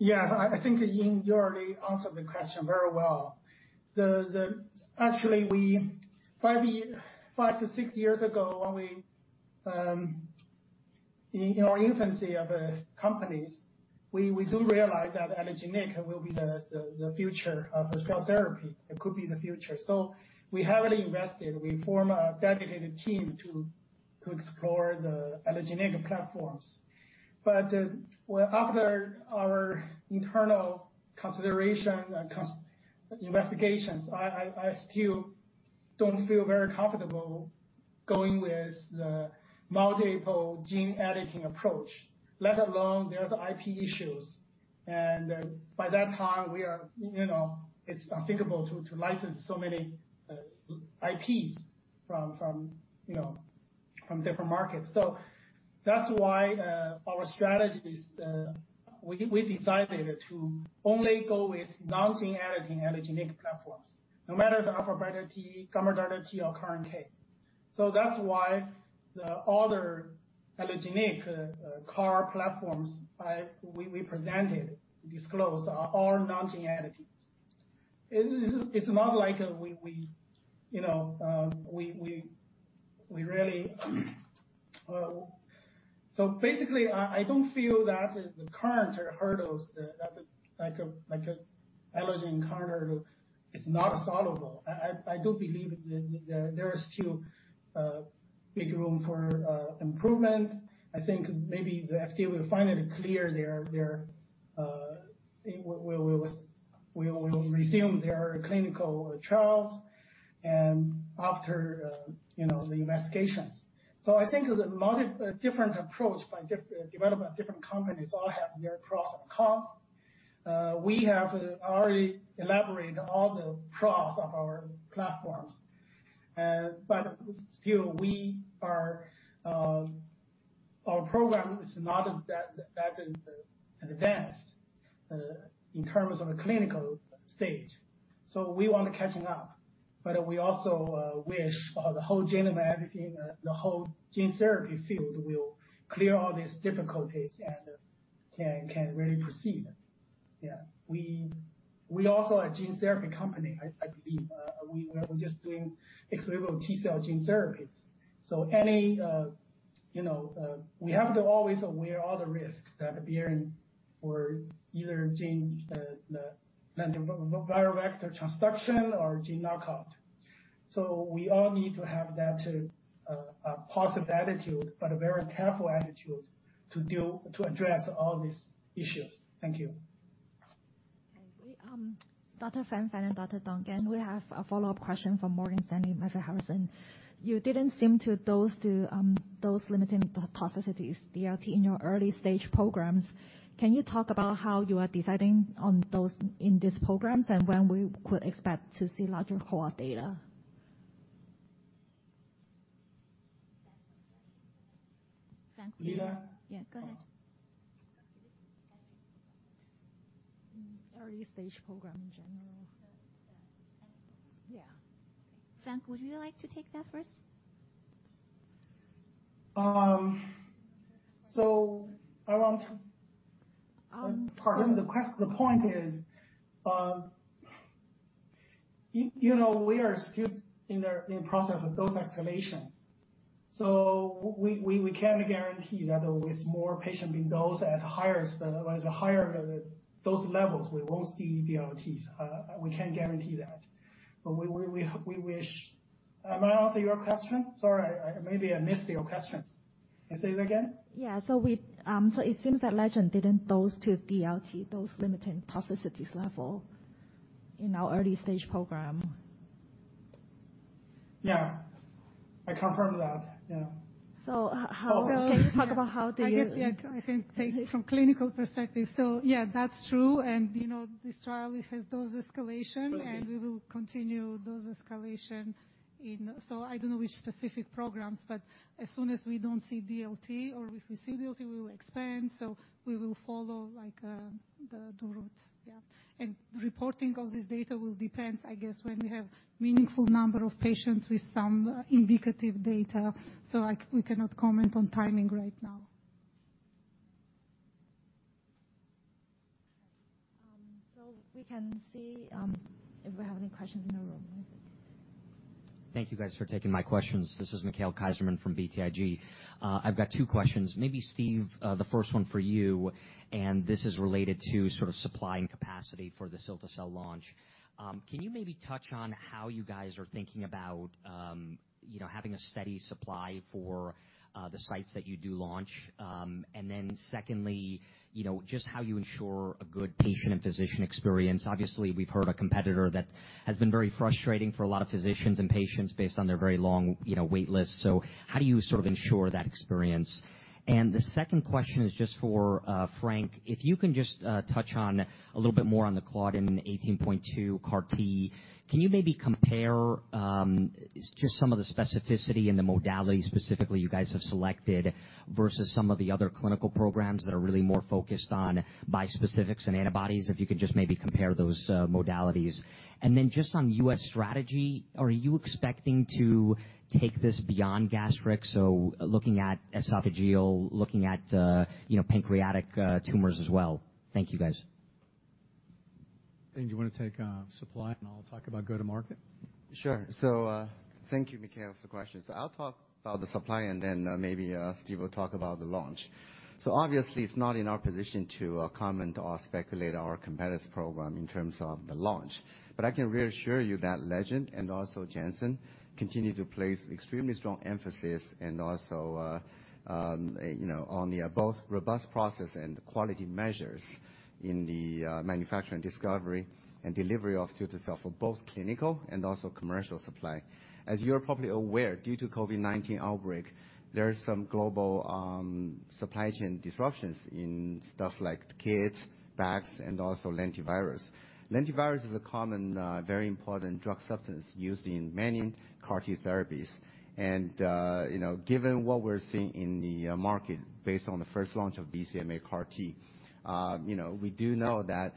I think Ying, you already answered the question very well. Actually, 5 to 6 years ago, in our infancy of companies, we do realize that allogeneic will be the future of the cell therapy. It could be the future. We heavily invested. We form a dedicated team to explore the allogeneic platforms. After our internal consideration and investigations, I still don't feel very comfortable going with the multiple gene editing approach, let alone the IP issues. By that time it's unthinkable to license so many IPs from different markets. That's why our strategy is, we decided to only go with non-gene editing allogeneic platforms, no matter if alpha beta T, gamma delta T or CAR NK. That's why the other allogeneic CAR platforms we presented, disclosed, are all non-gene editing. Basically, I don't feel that the current hurdles that would, like an allogeneic CAR hurdle, is not solvable. I do believe there is still big room for improvement. I think maybe the FDA will find it clear, we will resume their clinical trials and after the investigations. I think the different approach by development, different companies all have their pros and cons. We have already elaborated all the pros of our platforms. Still our program is not that advanced in terms of a clinical stage, so we want to catching up, but we also wish the whole gene editing, the whole gene therapy field will clear all these difficulties and can really proceed. Yeah. We also are a gene therapy company, I believe. We're just doing ex vivo T-cell gene therapies. We have to always aware all the risks that appear in for either gene, the viral vector transduction or gene knockout. We all need to have that positive attitude, but a very careful attitude to address all these issues. Thank you. Okay. Dr. Frank Fan and Dong Geng, we have a follow-up question from Morgan Stanley, Matthew Harrison. You didn't seem to dose to those dose-limiting toxicities, DLT, in your early-stage programs. Can you talk about how you are deciding on those in these programs and when we could expect to see larger cohort data? Lida? Yeah, go ahead. Which specific programs? Early-stage program in general. The any program? Yeah. Frank, would you like to take that first? So around- Pardon? The point is, we are still in process of those escalations. We can't guarantee that with more patient being dosed at higher dose levels, we won't see DLTs. We can't guarantee that. Am I answering your question? Sorry, maybe I missed your question. Can you say that again? Yeah. It seems that Legend didn't dose to DLT, those limiting toxicities level in our early-stage program. Yeah. I confirm that. Yeah. Can you talk about how? I guess, yeah, I can take from clinical perspective. Yeah, that's true. This trial, we have dose escalation. Totally We will continue dose escalation. I don't know which specific programs, but as soon as we don't see DLT, or if we see DLT, we will expand. We will follow the. <inaudible> Reporting of this data will depend, I guess, when we have meaningful number of patients with some indicative data. We cannot comment on timing right now. We can see if we have any questions in the room, I think. Thank you guys for taking my questions. This is [Justin Zelin] from BTIG. I've got two questions. Maybe Steve, the first one for you, and this is related to sort of supply and capacity for the cilta-cel launch. Can you maybe touch on how you guys are thinking about having a steady supply for the sites that you do launch? Secondly, just how you ensure a good patient and physician experience. Obviously, we've heard a competitor that has been very frustrating for a lot of physicians and patients based on their very long wait list. How do you sort of ensure that experience? The second question is just for Frank, if you can just touch on a little bit more on the Claudin 18.2 CAR T. Can you maybe compare just some of the specificity and the modality specifically you guys have selected versus some of the other clinical programs that are really more focused on bispecifics and antibodies? If you could just maybe compare those modalities. Then just on U.S. strategy, are you expecting to take this beyond gastric? Looking at esophageal, looking at pancreatic tumors as well. Thank you guys. Ying, do you want to take supply, and I'll talk about go-to-market? Sure. Thank you, Mikhail, for the question. I'll talk about the supply, and then maybe Steve will talk about the launch. Obviously it's not in our position to comment or speculate our competitor's program in terms of the launch. I can reassure you that Legend, and also Janssen, continue to place extremely strong emphasis and also on both robust process and quality measures in the manufacturing, discovery, and delivery of cilta-cel for both clinical and also commercial supply. As you are probably aware, due to COVID-19 outbreak, there is some global supply chain disruptions in stuff like kits, bags, and also lentivirus. Lentivirus is a common, very important drug substance used in many CAR T therapies. Given what we're seeing in the market based on the first launch of BCMA CAR T, we do know that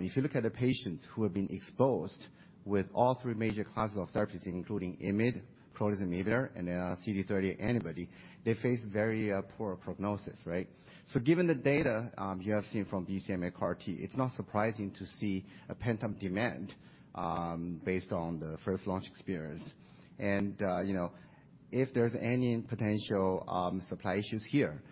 if you look at the patients who have been exposed with all three major classes of therapies, including IMiD, proteasome inhibitor, and then our CD38 antibody, they face very poor prognosis, right? Given the data you have seen from BCMA CAR T, it's not surprising to see a pent-up demand based on the first launch experience. If there's any potential supply issues here,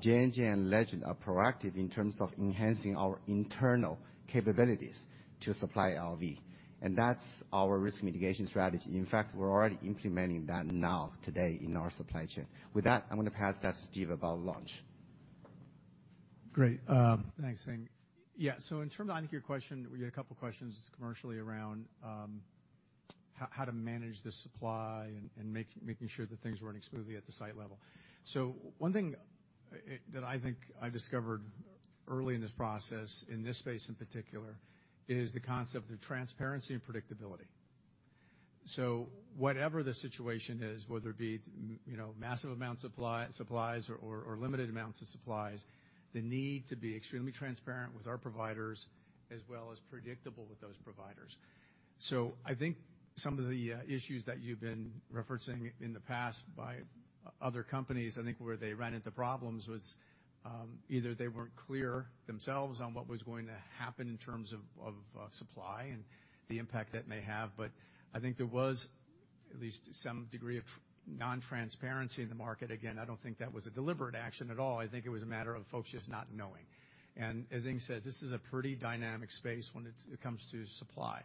J&J and Legend are proactive in terms of enhancing our internal capabilities to supply LV. That's our risk mitigation strategy. In fact, we're already implementing that now today in our supply chain. With that, I'm going to pass that to Steve about launch. Great. Thanks, Ying. In terms of, I think your question, we had a couple of questions commercially around how to manage the supply and making sure that things are running smoothly at the site level. One thing that I think I discovered early in this process, in this space in particular, is the concept of transparency and predictability. Whatever the situation is, whether it be massive amounts of supplies or limited amounts of supplies, the need to be extremely transparent with our providers as well as predictable with those providers. I think some of the issues that you've been referencing in the past by other companies, I think where they ran into problems was either they weren't clear themselves on what was going to happen in terms of supply and the impact that may have. I think there was at least some degree of non-transparency in the market. Again, I don't think that was a deliberate action at all. I think it was a matter of folks just not knowing. As Ying says, this is a pretty dynamic space when it comes to supply.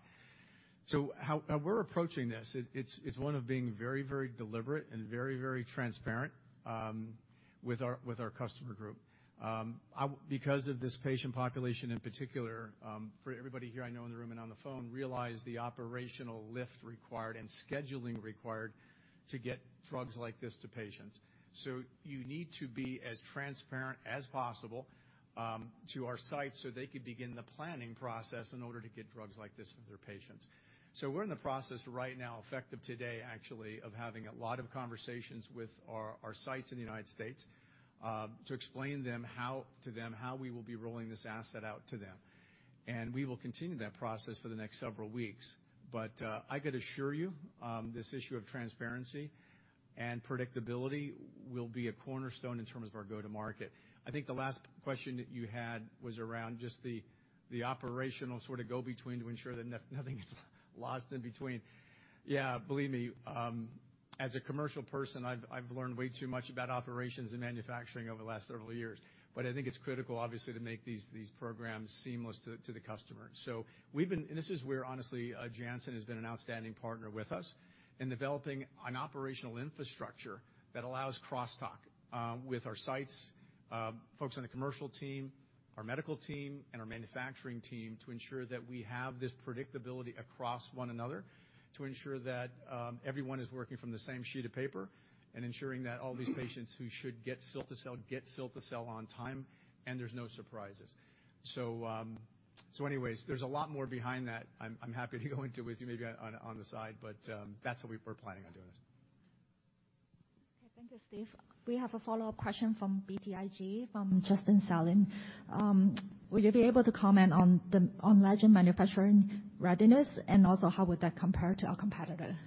How we're approaching this, it's one of being very deliberate and very transparent with our customer group. Because of this patient population, in particular, for everybody here I know in the room and on the phone realize the operational lift required and scheduling required to get drugs like this to patients. You need to be as transparent as possible to our sites so they could begin the planning process in order to get drugs like this for their patients. We're in the process right now, effective today, actually, of having a lot of conversations with our sites in the U.S. to explain to them how we will be rolling this asset out to them. We will continue that process for the next several weeks. I could assure you this issue of transparency and predictability will be a cornerstone in terms of our go-to-market. I think the last question that you had was around just the operational sort of go between to ensure that nothing is lost in between. Believe me, as a commercial person, I've learned way too much about operations and manufacturing over the last several years. I think it's critical, obviously, to make these programs seamless to the customer. This is where, honestly, Janssen has been an outstanding partner with us in developing an operational infrastructure that allows crosstalk with our sites, folks on the commercial team, our medical team, and our manufacturing team to ensure that we have this predictability across one another to ensure that everyone is working from the same sheet of paper and ensuring that all these patients who should get cilta-cel get cilta-cel on time, and there's no surprises. Anyways, there's a lot more behind that I'm happy to go into with you maybe on the side, but that's how we're planning on doing this. Okay. Thank you, Steve. We have a follow-up question from BTIG, from Justin Zelin. Will you be able to comment on Legend manufacturing readiness, also how would that compare to our competitor?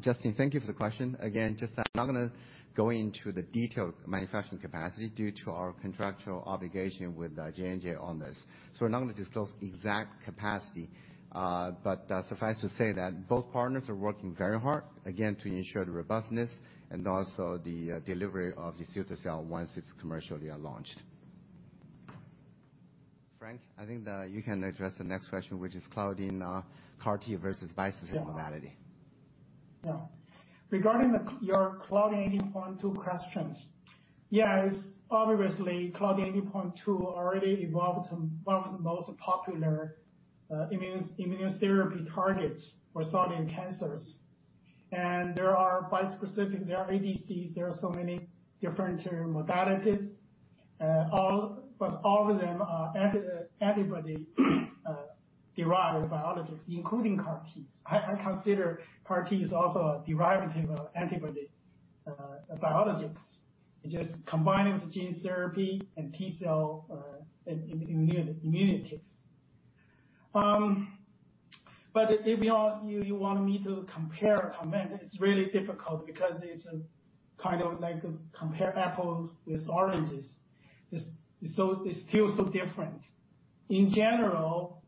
Justin, thank you for the question. Again, Justin, I'm not going to go into the detailed manufacturing capacity due to our contractual obligation with J&J on this. We're not going to disclose the exact capacity. Suffice to say that both partners are working very hard, again, to ensure the robustness and also the delivery of the cilta-cel once it's commercially launched. Frank, I think that you can address the next question, which is Claudin CAR T versus bispecific modality. Yeah. Regarding your Claudin 18.2 questions. Yes, obviously Claudin 18.2 already evolved one of the most popular immunotherapy targets for solid cancers. There are bispecific, there are ADCs, there are so many different modalities. All of them are antibody derived biologics, including CAR T. I consider CAR T is also a derivative of antibody biologics. It just combines the gene therapy and T cell immunities. If you want me to compare or comment, it's really difficult because it's like comparing apples with oranges. It's still so different. In general,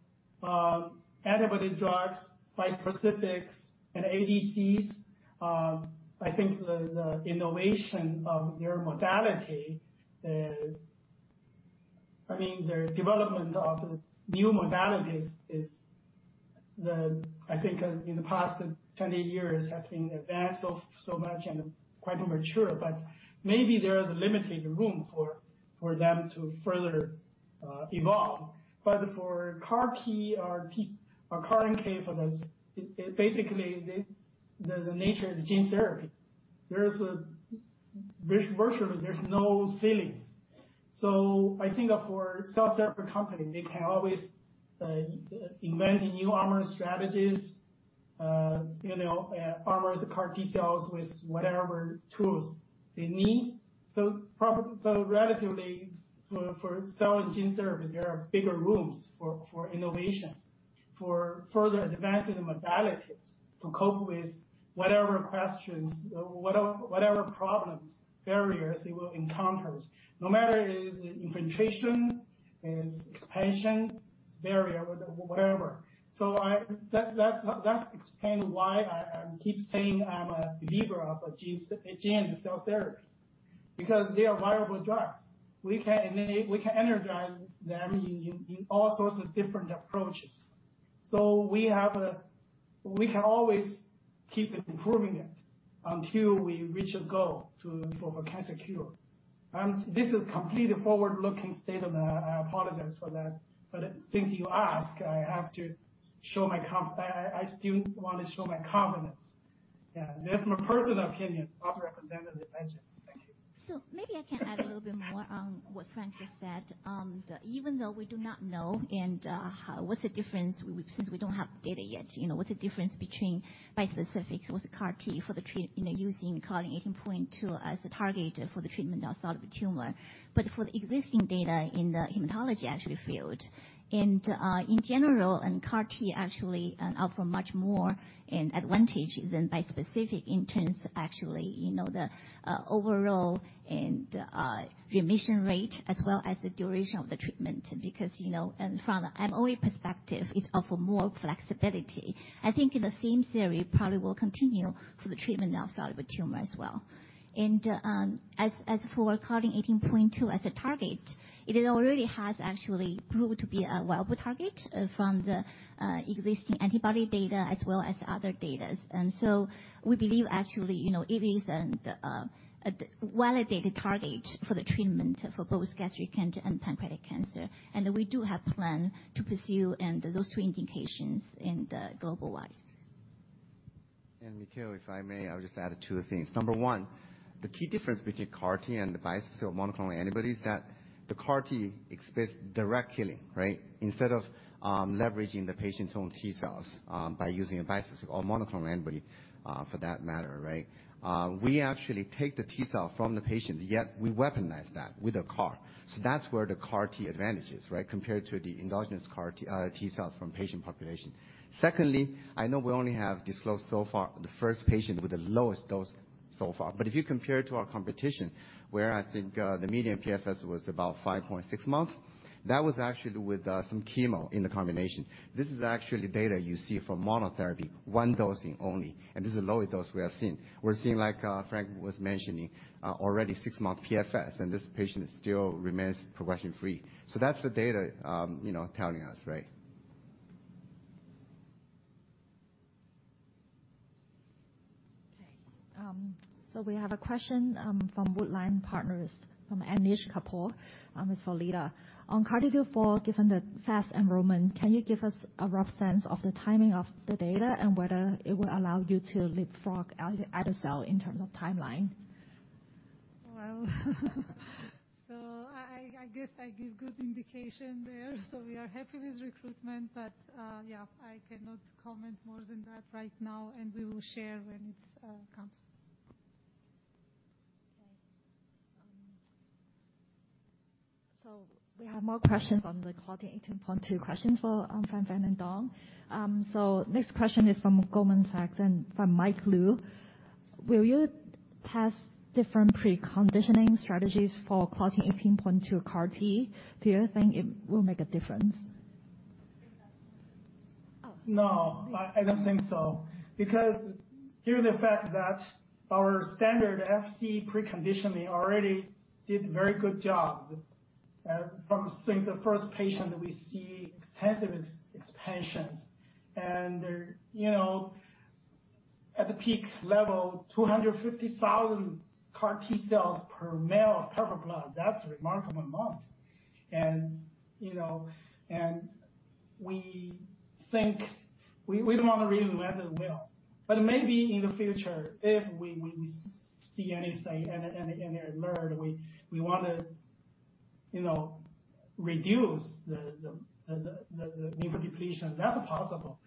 antibody drugs, bispecifics, and ADCs, I think the innovation of their modality, the development of the new modalities is, I think in the past 20 years has been advanced so much and quite mature, but maybe there is limited room for them to further evolve. For CAR T or CAR-NK, basically, the nature is gene therapy. Virtually, there's no ceilings. I think for cell therapy company, they can always invent new armor strategies, armor the CAR T cells with whatever tools they need. Relatively, for cell and gene therapy, there are bigger rooms for innovations, for further advancing the modalities to cope with whatever questions, whatever problems, barriers they will encounter. No matter is it infiltration, is expansion, is barrier, whatever. That explains why I keep saying I'm a believer of gene and cell therapy, because they are viable drugs. We can energize them in all sorts of different approaches. We can always keep improving it until we reach a goal for a cancer cure. This is completely forward-looking statement, I apologize for that. Since you ask, I still want to show my confidence. Yeah. That's my personal opinion, not representative of Legend. Thank you. Maybe I can add a little bit more on what Frank just said. Even though we do not know, and since we don't have data yet, what's the difference between bispecific, what's the CAR T for the treatment using Claudin 18.2 as a target for the treatment of solid tumor. For the existing data in the hematology field, and in general, CAR T actually offer much more advantage than bispecific in terms of the overall remission rate, as well as the duration of the treatment. From an MOA perspective, it offer more flexibility. I think the same theory probably will continue for the treatment of solid tumor as well. As for Claudin 18.2 as a target, it already has actually proved to be a viable target from the existing antibody data as well as other data. We believe, actually, it is a validated target for the treatment for both gastric cancer and pancreatic cancer. We do have plan to pursue those two indications global-wise. Mikhail, if I may, I'll just add 2 things. Number 1, the key difference between CAR T and the bispecific monoclonal antibody is that the CAR T exhibits direct killing, right? Instead of leveraging the patient's own T cells by using a bispecific or monoclonal antibody for that matter. We actually take the T cell from the patient, yet we weaponize that with a CAR. That's where the CAR T advantage is, compared to the endogenous CAR T cells from patient population. Secondly, I know we only have disclosed so far the 1st patient with the lowest dose so far. If you compare to our competition, where I think the median PFS was about 5.6 months, that was actually with some chemo in the combination. This is actually data you see from monotherapy, 1 dosing only, and this is the lowest dose we have seen. We're seeing, like Frank was mentioning, already 6-month PFS, and this patient still remains progression free. That's the data telling us. Okay. We have a question from Woodline Partners, from I guess I give good indication there. We are happy with recruitment, but I cannot comment more than that right now, and we will share when it comes. Okay. We have more questions on the Claudin 18.2 question for Frank Fan and Dong. Next question is from Goldman Sachs and from Ziyi Chen. Will you test different preconditioning strategies for Claudin 18.2 CAR T? Do you think it will make a difference? No, I don't think so, because given the fact that our standard Flu/Cy preconditioning already did very good job. From since the first patient, we see extensive expansions, and at the peak level, 250,000 CAR T cells per ml of peripheral blood, that's a remarkable amount. We don't want to reinvent the wheel. Maybe in the future, if we see anything and it emerge, we want to reduce the lymphodepletion, that's possible.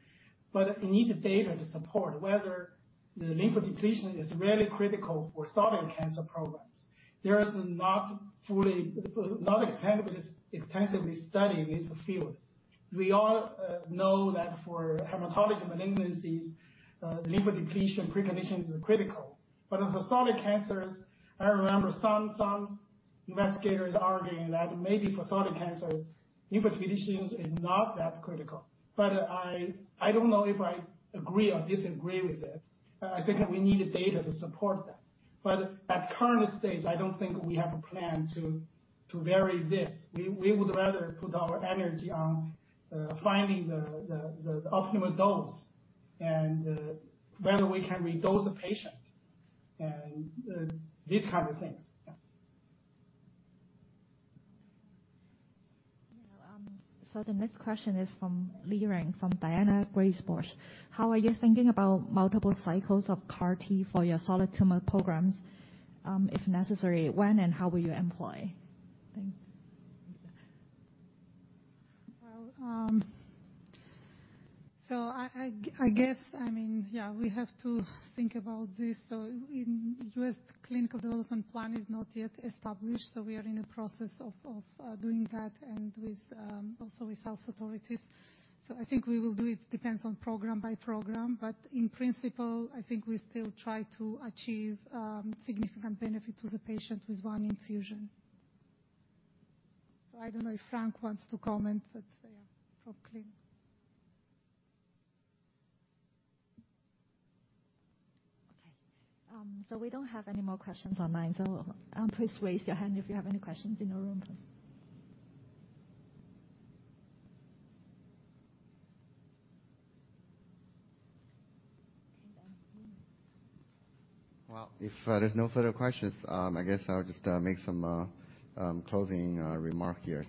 Need data to support. The lymphodepletion is really critical for solid cancer programs. There is not extensively studied in this field. We all know that for hematologic malignancies, lymphodepletion precondition is critical. For solid cancers, I remember some investigators arguing that maybe for solid cancers, lymphodepletion is not that critical. I don't know if I agree or disagree with it. I think we needed data to support that. At current stage, I don't think we have a plan to vary this. We would rather put our energy on finding the optimum dose and whether we can re-dose a patient, and these kind of things. Yeah. The next question is from Liren, from Daiwa Global Brand. How are you thinking about multiple cycles of CAR T for your solid tumor programs? If necessary, when and how will you employ? Thanks. We have to think about this. In U.S., clinical development plan is not yet established, so we are in the process of doing that, and also with health authorities. I think we will do it depends on program by program. In principle, I think we still try to achieve significant benefit to the patient with one infusion. I don't know if Frank wants to comment. From clinic. Okay. We don't have any more questions online. Please raise your hand if you have any questions in the room. Frank, you. Well, if there's no further questions, I guess I'll just make some closing remark here.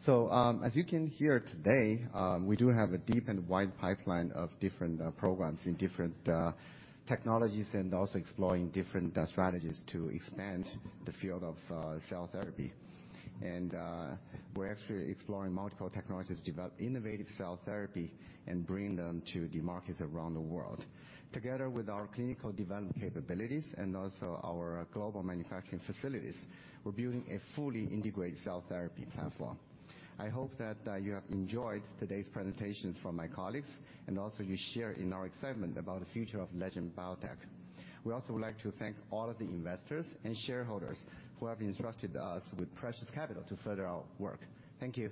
As you can hear today, we do have a deep and wide pipeline of different programs in different technologies and also exploring different strategies to expand the field of cell therapy. We're actually exploring multiple technologies, develop innovative cell therapy, and bring them to the markets around the world. Together with our clinical development capabilities and also our global manufacturing facilities, we're building a fully integrated cell therapy platform. I hope that you have enjoyed today's presentations from my colleagues, and also you share in our excitement about the future of Legend Biotech. We also would like to thank all of the investors and shareholders who have entrusted us with precious capital to further our work. Thank you.